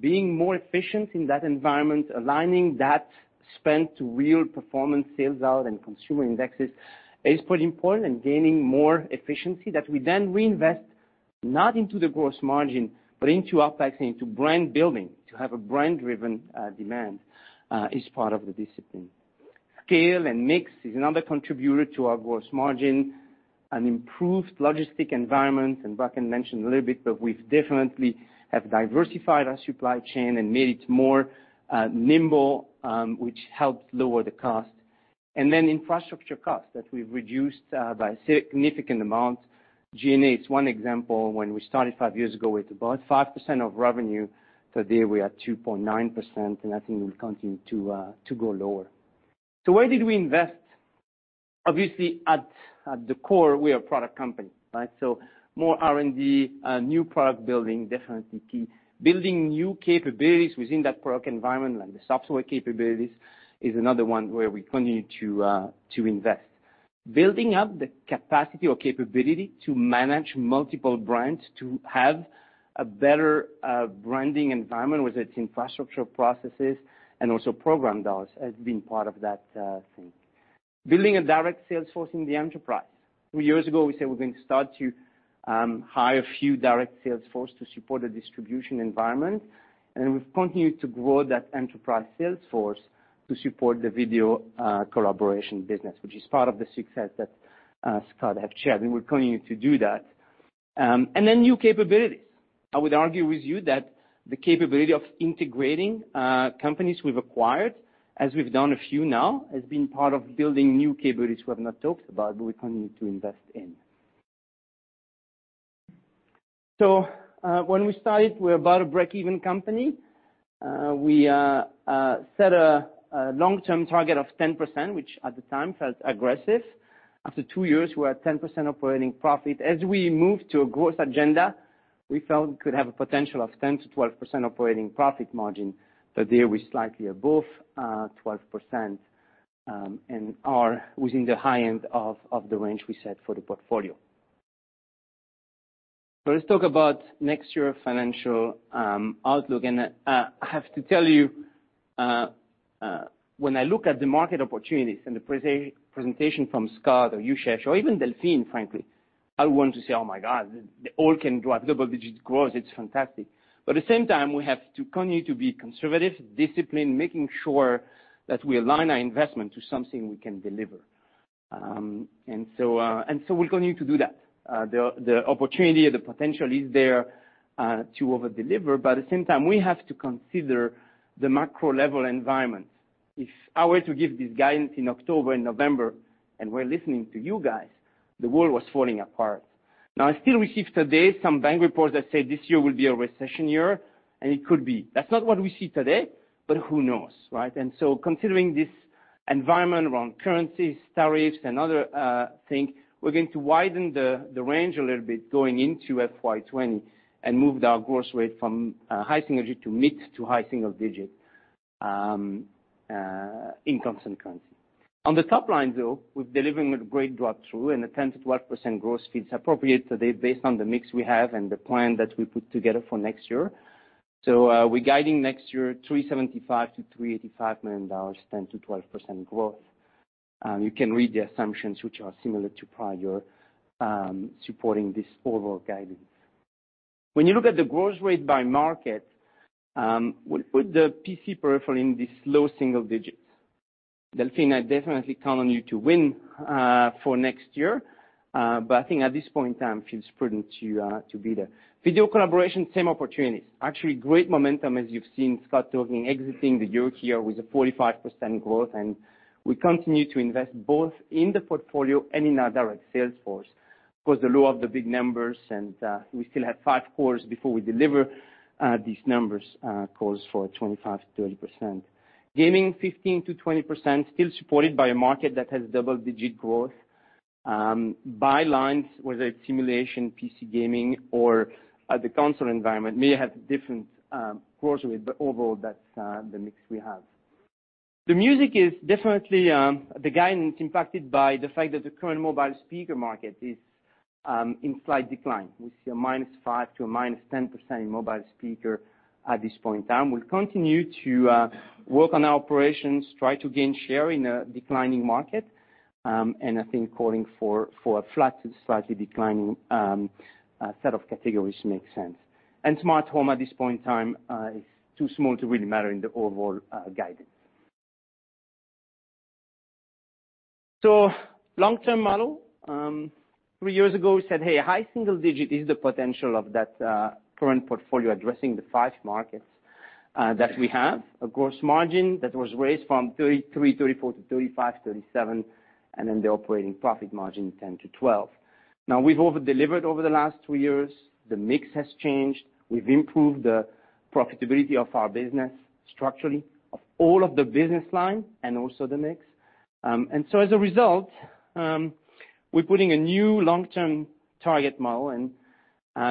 Being more efficient in that environment, aligning that spend to real performance sales out and consumer indexes is pretty important. Gaining more efficiency that we then reinvest, not into the gross margin, but into OpEx, into brand building, to have a brand-driven demand is part of the discipline. Scale and mix is another contributor to our gross margin. An improved logistic environment, Bracken mentioned a little bit, we've definitely have diversified our supply chain and made it more nimble, which helped lower the cost. Infrastructure cost that we've reduced by a significant amount. G&A is 1 example. When we started five years ago, it's about 5% of revenue. Today, we are at 2.9%. I think we'll continue to go lower. Where did we invest? Obviously, at the core, we are a product company. More R&D, new product building, definitely key. Building new capabilities within that product environment, like the software capabilities, is another one where we continue to invest. Building up the capacity or capability to manage multiple brands to have a better branding environment with its infrastructure processes and also program dollars has been part of that thing. Building a direct sales force in the enterprise. 3 years ago, we said we're going to start to hire a few direct sales force to support the distribution environment, and we've continued to grow that enterprise sales force to support the video collaboration business, which is part of the success that Scott has shared, and we're continuing to do that. Then new capabilities. I would argue with you that the capability of integrating companies we've acquired, as we've done a few now, has been part of building new capabilities we have not talked about, but we're continuing to invest in. When we started, we were about a break-even company. We set a long-term target of 10%, which at the time felt aggressive. After two years, we were at 10% operating profit. As we moved to a growth agenda, we felt we could have a potential of 10%-12% operating profit margin. There we're slightly above 12% and are within the high end of the range we set for the portfolio. Let's talk about next year financial outlook. I have to tell you, when I look at the market opportunities and the presentation from Scott or Ujesh or even Delphine, frankly, I want to say, "Oh my God, they all can drive double-digit growth. It's fantastic." At the same time, we have to continue to be conservative, disciplined, making sure that we align our investment to something we can deliver. We're going to do that. The opportunity or the potential is there to over-deliver, but at the same time, we have to consider the macro level environment. If I were to give this guidance in October and November, and we're listening to you guys, the world was falling apart. I still receive today some bank reports that say this year will be a recession year, and it could be. That's not what we see today, but who knows, right? Considering this environment around currencies, tariffs, and other thing, we're going to widen the range a little bit going into FY 2020 and move our growth rate from high single-digit to mid- to high single-digit in constant currency. On the top line, though, we're delivering a great drop-through and a 10%-12% growth feels appropriate today based on the mix we have and the plan that we put together for next year. We're guiding next year $375 million-$385 million, 10%-12% growth. You can read the assumptions, which are similar to prior, supporting this overall guidance. When you look at the growth rate by market, we put the PC peripheral in this low single-digits. Delphine, I definitely count on you to win for next year. I think at this point in time, feels prudent to be there. Video collaboration, same opportunities. Actually great momentum as you've seen Scott talking exiting the year here with a 45% growth, and we continue to invest both in the portfolio and in our direct sales force. Of course, the law of the big numbers, and we still have five quarters before we deliver these numbers, calls for 25%-30%. Gaming 15%-20%, still supported by a market that has double-digit growth. By lines, whether it's simulation, PC gaming, or the console environment may have different growth rate, but overall, that's the mix we have. The music is definitely the guidance impacted by the fact that the current mobile speaker market is in slight decline. We see a -5% to a -10% in mobile speaker at this point in time. We'll continue to work on our operations, try to gain share in a declining market, I think calling for a flat to slightly declining set of categories makes sense. Smart home at this point in time is too small to really matter in the overall guidance. Long-term model. Three years ago, we said, "Hey, high single digit is the potential of that current portfolio addressing the five markets that we have." A gross margin that was raised from 33%, 34% to 35%, 37%, and then the operating profit margin 10% to 12%. Now we've over-delivered over the last three years. The mix has changed. We've improved the profitability of our business structurally of all of the business line and also the mix. As a result, we're putting a new long-term target model and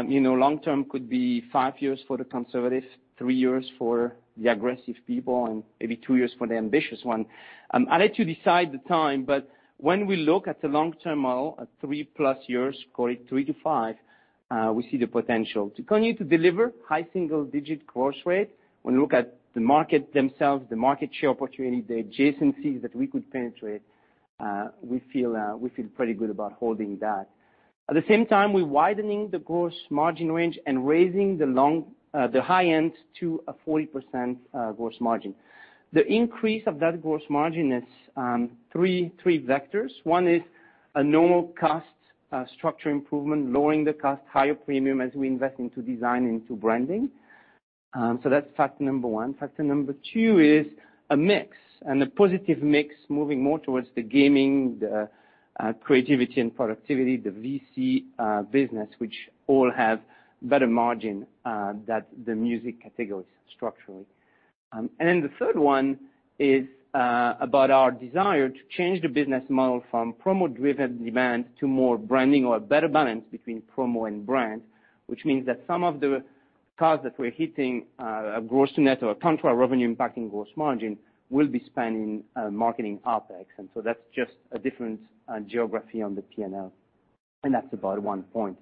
long-term could be five years for the conservative, three years for the aggressive people, and maybe two years for the ambitious one. I let you decide the time, when we look at the long-term model at three-plus years, call it three to five, we see the potential to continue to deliver high single-digit growth rate. When we look at the market themselves, the market share opportunity, the adjacencies that we could penetrate, we feel pretty good about holding that. At the same time, we're widening the gross margin range and raising the high end to a 40% gross margin. The increase of that gross margin is three vectors. One is a normal cost structure improvement, lowering the cost, higher premium as we invest into design, into branding. That's factor number one. Factor number two is a mix and a positive mix moving more towards the gaming, the Creativity & Productivity, the VC business, which all have better margin than the music categories structurally. The third one is about our desire to change the business model from promo-driven demand to more branding or a better balance between promo and brand, which means that some of the costs that we're hitting, a gross to net or a contra revenue impacting gross margin will be spending marketing OpEx. That's just a different geography on the P&L, and that's about one point.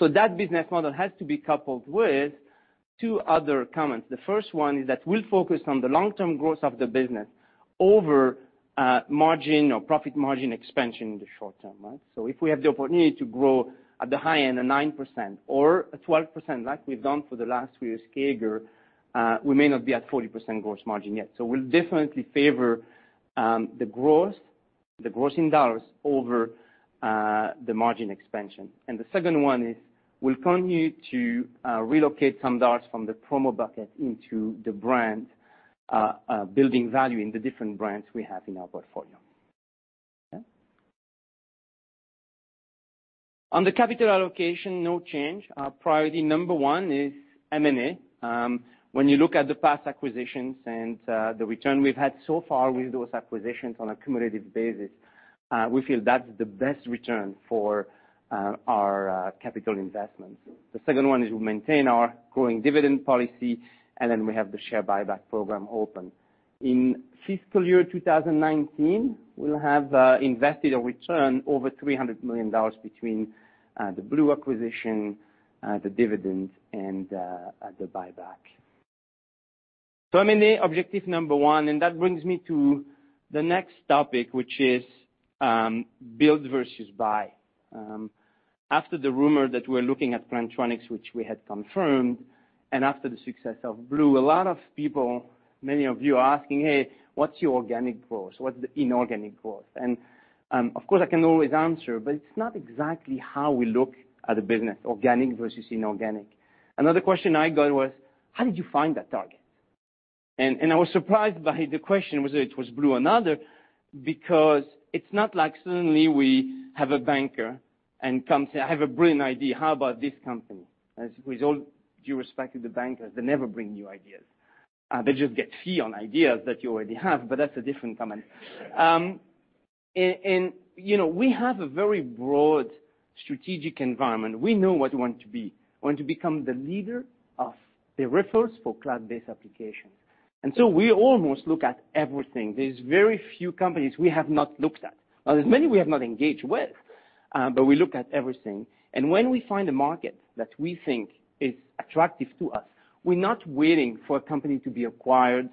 That business model has to be coupled with two other comments. The first one is that we'll focus on the long-term growth of the business over margin or profit margin expansion in the short term. If we have the opportunity to grow at the high end of 9% or at 12%, like we've done for the last three years CAGR, we may not be at 40% gross margin yet. We'll definitely favor the growth, the grossing dollars over the margin expansion. The second one is we'll continue to relocate some dollars from the promo bucket into the brand, building value in the different brands we have in our portfolio. On the capital allocation, no change. Our priority number one is M&A. When you look at the past acquisitions and the return we've had so far with those acquisitions on a cumulative basis, we feel that's the best return for our capital investments. The second one is we maintain our growing dividend policy. Then we have the share buyback program open. In FY 2019, we'll have invested or returned over CHF 300 million between the Blue acquisition, the dividends, and the buyback. M&A objective number one. That brings me to the next topic, which is build versus buy. After the rumor that we're looking at Plantronics, which we had confirmed, and after the success of Blue, a lot of people, many of you are asking, "Hey, what's your organic growth? What's the inorganic growth?" Of course, I can always answer, but it's not exactly how we look at the business, organic versus inorganic. Another question I got was, "How did you find that target?" I was surprised by the question, whether it was Blue or another, because it's not like suddenly we have a banker and come say, "I have a brilliant idea. How about this company?" With all due respect to the bankers, they never bring new ideas. They just get fee on ideas that you already have, but that's a different comment. We have a very broad strategic environment. We know what we want to be. We want to become the leader of the reference for cloud-based applications. We almost look at everything. There's very few companies we have not looked at. Now, there's many we have not engaged with, but we look at everything. When we find a market that we think is attractive to us, we're not waiting for a company to be acquired.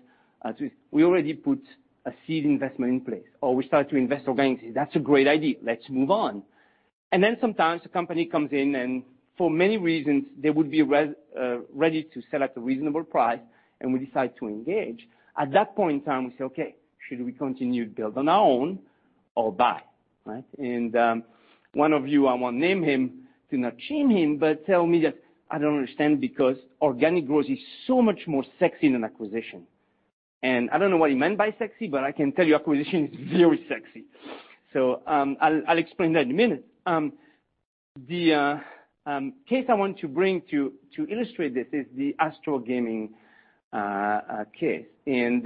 We already put a seed investment in place, or we start to invest organically. That's a great idea. Let's move on. Then sometimes the company comes in, and for many reasons, they would be ready to sell at a reasonable price, and we decide to engage. At that point in time, we say, "Okay, should we continue to build on our own or buy?" One of you, I won't name him to not shame him, but tell me that I don't understand because organic growth is so much more sexy than acquisition. I don't know what he meant by sexy, but I can tell you acquisition is very sexy. I'll explain that in a minute. The case I want to bring to illustrate this is the ASTRO Gaming case. Did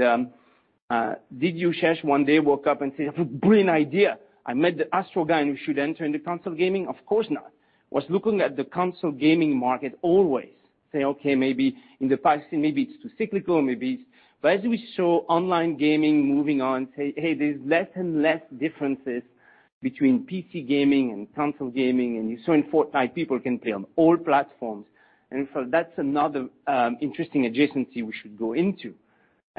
Ujesh one day wake up and say, "I have a brilliant idea. I met the ASTRO guy, and we should enter into console gaming?" Of course not. Was looking at the console gaming market always. Say, okay, maybe in the past, maybe it's too cyclical. As we saw online gaming moving on, say, hey, there's less and less differences between PC gaming and console gaming, and you saw in Fortnite, people can play on all platforms. That's another interesting adjacency we should go into.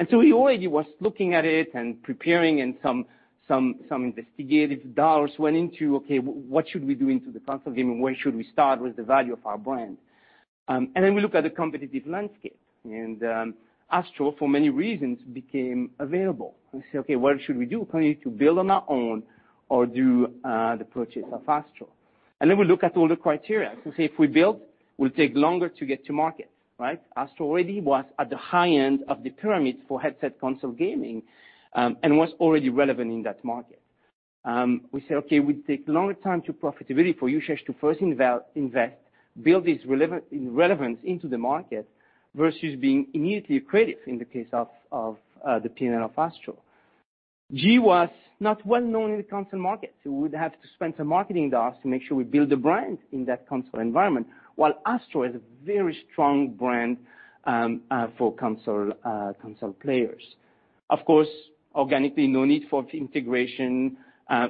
He already was looking at it and preparing and some investigative dollars went into, okay, what should we do into the console gaming? Where should we start? What's the value of our brand? Then we look at the competitive landscape. ASTRO, for many reasons, became available. We say, okay, what should we do? Continue to build on our own or do the purchase of ASTRO? Then we look at all the criteria. We say, if we build, we will take longer to get to market. Astro already was at the high end of the pyramid for headset console gaming and was already relevant in that market. We say, okay, we take longer time to profitability for Ujesh to first invest, build this relevance into the market versus being immediately accretive in the case of the P&L of Astro. G was not well known in the console market. We would have to spend some marketing dollars to make sure we build a brand in that console environment, while Astro is a very strong brand for console players. Of course, organically, no need for integration.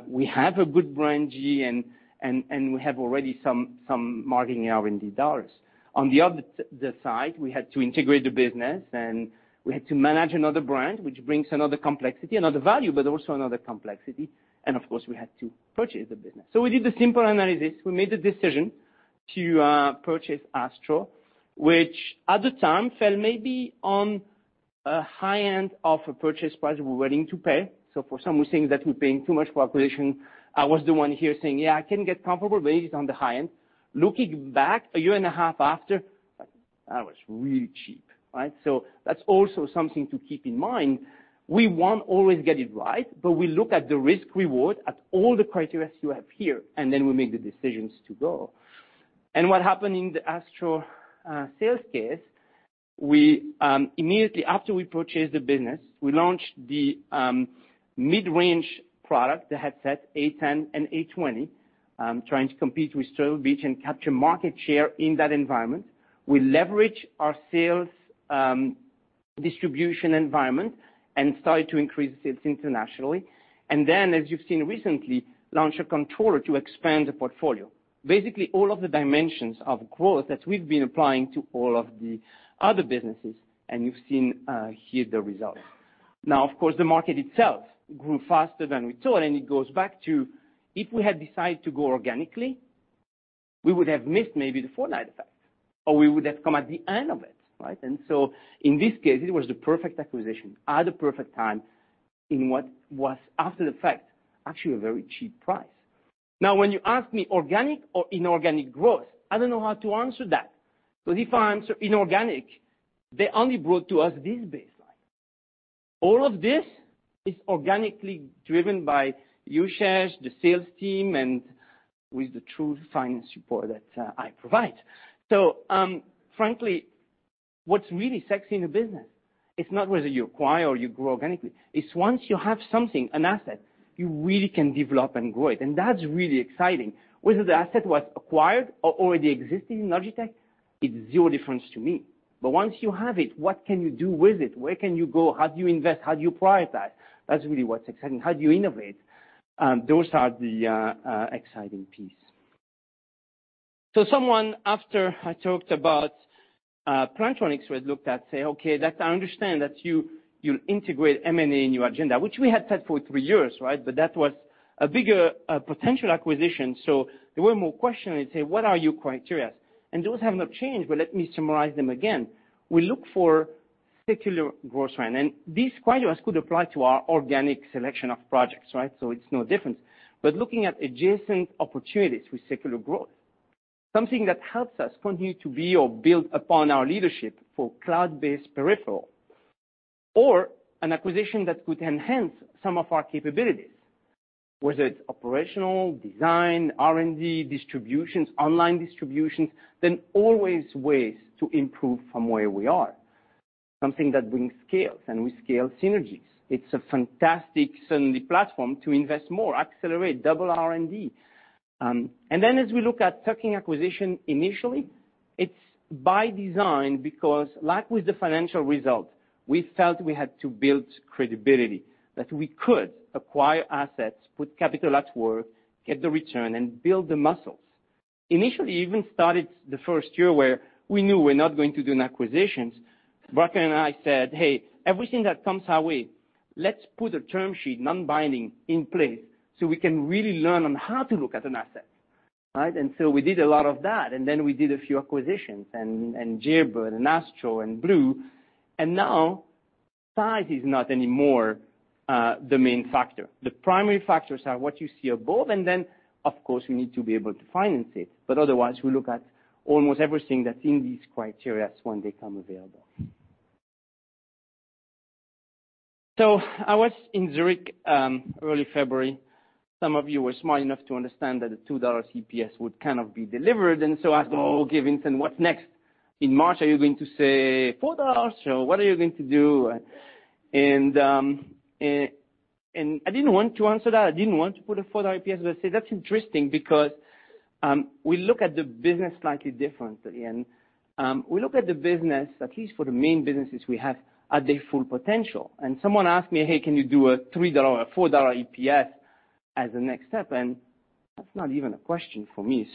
We have a good brand G, and we have already some marketing R&D dollars. On the other side, we had to integrate the business, and we had to manage another brand, which brings another complexity, another value, but also another complexity. Of course, we had to purchase the business. We did the simple analysis. We made the decision to purchase ASTRO, which at the time fell maybe on a high end of a purchase price we were willing to pay. For some who think that we're paying too much for acquisition, I was the one here saying, "Yeah, I can get comfortable, but it is on the high end." Looking back a year and a half after, that was really cheap. That's also something to keep in mind. We won't always get it right, but we look at the risk-reward at all the criteria you have here, then we make the decisions to go. What happened in the ASTRO sales case-We, immediately after we purchased the business, we launched the mid-range product, the headsets A10 and A20, trying to compete with SteelSeries and capture market share in that environment. We leverage our sales distribution environment and started to increase sales internationally. Then, as you've seen recently, launch a controller to expand the portfolio. Basically, all of the dimensions of growth that we've been applying to all of the other businesses, and you've seen here the results. Of course, the market itself grew faster than we thought, and it goes back to if we had decided to go organically, we would have missed maybe the Fortnite effect, or we would have come at the end of it. Right? In this case, it was the perfect acquisition at the perfect time in what was after the fact, actually a very cheap price. When you ask me organic or inorganic growth, I don't know how to answer that. If I answer inorganic, they only brought to us this baseline. All of this is organically driven by Ujesh, the sales team, and with the true finance support that I provide. Frankly, what's really sexy in the business, it's not whether you acquire or you grow organically. It's once you have something, an asset, you really can develop and grow it, and that's really exciting. Whether the asset was acquired or already existing in Logitech, it's zero difference to me. Once you have it, what can you do with it? Where can you go? How do you invest? How do you prioritize that? That's really what's exciting. How do you innovate? Those are the exciting piece. Someone, after I talked about Plantronics, was looked at, say, "Okay, that I understand that you'll integrate M&A in your agenda," which we had said for three years, right? That was a bigger potential acquisition. They were more questioning and say, "What are your criterias?" Those have not changed, but let me summarize them again. We look for secular growth trend, and these criterias could apply to our organic selection of projects, right? It's no different. Looking at adjacent opportunities with secular growth, something that helps us continue to be or build upon our leadership for cloud-based peripheral. An acquisition that could enhance some of our capabilities, whether it's operational, design, R&D, distributions, online distributions, always ways to improve from where we are. Something that brings scales, and we scale synergies. It's a fantastic suddenly platform to invest more, accelerate, double R&D. As we look at tuck-in acquisition, initially, it's by design because like with the financial result, we felt we had to build credibility that we could acquire assets, put capital at work, get the return, and build the muscles. Initially, even started the first year where we knew we're not going to do an acquisitions. Bracken and I said, "Hey, everything that comes our way, let's put a term sheet, non-binding, in place so we can really learn on how to look at an asset." Right? We did a lot of that, then we did a few acquisitions and Jaybird and ASTRO and Blue. Now size is not anymore the main factor. The primary factors are what you see above, then, of course, we need to be able to finance it. Otherwise, we look at almost everything that's in these criterias when they come available. I was in Zurich, early February. Some of you were smart enough to understand that a CHF 2 EPS would kind of be delivered and asked, "Oh, given, then what's next?" In March, are you going to say CHF 4? What are you going to do? I didn't want to answer that. I didn't want to put a CHF 4 EPS, but I say that's interesting because we look at the business slightly differently. We look at the business, at least for the main businesses we have, at their full potential. Someone asked me, "Hey, can you do a CHF 3 or CHF 4 EPS as a next step?" That's not even a question for me.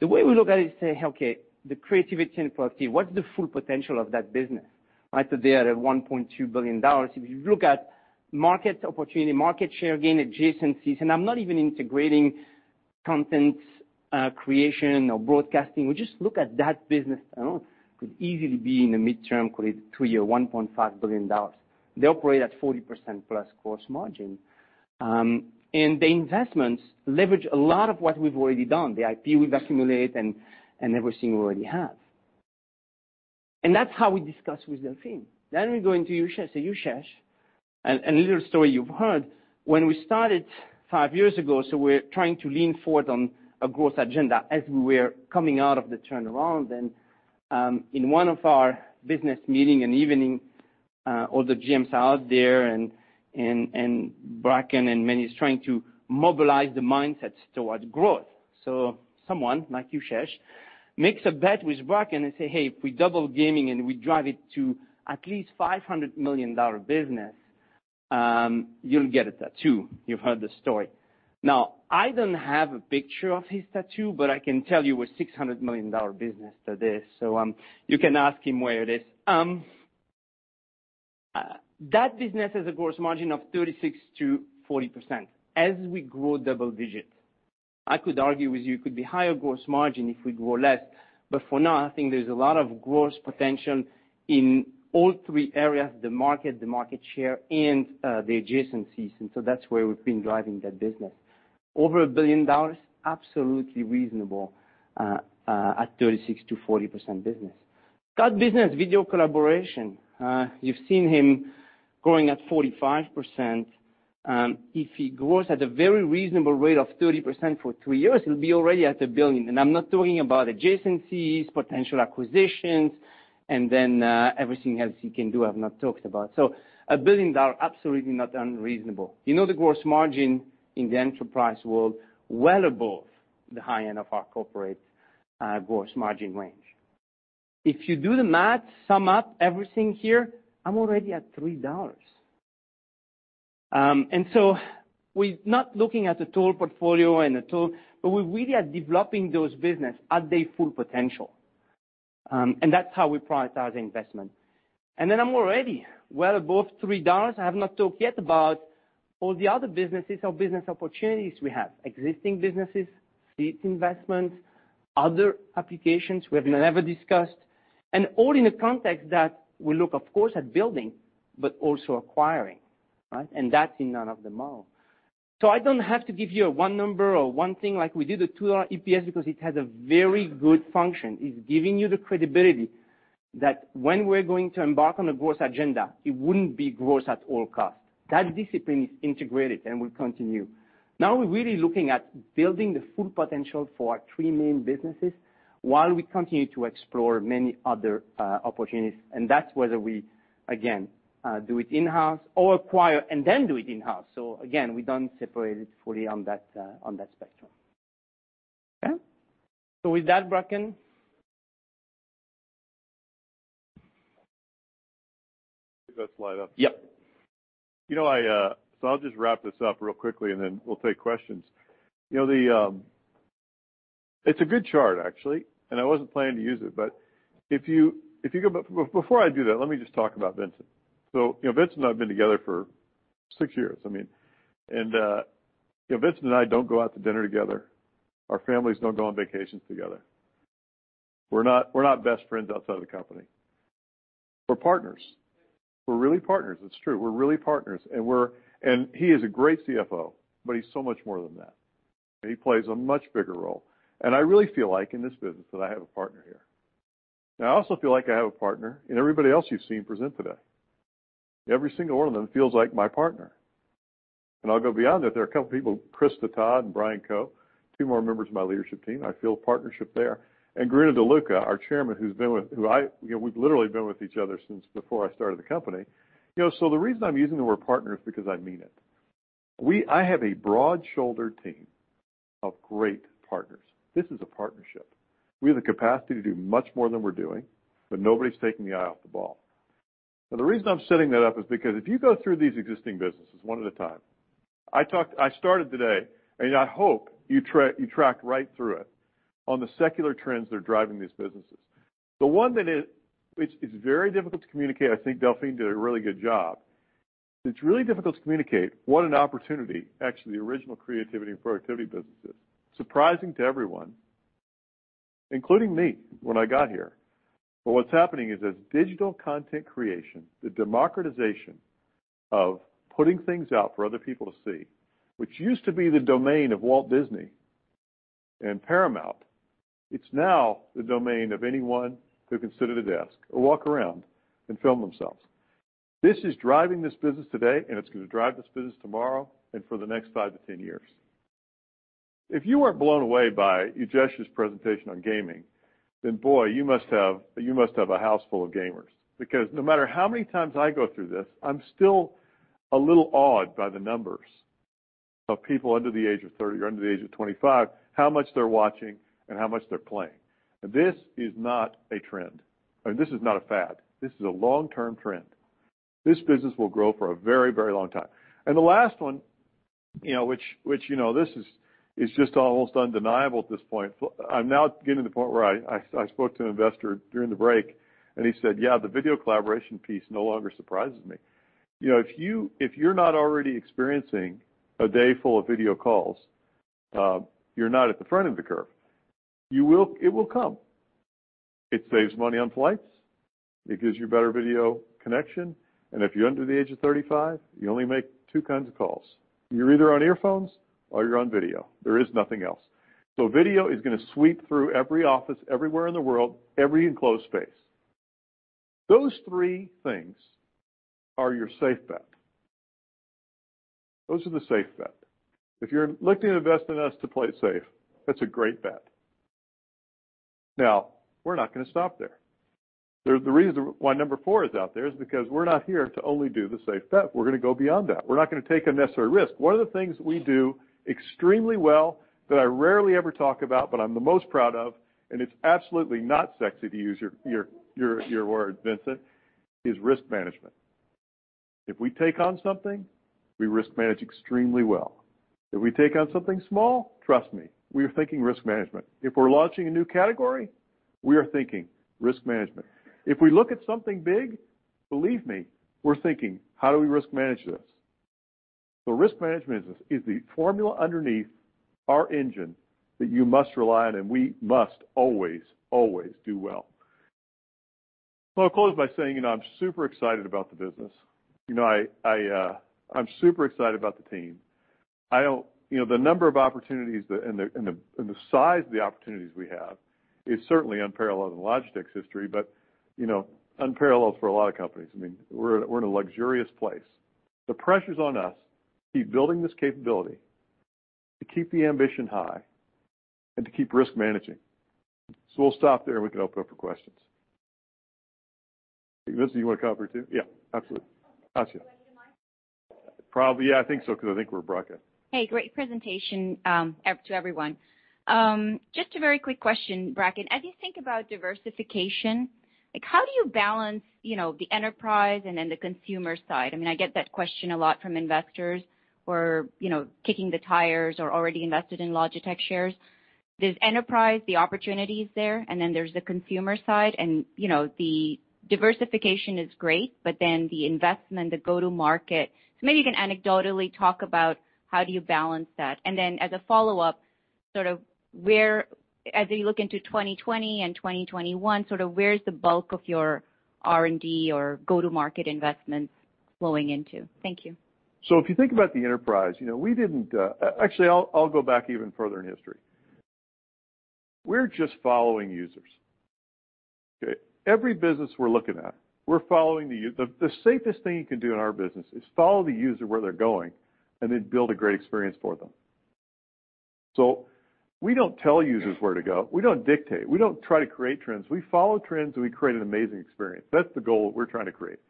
The way we look at it say, "Okay, the Creativity & Productivity, what's the full potential of that business?" Right? They are at CHF 1.2 billion. If you look at market opportunity, market share gain, adjacencies, and I'm not even integrating content creation or broadcasting. We just look at that business alone, could easily be in the midterm, call it three-year, CHF 1.5 billion. They operate at 40% plus gross margin. The investments leverage a lot of what we've already done, the IP we've accumulated and everything we already have. That's how we discuss with Delphine. We go into Ujesh. Ujesh, and little story you've heard, when we started five years ago, we're trying to lean forward on a growth agenda as we were coming out of the turnaround then. In one of our business meeting in the evening, all the GMs are out there and Bracken and many is trying to mobilize the mindsets towards growth. Someone, like Yashesh, makes a bet with Bracken and say, "Hey, if we double gaming and we drive it to at least $500 million business, you'll get a tattoo." You've heard the story. I don't have a picture of his tattoo, but I can tell you we're $600 million business today, so you can ask him where it is. That business has a gross margin of 36%-40%. As we grow double digits, I could argue with you it could be higher gross margin if we grow less. For now, I think there's a lot of gross potential in all three areas, the market, the market share, and the adjacencies. That's where we've been driving that business. Over $1 billion, absolutely reasonable at 36%-40% business. Scott business, video collaboration. You've seen him growing at 45%. If it grows at a very reasonable rate of 30% for three years, it'll be already at $1 billion. I'm not talking about adjacencies, potential acquisitions, and then everything else you can do I've not talked about. $1 billion, absolutely not unreasonable. You know the gross margin in the enterprise world well above the high end of our corporate gross margin range. If you do the math, sum up everything here, I'm already at $3. We're not looking at the total portfolio and the total, but we really are developing those business at their full potential. That's how we prioritize investment. Then I'm already well above $3. I have not talked yet about all the other businesses or business opportunities we have, existing businesses, seed investments, other applications we have never discussed, and all in a context that we look of course at building, but also acquiring, right? That's in none of them all. I don't have to give you a one-number or one thing like we did the $2 EPS because it has a very good function. It's giving you the credibility that when we're going to embark on a growth agenda, it wouldn't be growth at all cost. That discipline is integrated and will continue. Now we're really looking at building the full potential for our three main businesses while we continue to explore many other opportunities. That's whether we, again, do it in-house or acquire and then do it in-house. Again, we don't separate it fully on that spectrum. Okay? With that, Bracken? Take that slide off. Yep. I'll just wrap this up real quickly, and then we'll take questions. It's a good chart, actually, and I wasn't planning to use it. Before I do that, let me just talk about Vincent. Vincent and I have been together for six years. Vincent and I don't go out to dinner together. Our families don't go on vacations together. We're not best friends outside of the company. We're partners. We're really partners. It's true. We're really partners, and he is a great CFO, but he's so much more than that, and he plays a much bigger role. I really feel like in this business that I have a partner here. I also feel like I have a partner in everybody else you've seen present today. Every single one of them feels like my partner. I'll go beyond that. There are a couple people, Chris Staton and Brian Coe, two more members of my leadership team, I feel partnership there. Guido De Luca, our chairman, we've literally been with each other since before I started the company. The reason I'm using the word partner is because I mean it. I have a broad-shouldered team of great partners. This is a partnership. We have the capacity to do much more than we're doing, but nobody's taking the eye off the ball. The reason I'm setting that up is because if you go through these existing businesses one at a time, I started today, and I hope you track right through it, on the secular trends that are driving these businesses. The one that is very difficult to communicate, I think Delphine did a really good job. It's really difficult to communicate what an opportunity, actually, the original Creativity & Productivity business is. Surprising to everyone, including me when I got here. What's happening is this digital content creation, the democratization of putting things out for other people to see, which used to be the domain of Walt Disney and Paramount, it's now the domain of anyone who can sit at a desk or walk around and film themselves. This is driving this business today, and it's going to drive this business tomorrow and for the next 5-10 years. If you weren't blown away by Ujesh's presentation on gaming, then boy, you must have a house full of gamers because no matter how many times I go through this, I'm still a little awed by the numbers of people under the age of 30 or under the age of 25, how much they're watching and how much they're playing. This is not a trend. I mean, this is not a fad. This is a long-term trend. This business will grow for a very long time. The last one, which this is just almost undeniable at this point. I'm now getting to the point where I spoke to an investor during the break, he said, "Yeah, the video collaboration piece no longer surprises me." If you're not already experiencing a day full of video calls, you're not at the front of the curve. It will come. It saves money on flights. It gives you better video connection. If you're under the age of 35, you only make two kinds of calls. You're either on earphones or you're on video. There is nothing else. Video is going to sweep through every office everywhere in the world, every enclosed space. Those three things are your safe bet. Those are the safe bet. If you're looking to invest in us to play it safe, that's a great bet. We're not going to stop there. The reason why number four is out there is because we're not here to only do the safe bet. We're going to go beyond that. We're not going to take unnecessary risk. One of the things we do extremely well that I rarely ever talk about, but I'm the most proud of, and it's absolutely not sexy, to use your words, Vincent, is risk management. If we take on something, we risk manage extremely well. If we take on something small, trust me, we are thinking risk management. If we're launching a new category, we are thinking risk management. If we look at something big, believe me, we're thinking, "How do we risk manage this?" Risk management is the formula underneath our engine that you must rely on, and we must always do well. I'll close by saying I'm super excited about the business. I'm super excited about the team. The number of opportunities and the size of the opportunities we have is certainly unparalleled in Logitech's history, but unparalleled for a lot of companies. We're in a luxurious place. The pressure's on us to keep building this capability, to keep the ambition high, and to keep risk managing. We'll stop there, and we can open up for questions. Missy, you want to cover it, too? Yeah, absolutely. Asya. Do I need a mic? Probably, yeah, I think so, because I think we're broadcast. Hey, great presentation to everyone. Just a very quick question, Bracken. As you think about diversification, how do you balance the enterprise and the consumer side? I get that question a lot from investors who are kicking the tires or already invested in Logitech shares. There's enterprise, the opportunities there, and there's the consumer side. The diversification is great, but then the investment, the go-to-market. Maybe you can anecdotally talk about how do you balance that. Then as a follow-up, as you look into 2020 and 2021, where's the bulk of your R&D or go-to-market investments flowing into? Thank you. If you think about the enterprise, Actually, I'll go back even further in history. We're just following users. Every business we're looking at, we're following the user. The safest thing you can do in our business is follow the user where they're going and then build a great experience for them. We don't tell users where to go. We don't dictate. We don't try to create trends. We follow trends, and we create an amazing experience. That's the goal that we're trying to create.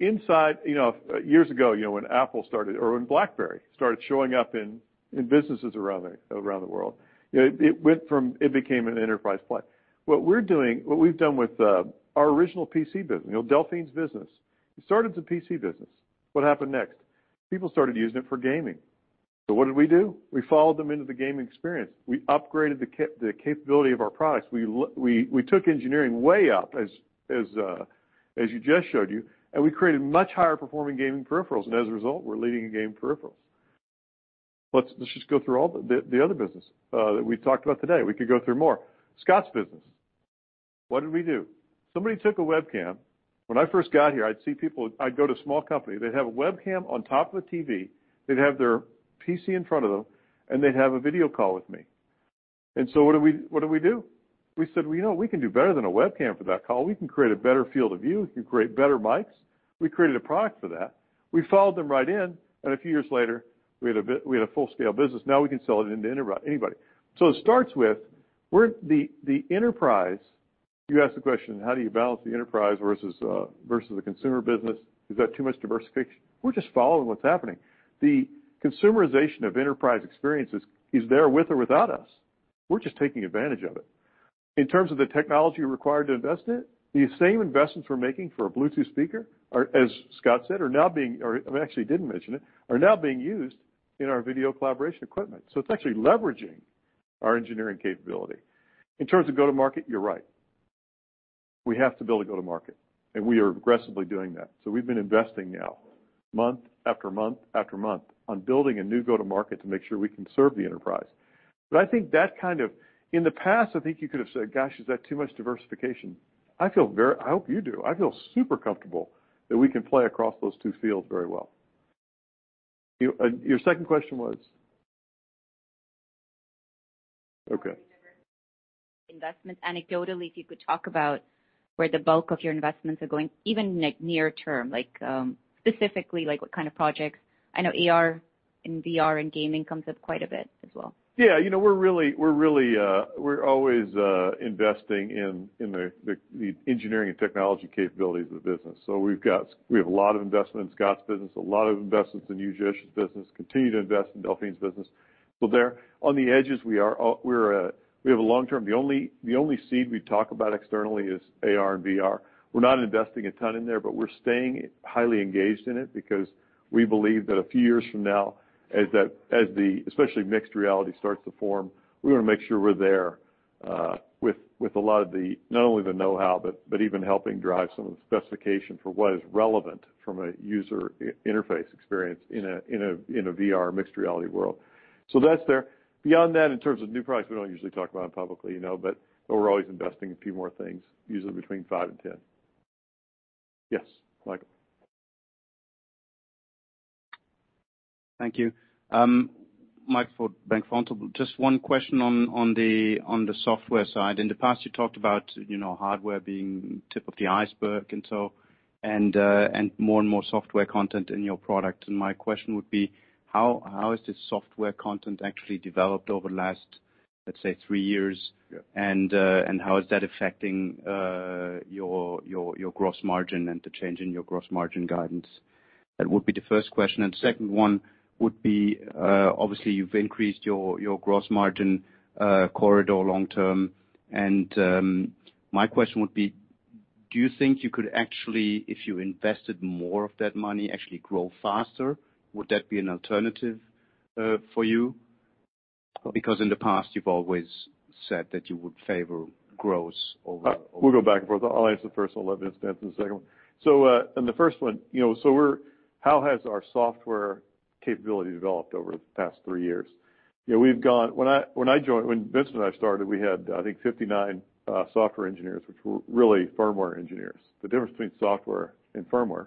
Years ago, when Apple started, or when BlackBerry started showing up in businesses around the world, it became an enterprise play. What we've done with our original PC business, Delphine's business, it started as a PC business. What happened next? People started using it for gaming. What did we do? We followed them into the gaming experience. We upgraded the capability of our products. We took engineering way up, as you just showed you, and we created much higher-performing gaming peripherals. As a result, we're leading in game peripherals. Let's just go through all the other business that we talked about today. We could go through more. Scott's business. What did we do? Somebody took a webcam. When I first got here, I'd see people, I'd go to a small company, they'd have a webcam on top of a TV, they'd have their PC in front of them, and they'd have a video call with me. What did we do? We said, "We know we can do better than a webcam for that call. We can create a better field of view. We can create better mics." We created a product for that. We followed them right in. A few years later, we had a full-scale business. Now we can sell it into anybody. It starts with the enterprise. You asked the question, how do you balance the enterprise versus the consumer business? Is that too much diversification? We're just following what's happening. The consumerization of enterprise experiences is there with or without us. We're just taking advantage of it. In terms of the technology required to invest in it, the same investments we're making for a Bluetooth speaker, as Scott said, or actually didn't mention it, are now being used in our video collaboration equipment. It's actually leveraging our engineering capability. In terms of go-to-market, you're right. We have to build a go-to-market, and we are aggressively doing that. We've been investing now month after month after month on building a new go-to-market to make sure we can serve the enterprise. In the past, I think you could have said, gosh, is that too much diversification? I hope you do. I feel super comfortable that we can play across those two fields very well. Your second question was? Okay. Investment. Anecdotally, if you could talk about where the bulk of your investments are going, even near term, specifically what kind of projects. I know AR and VR and gaming comes up quite a bit as well. We're always investing in the engineering and technology capabilities of the business. We have a lot of investment in Scott's business, a lot of investments in Ujesh's business, continue to invest in Delphine's business. There. On the edges, we have a long-term. The only seed we talk about externally is AR and VR. We're not investing a ton in there, but we're staying highly engaged in it because we believe that a few years from now, as the especially mixed reality starts to form, we want to make sure we're there with a lot of not only the know-how, but even helping drive some of the specification for what is relevant from a user interface experience in a VR mixed reality world. That's there. Beyond that, in terms of new products, we don't usually talk about them publicly. We're always investing in a few more things, usually between five and 10. Yes, Michael. Thank you. Mike for Bank Vontobel. Just one question on the software side. In the past, you talked about hardware being tip of the iceberg and so, more and more software content in your product. My question would be, how has this software content actually developed over the last, let's say, three years? Yeah. How is that affecting your gross margin and the change in your gross margin guidance? That would be the first question. Second one would be, obviously, you've increased your gross margin corridor long term, my question would be, do you think you could actually, if you invested more of that money, actually grow faster? Would that be an alternative for you? In the past, you've always said that you would favor growth. We'll go back and forth. I'll answer the first, I'll let Vince answer the second one. On the first one, how has our software capability developed over the past three years? When Vince and I started, we had, I think, 59 software engineers, which were really firmware engineers. The difference between software and firmware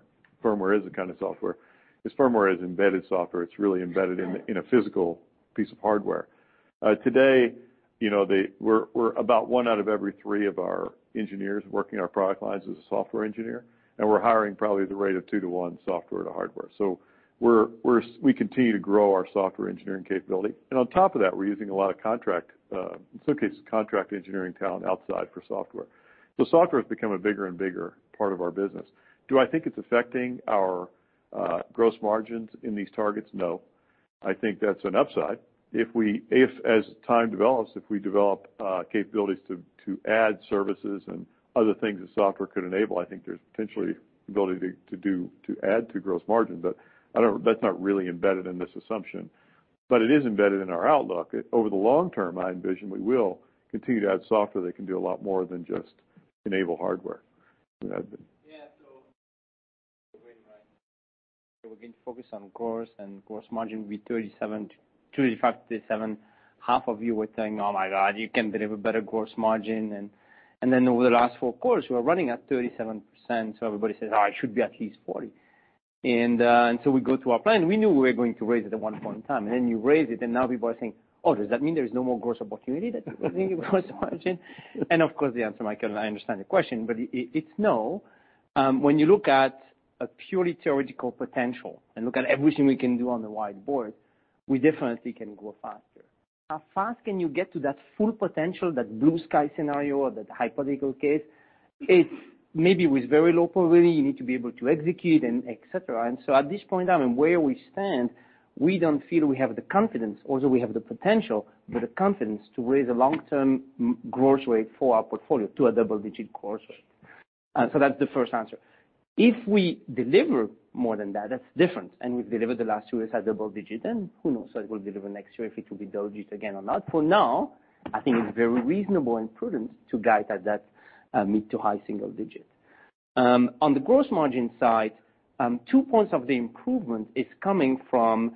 is a kind of software, is firmware is embedded software. It's really embedded in a physical piece of hardware. Today, about one out of every three of our engineers working our product lines is a software engineer, and we're hiring probably at the rate of two to one software to hardware. We continue to grow our software engineering capability. On top of that, we're using a lot of contract, in some cases, contract engineering talent outside for software. Software has become a bigger and bigger part of our business. Do I think it's affecting our gross margins in these targets? No. I think that's an upside. As time develops, if we develop capabilities to add services and other things that software could enable, I think there's potentially ability to add to gross margin. That's not really embedded in this assumption. It is embedded in our outlook. Over the long term, I envision we will continue to add software that can do a lot more than just enable hardware. Yeah. Again, focus on gross and gross margin be 35%-37%. Half of you were thinking, "Oh my God, you can deliver better gross margin." Over the last four quarters, we're running at 37%, so everybody says, "Ah, it should be at least 40%." We go to our plan. We knew we were going to raise it at one point in time. You raise it and now people are saying, "Oh, does that mean there is no more gross opportunity?" That you're putting in gross margin? Of course, the answer, Michael, I understand the question, but it's no. When you look at a purely theoretical potential and look at everything we can do on the whiteboard, we definitely can grow faster. How fast can you get to that full potential, that blue sky scenario or that hypothetical case? It maybe with very low probability, you need to be able to execute and et cetera. At this point where we stand, we don't feel we have the confidence, although we have the potential, the confidence to raise a long-term gross rate for our portfolio to a double-digit gross rate. That's the first answer. If we deliver more than that's different, and we've delivered the last two as a double-digit, then who knows? It will deliver next year if it will be double-digit again or not. For now, I think it's very reasonable and prudent to guide that mid to high single-digit. On the gross margin side, two points of the improvement is coming from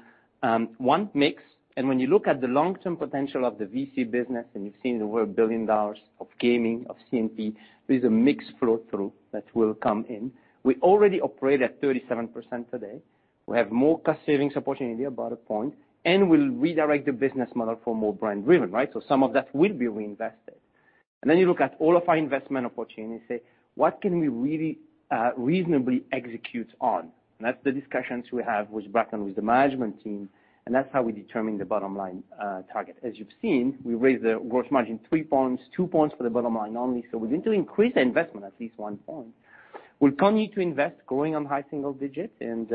one mix. When you look at the long-term potential of the VC business, you've seen over CHF 1 billion of Gaming, of C&P, there's a mix flow through that will come in. We already operate at 37% today. We have more cost-saving opportunity about one point, we'll redirect the business model for more brand driven, right? Some of that will be reinvested. Then you look at all of our investment opportunities, say, what can we really reasonably execute on? That's the discussions we have with Bracken, with the management team, that's how we determine the bottom line target. As you've seen, we raised the gross margin three points, two points for the bottom line only. We need to increase the investment at least one point. We'll continue to invest going on high single digits. It's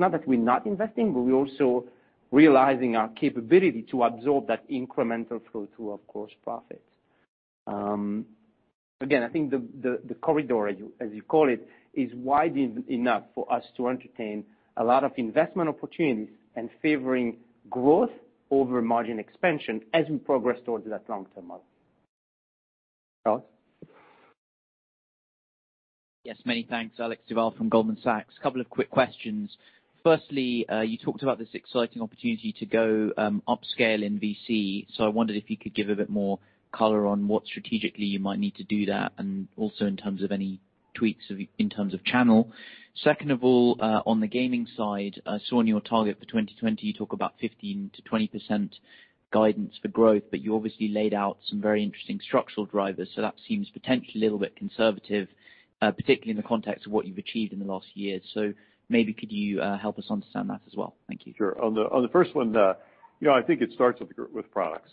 not that we're not investing, but we're also realizing our capability to absorb that incremental flow through of gross profits. Again, I think the corridor, as you call it, is wide enough for us to entertain a lot of investment opportunities and favoring growth over margin expansion as we progress towards that long-term model. Charles? Yes, many thanks. Alex Duval from Goldman Sachs. Couple of quick questions. Firstly, you talked about this exciting opportunity to go upscale in VC, so I wondered if you could give a bit more color on what strategically you might need to do that, also in terms of any tweaks in terms of channel. Second of all, on the Gaming side, I saw in your target for 2020, you talk about 15%-20% guidance for growth, you obviously laid out some very interesting structural drivers, that seems potentially a little bit conservative, particularly in the context of what you've achieved in the last year. Maybe could you help us understand that as well? Thank you. Sure. On the first one, I think it starts with products.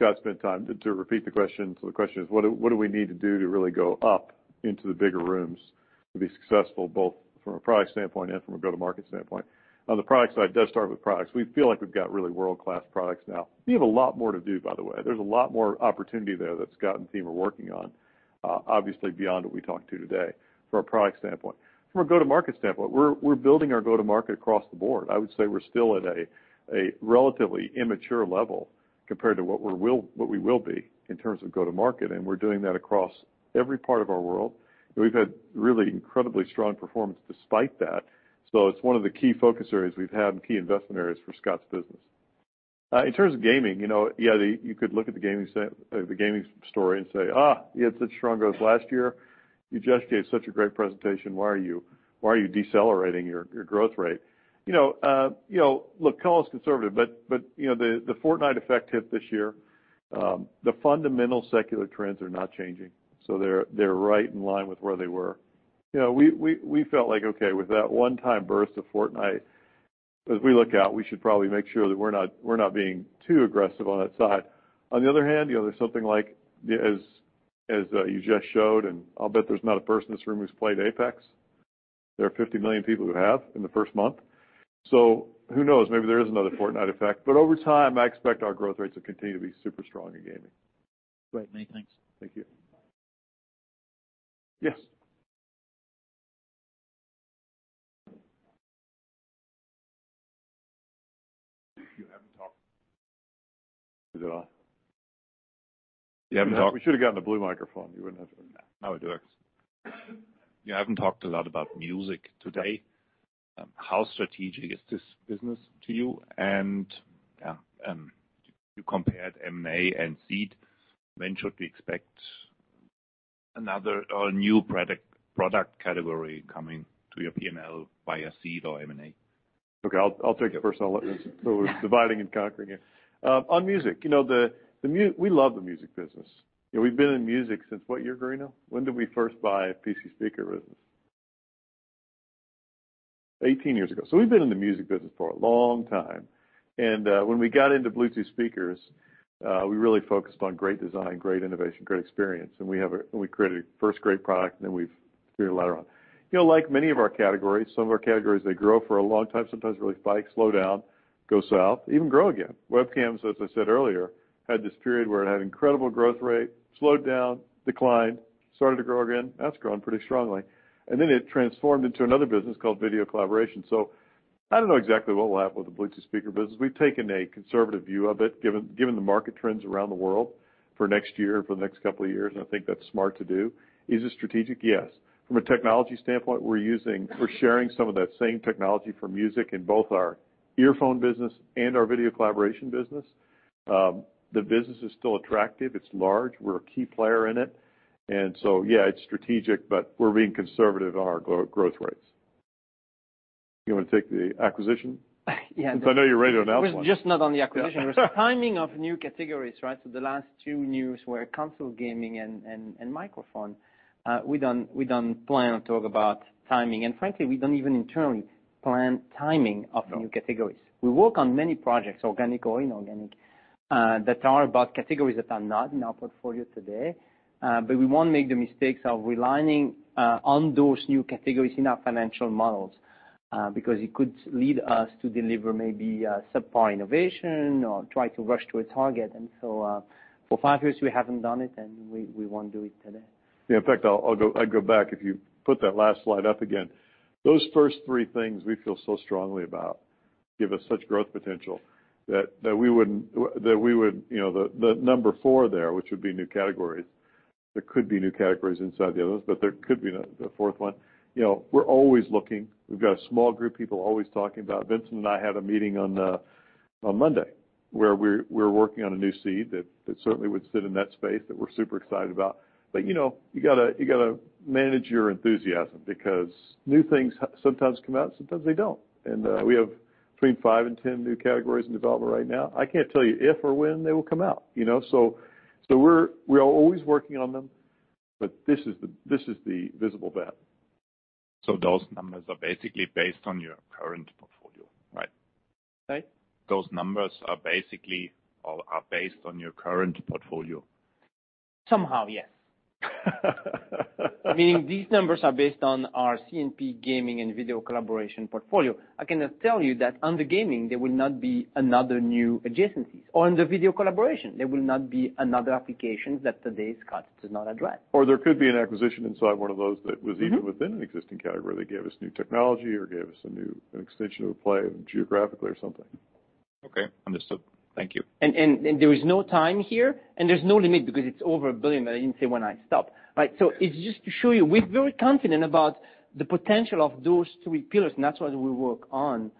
Scott spent time. To repeat the question, the question is, what do we need to do to really go up into the bigger rooms to be successful, both from a product standpoint and from a go-to-market standpoint? On the product side, it does start with products. We feel like we've got really world-class products now. We have a lot more to do, by the way. There's a lot more opportunity there that Scott and team are working on, obviously beyond what we talked to today from a product standpoint. From a go-to-market standpoint, we're building our go-to-market across the board. I would say we're still at a relatively immature level compared to what we will be in terms of go to market, we're doing that across every part of our world. We've had really incredibly strong performance despite that. It's one of the key focus areas we've had and key investment areas for Scott's business. In terms of gaming, you could look at the gaming story and say, "You had such strong growth last year. You just gave such a great presentation. Why are you decelerating your growth rate?" Look, call us conservative, the Fortnite effect hit this year. The fundamental secular trends are not changing, they're right in line with where they were. We felt like, okay, with that one-time burst of Fortnite, as we look out, we should probably make sure that we're not being too aggressive on that side. On the other hand, there's something like, as you just showed, and I'll bet there's not a person in this room who's played Apex. There are 50 million people who have in the first month. Who knows? Maybe there is another Fortnite effect. Over time, I expect our growth rates to continue to be super strong in gaming. Great, many thanks. Thank you. Yes. We should have gotten the Blue microphone. No, it works. You haven't talked a lot about music today. How strategic is this business to you? You compared M&A and seed. When should we expect another or new product category coming to your P&L via seed or M&A. Okay. I'll take it first, we're dividing and conquering it. On music, we love the music business. We've been in music since what year, Bruno? When did we first buy PC speaker business? 18 years ago. We've been in the music business for a long time. When we got into Bluetooth speakers, we really focused on great design, great innovation, great experience. We created a first great product, then we've built later on. Like many of our categories, some of our categories, they grow for a long time, sometimes really spike, slow down, go south, even grow again. Webcams, as I said earlier, had this period where it had incredible growth rate, slowed down, declined, started to grow again. That's grown pretty strongly. Then it transformed into another business called Video Collaboration. I don't know exactly what will happen with the Bluetooth speaker business. We've taken a conservative view of it, given the market trends around the world for next year, for the next couple of years, and I think that's smart to do. Is it strategic? Yes. From a technology standpoint, we're sharing some of that same technology for music in both our earphone business and our Video Collaboration business. The business is still attractive. It's large. We're a key player in it. Yeah, it's strategic, but we're being conservative on our growth rates. You want to take the acquisition? Yeah. Since I know you're ready to announce one. It was just not on the acquisition. It was the timing of new categories, right? The last two news were console gaming and microphone. We don't plan on talk about timing, and frankly, we don't even internally plan timing of new categories. We work on many projects, organic or inorganic, that are about categories that are not in our portfolio today. We won't make the mistakes of relying on those new categories in our financial models, because it could lead us to deliver maybe a subpar innovation or try to rush to a target. For five years we haven't done it, and we won't do it today. Yeah. In fact, I'll go back. If you put that last slide up again, those first three things we feel so strongly about, give us such growth potential, that the number 4 there, which would be new categories, there could be new categories inside the others, but there could be the fourth one. We're always looking. We've got a small group of people always talking about it. Vincent and I had a meeting on Monday, where we're working on a new seed that certainly would sit in that space, that we're super excited about. You got to manage your enthusiasm, because new things sometimes come out, sometimes they don't. We have between 5 and 10 new categories in development right now. I can't tell you if or when they will come out. We are always working on them, but this is the visible bet. Those numbers are basically based on your current portfolio. Right? Sorry? Those numbers are basically, or are based on your current portfolio. Somehow, yes. Meaning these numbers are based on our C&P gaming and video collaboration portfolio. I cannot tell you that under gaming, there will not be another new adjacencies, or under video collaboration, there will not be another application that today's cut does not address. There could be an acquisition inside one of those that was even within an existing category that gave us new technology or gave us a new extension of a play geographically or something. Okay. Understood. Thank you. There is no time here, and there's no limit because it's over a billion, but I didn't say when I stop. Right? It's just to show you, we're very confident about the potential of those three pillars, and that's what we work on.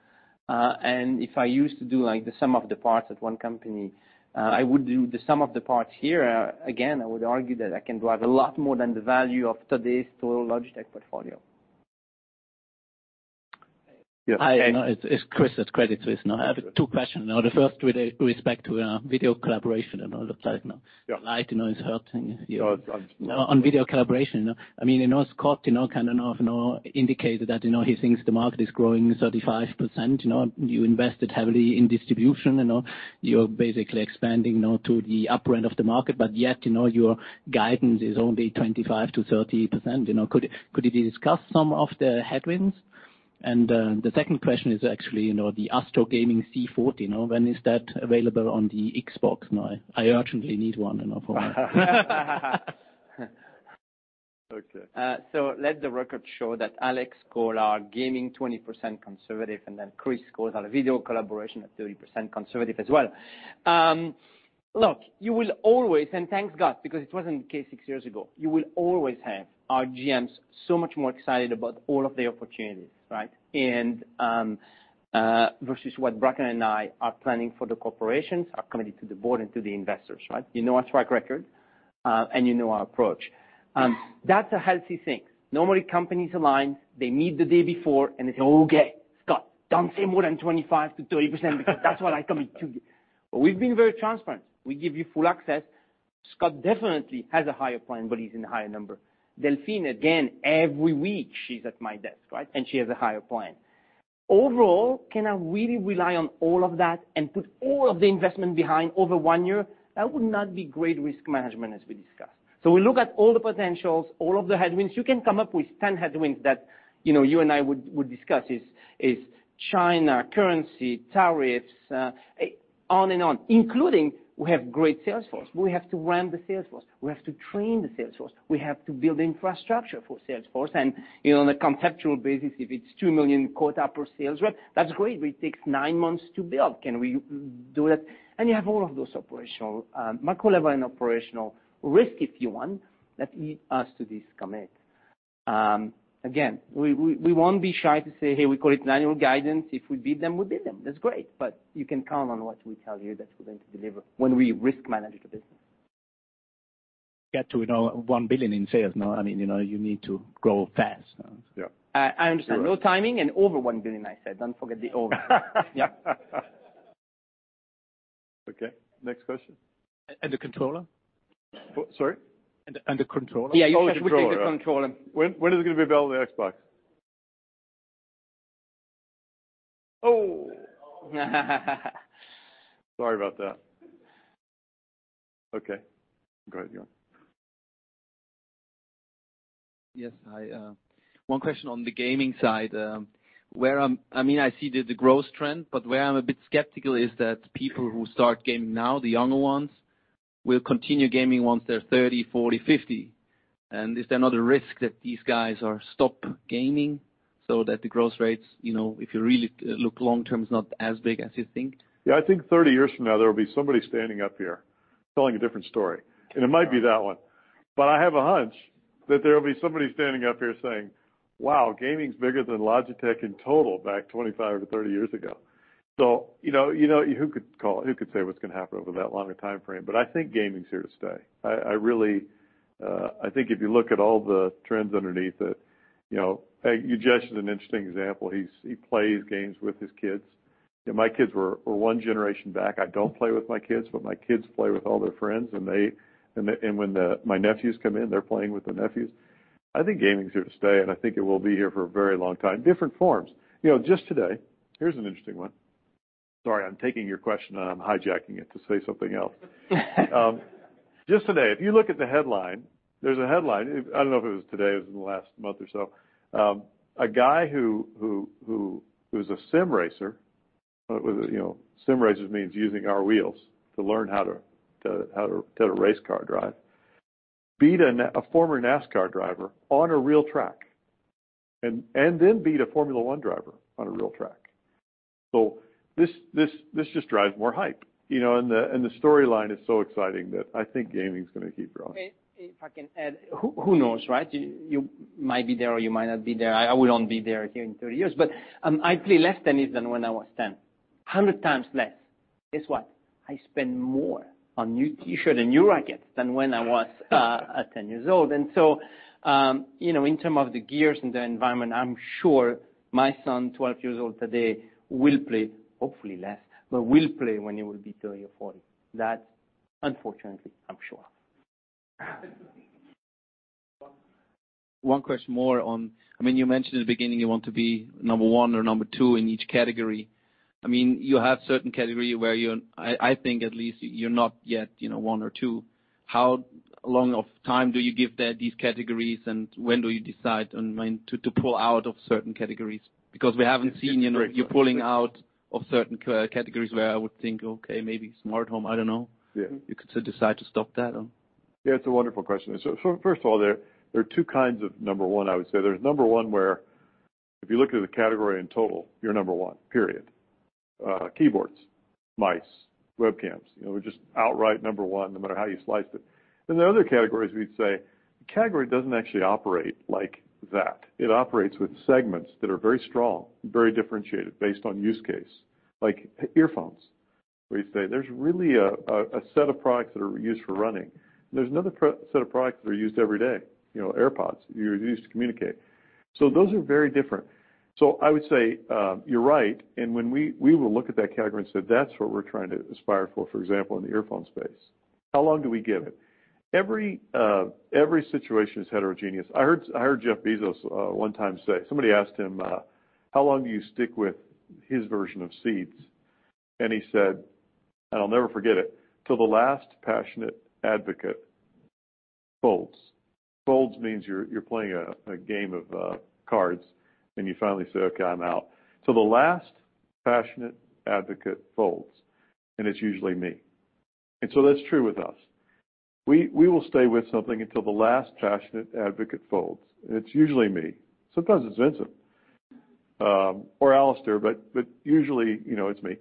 If I used to do like the sum of the parts at one company, I would do the sum of the parts here. Again, I would argue that I can drive a lot more than the value of today's total Logitech portfolio. Yes, okay. It's Chris at Credit Suisse now. I have two questions now. The first with respect to video collaboration and all of that now. Yeah. The light is hurting. No. On video collaboration, I know Scott kind of indicated that he thinks the market is growing 35%. You invested heavily in distribution. You're basically expanding now to the upper end of the market, but yet your guidance is only 25%-30%. Could you discuss some of the headwinds? The second question is actually the ASTRO Gaming C40. When is that available on the Xbox now? I urgently need one for my- Okay. Let the record show that Alex called our gaming 20% conservative. Chris calls our video collaboration at 30% conservative as well. Look, you will always, and thank God, because it wasn't the case six years ago, you will always have our GMs so much more excited about all of the opportunities, right? Versus what Bracken and I are planning for the corporations, are committed to the board and to the investors, right? You know our track record, and you know our approach. That's a healthy thing. Normally, companies align, they meet the day before, and they say, "Okay, Scott, don't say more than 25%-30%, because that's what I commit to you." We've been very transparent. We give you full access. Scott definitely has a higher plan, but he's in the higher number. Delphine, again, every week she's at my desk, right? She has a higher plan. Overall, can I really rely on all of that and put all of the investment behind over one year? That would not be great risk management as we discussed. We look at all the potentials, all of the headwinds. You can come up with 10 headwinds that you and I would discuss, is China, currency, tariffs, on and on, including we have great sales force. We have to run the sales force. We have to train the sales force. We have to build infrastructure for sales force. On a conceptual basis, if it's 2 million quota per sales rep, that's great, but it takes nine months to build. Can we do that? You have all of those macro level and operational risk, if you want, that lead us to this commit. Again, we won't be shy to say, "Hey, we call it annual guidance. If we beat them, we beat them." That's great, you can count on what we tell you that we're going to deliver when we risk manage a business. Get to 1 billion in sales. You need to grow fast. Yeah. I understand. No timing, and over 1 billion, I said. Don't forget the over. Okay, next question. The controller? Sorry? The controller? Yeah. Oh, the controller. We did the controller. When is it going to be available on the Xbox? Oh. Sorry about that. Okay, go ahead. Yeah. Yes. One question on the gaming side. I see the growth trend, but where I'm a bit skeptical is that people who start gaming now, the younger ones, will continue gaming once they're 30, 40, 50. Is there not a risk that these guys stop gaming so that the growth rates, if you really look long term, is not as big as you think? I think 30 years from now, there will be somebody standing up here telling a different story, and it might be that one. I have a hunch that there will be somebody standing up here saying, "Wow, gaming's bigger than Logitech in total back 25 or 30 years ago." Who could say what's going to happen over that long a timeframe? I think gaming's here to stay. I think if you look at all the trends underneath it, Ujesh is an interesting example. He plays games with his kids, and my kids were one generation back. I don't play with my kids, but my kids play with all their friends, and when my nephews come in, they're playing with the nephews. I think gaming's here to stay, and I think it will be here for a very long time. Different forms. Just today, here's an interesting one. Sorry, I'm taking your question and I'm hijacking it to say something else. Just today, if you look at the headline, there's a headline, I don't know if it was today, it was in the last month or so. A guy who's a sim racer, sim racers means using our wheels to learn how to race car drive, beat a former NASCAR driver on a real track, and then beat a Formula One driver on a real track. This just drives more hype, and the storyline is so exciting that I think gaming's going to keep growing. If I can add, who knows, right? You might be there or you might not be there. I will not be there here in 30 years, but I play less tennis than when I was 10, 100 times less. Guess what? I spend more on new T-shirts and new rackets than when I was 10 years old. In term of the gears and the environment, I'm sure my son, 12 years old today, will play, hopefully less, but will play when he will be 30 or 40. That, unfortunately, I'm sure. One question more on, you mentioned in the beginning you want to be number one or number two in each category. You have certain category where, I think at least, you're not yet one or two. How long of time do you give these categories, and when do you decide on when to pull out of certain categories? Because we haven't seen you pulling out of certain categories where I would think, okay, maybe smart home. I don't know. Yeah. You could decide to stop that. It's a wonderful question. First of all, there are two kinds of number one, I would say. There's number one where if you look at the category in total, you're number one, period. Keyboards, mice, webcams, we're just outright number one, no matter how you slice it. There are other categories we'd say, the category doesn't actually operate like that. It operates with segments that are very strong, very differentiated based on use case. Like earphones, where you say there's really a set of products that are used for running, and there's another set of products that are used every day, AirPods, you use to communicate. Those are very different. I would say you're right, and we will look at that category and say, that's what we're trying to aspire for example, in the earphone space. How long do we give it? Every situation is heterogeneous. I heard Jeff Bezos one time say, somebody asked him, how long do you stick with his version of Seeds? He said, and I'll never forget it, "Till the last passionate advocate folds." Folds means you're playing a game of cards and you finally say, "Okay, I'm out." "Till the last passionate advocate folds, and it's usually me." That's true with us. We will stay with something until the last passionate advocate folds, and it's usually me. Sometimes it's Vincent, or Alastair, usually it's me.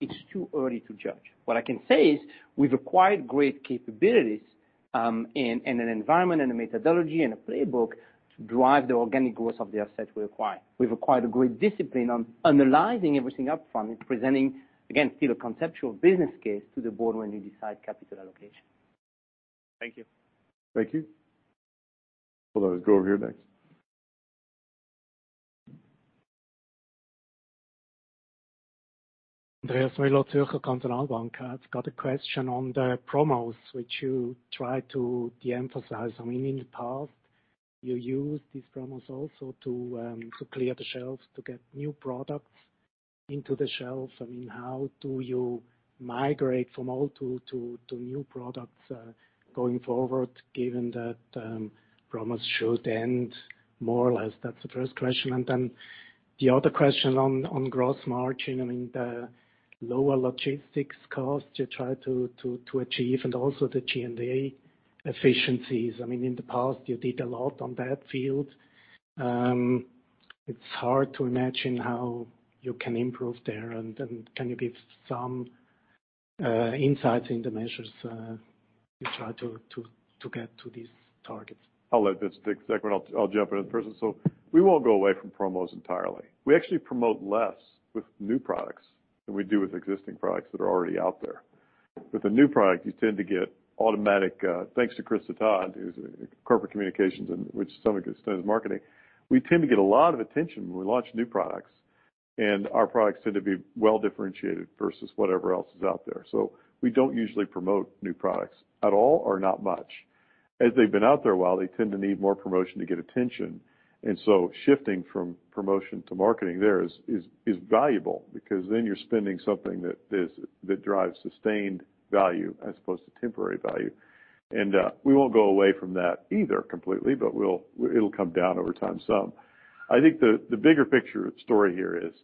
It's too early to judge. What I can say is we've acquired great capabilities, an environment, and a methodology, and a playbook to drive the organic growth of the asset we acquire. We've acquired a great discipline on analyzing everything up front and presenting, again, still a conceptual business case to the board when we decide capital allocation. Thank you. Thank you. Let us go over here next. Andreas Müller, Zürcher Kantonalbank. I've got a question on the promos, which you try to de-emphasize. In the past, you used these promos also to clear the shelves, to get new products into the shelves. How do you migrate from old to new products, going forward, given that, promos should end more or less? That's the first question. The other question on gross margin. The lower logistics cost you try to achieve and also the G&A efficiencies. In the past, you did a lot on that field. It's hard to imagine how you can improve there. Can you give some insights into measures you try to get to these targets? I'll let this take a second. I'll jump in first. We won't go away from promos entirely. We actually promote less with new products than we do with existing products that are already out there. With a new product, you tend to get thanks to Chris Attad, who's corporate communications, and which some extends marketing. We tend to get a lot of attention when we launch new products. Our products tend to be well-differentiated versus whatever else is out there. We don't usually promote new products at all or not much. As they've been out there a while, they tend to need more promotion to get attention. Shifting from promotion to marketing there is valuable because then you're spending something that drives sustained value as opposed to temporary value. We won't go away from that either completely, but it'll come down over time some. I think the bigger picture story here is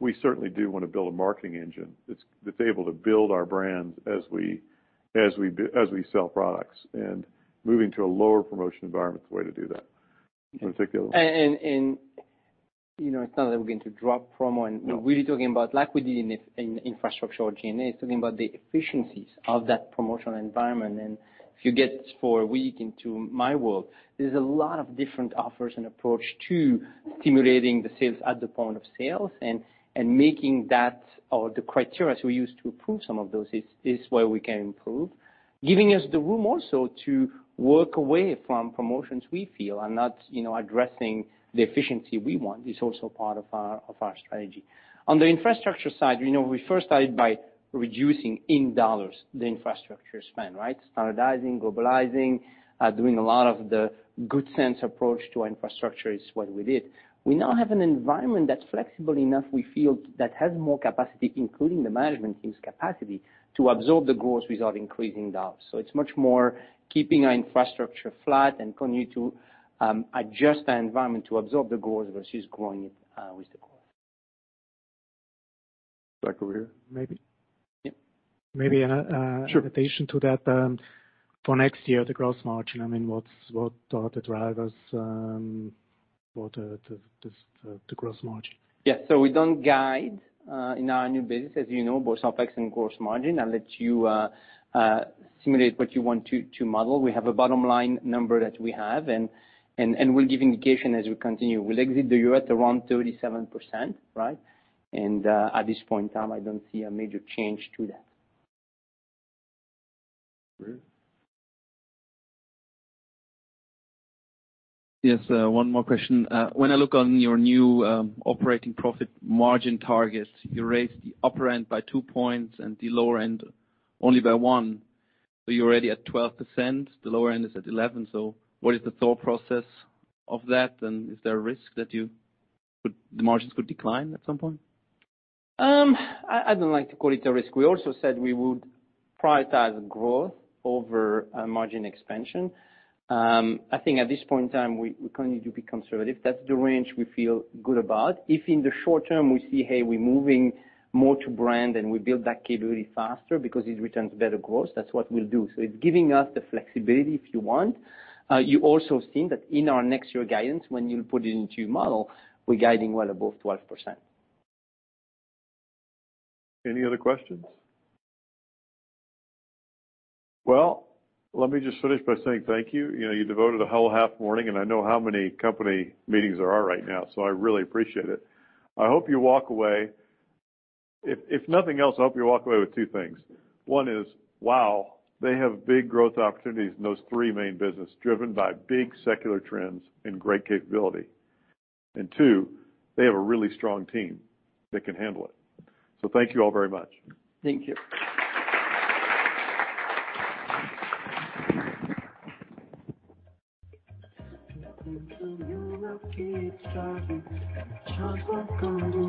we certainly do want to build a marketing engine that's able to build our brands as we sell products and moving to a lower promotion environment is the way to do that. You want to take the other one? It's not that we're going to drop promo. No. We're really talking about like we did in infrastructure or G&A, it's talking about the efficiencies of that promotional environment. If you get for a week into my world, there's a lot of different offers and approach to stimulating the sales at the point of sales and making that or the criteria we use to approve some of those is where we can improve. Giving us the room also to work away from promotions we feel are not addressing the efficiency we want is also part of our strategy. On the infrastructure side, we first started by reducing in CHF the infrastructure spend, right? Standardizing, globalizing, doing a lot of the good sense approach to infrastructure is what we did. We now have an environment that's flexible enough, we feel that has more capacity, including the management team's capacity, to absorb the growth without increasing CHF. It's much more keeping our infrastructure flat and continue to adjust our environment to absorb the growth versus growing it with the growth. Back over here. Maybe. Yeah. Maybe. Sure addition to that. For next year, the gross margin, what are the drivers for the gross margin? Yeah. We don't guide in our new business, as you know, both OpEx and gross margin. I'll let you simulate what you want to model. We have a bottom-line number that we have, and we'll give indication as we continue. We'll exit the year at around 37%, right? At this point in time, I don't see a major change to that. Ruud. Yes, one more question. When I look on your new operating profit margin targets, you raised the upper end by two points and the lower end only by one. You're already at 12%, the lower end is at 11, so what is the thought process of that? Is there a risk that the margins could decline at some point? I don't like to call it a risk. We also said we would prioritize growth over margin expansion. I think at this point in time, we continue to be conservative. That's the range we feel good about. If in the short term we see, hey, we're moving more to brand and we build that capability faster because it returns better growth, that's what we'll do. It's giving us the flexibility, if you want. You also have seen that in our next year guidance, when you put it into your model, we're guiding well above 12%. Any other questions? Well, let me just finish by saying thank you. You devoted a whole half morning, and I know how many company meetings there are right now, so I really appreciate it. If nothing else, I hope you walk away with two things. One is, wow, they have big growth opportunities in those three main business, driven by big secular trends and great capability. Two, they have a really strong team that can handle it. Thank you all very much. Thank you.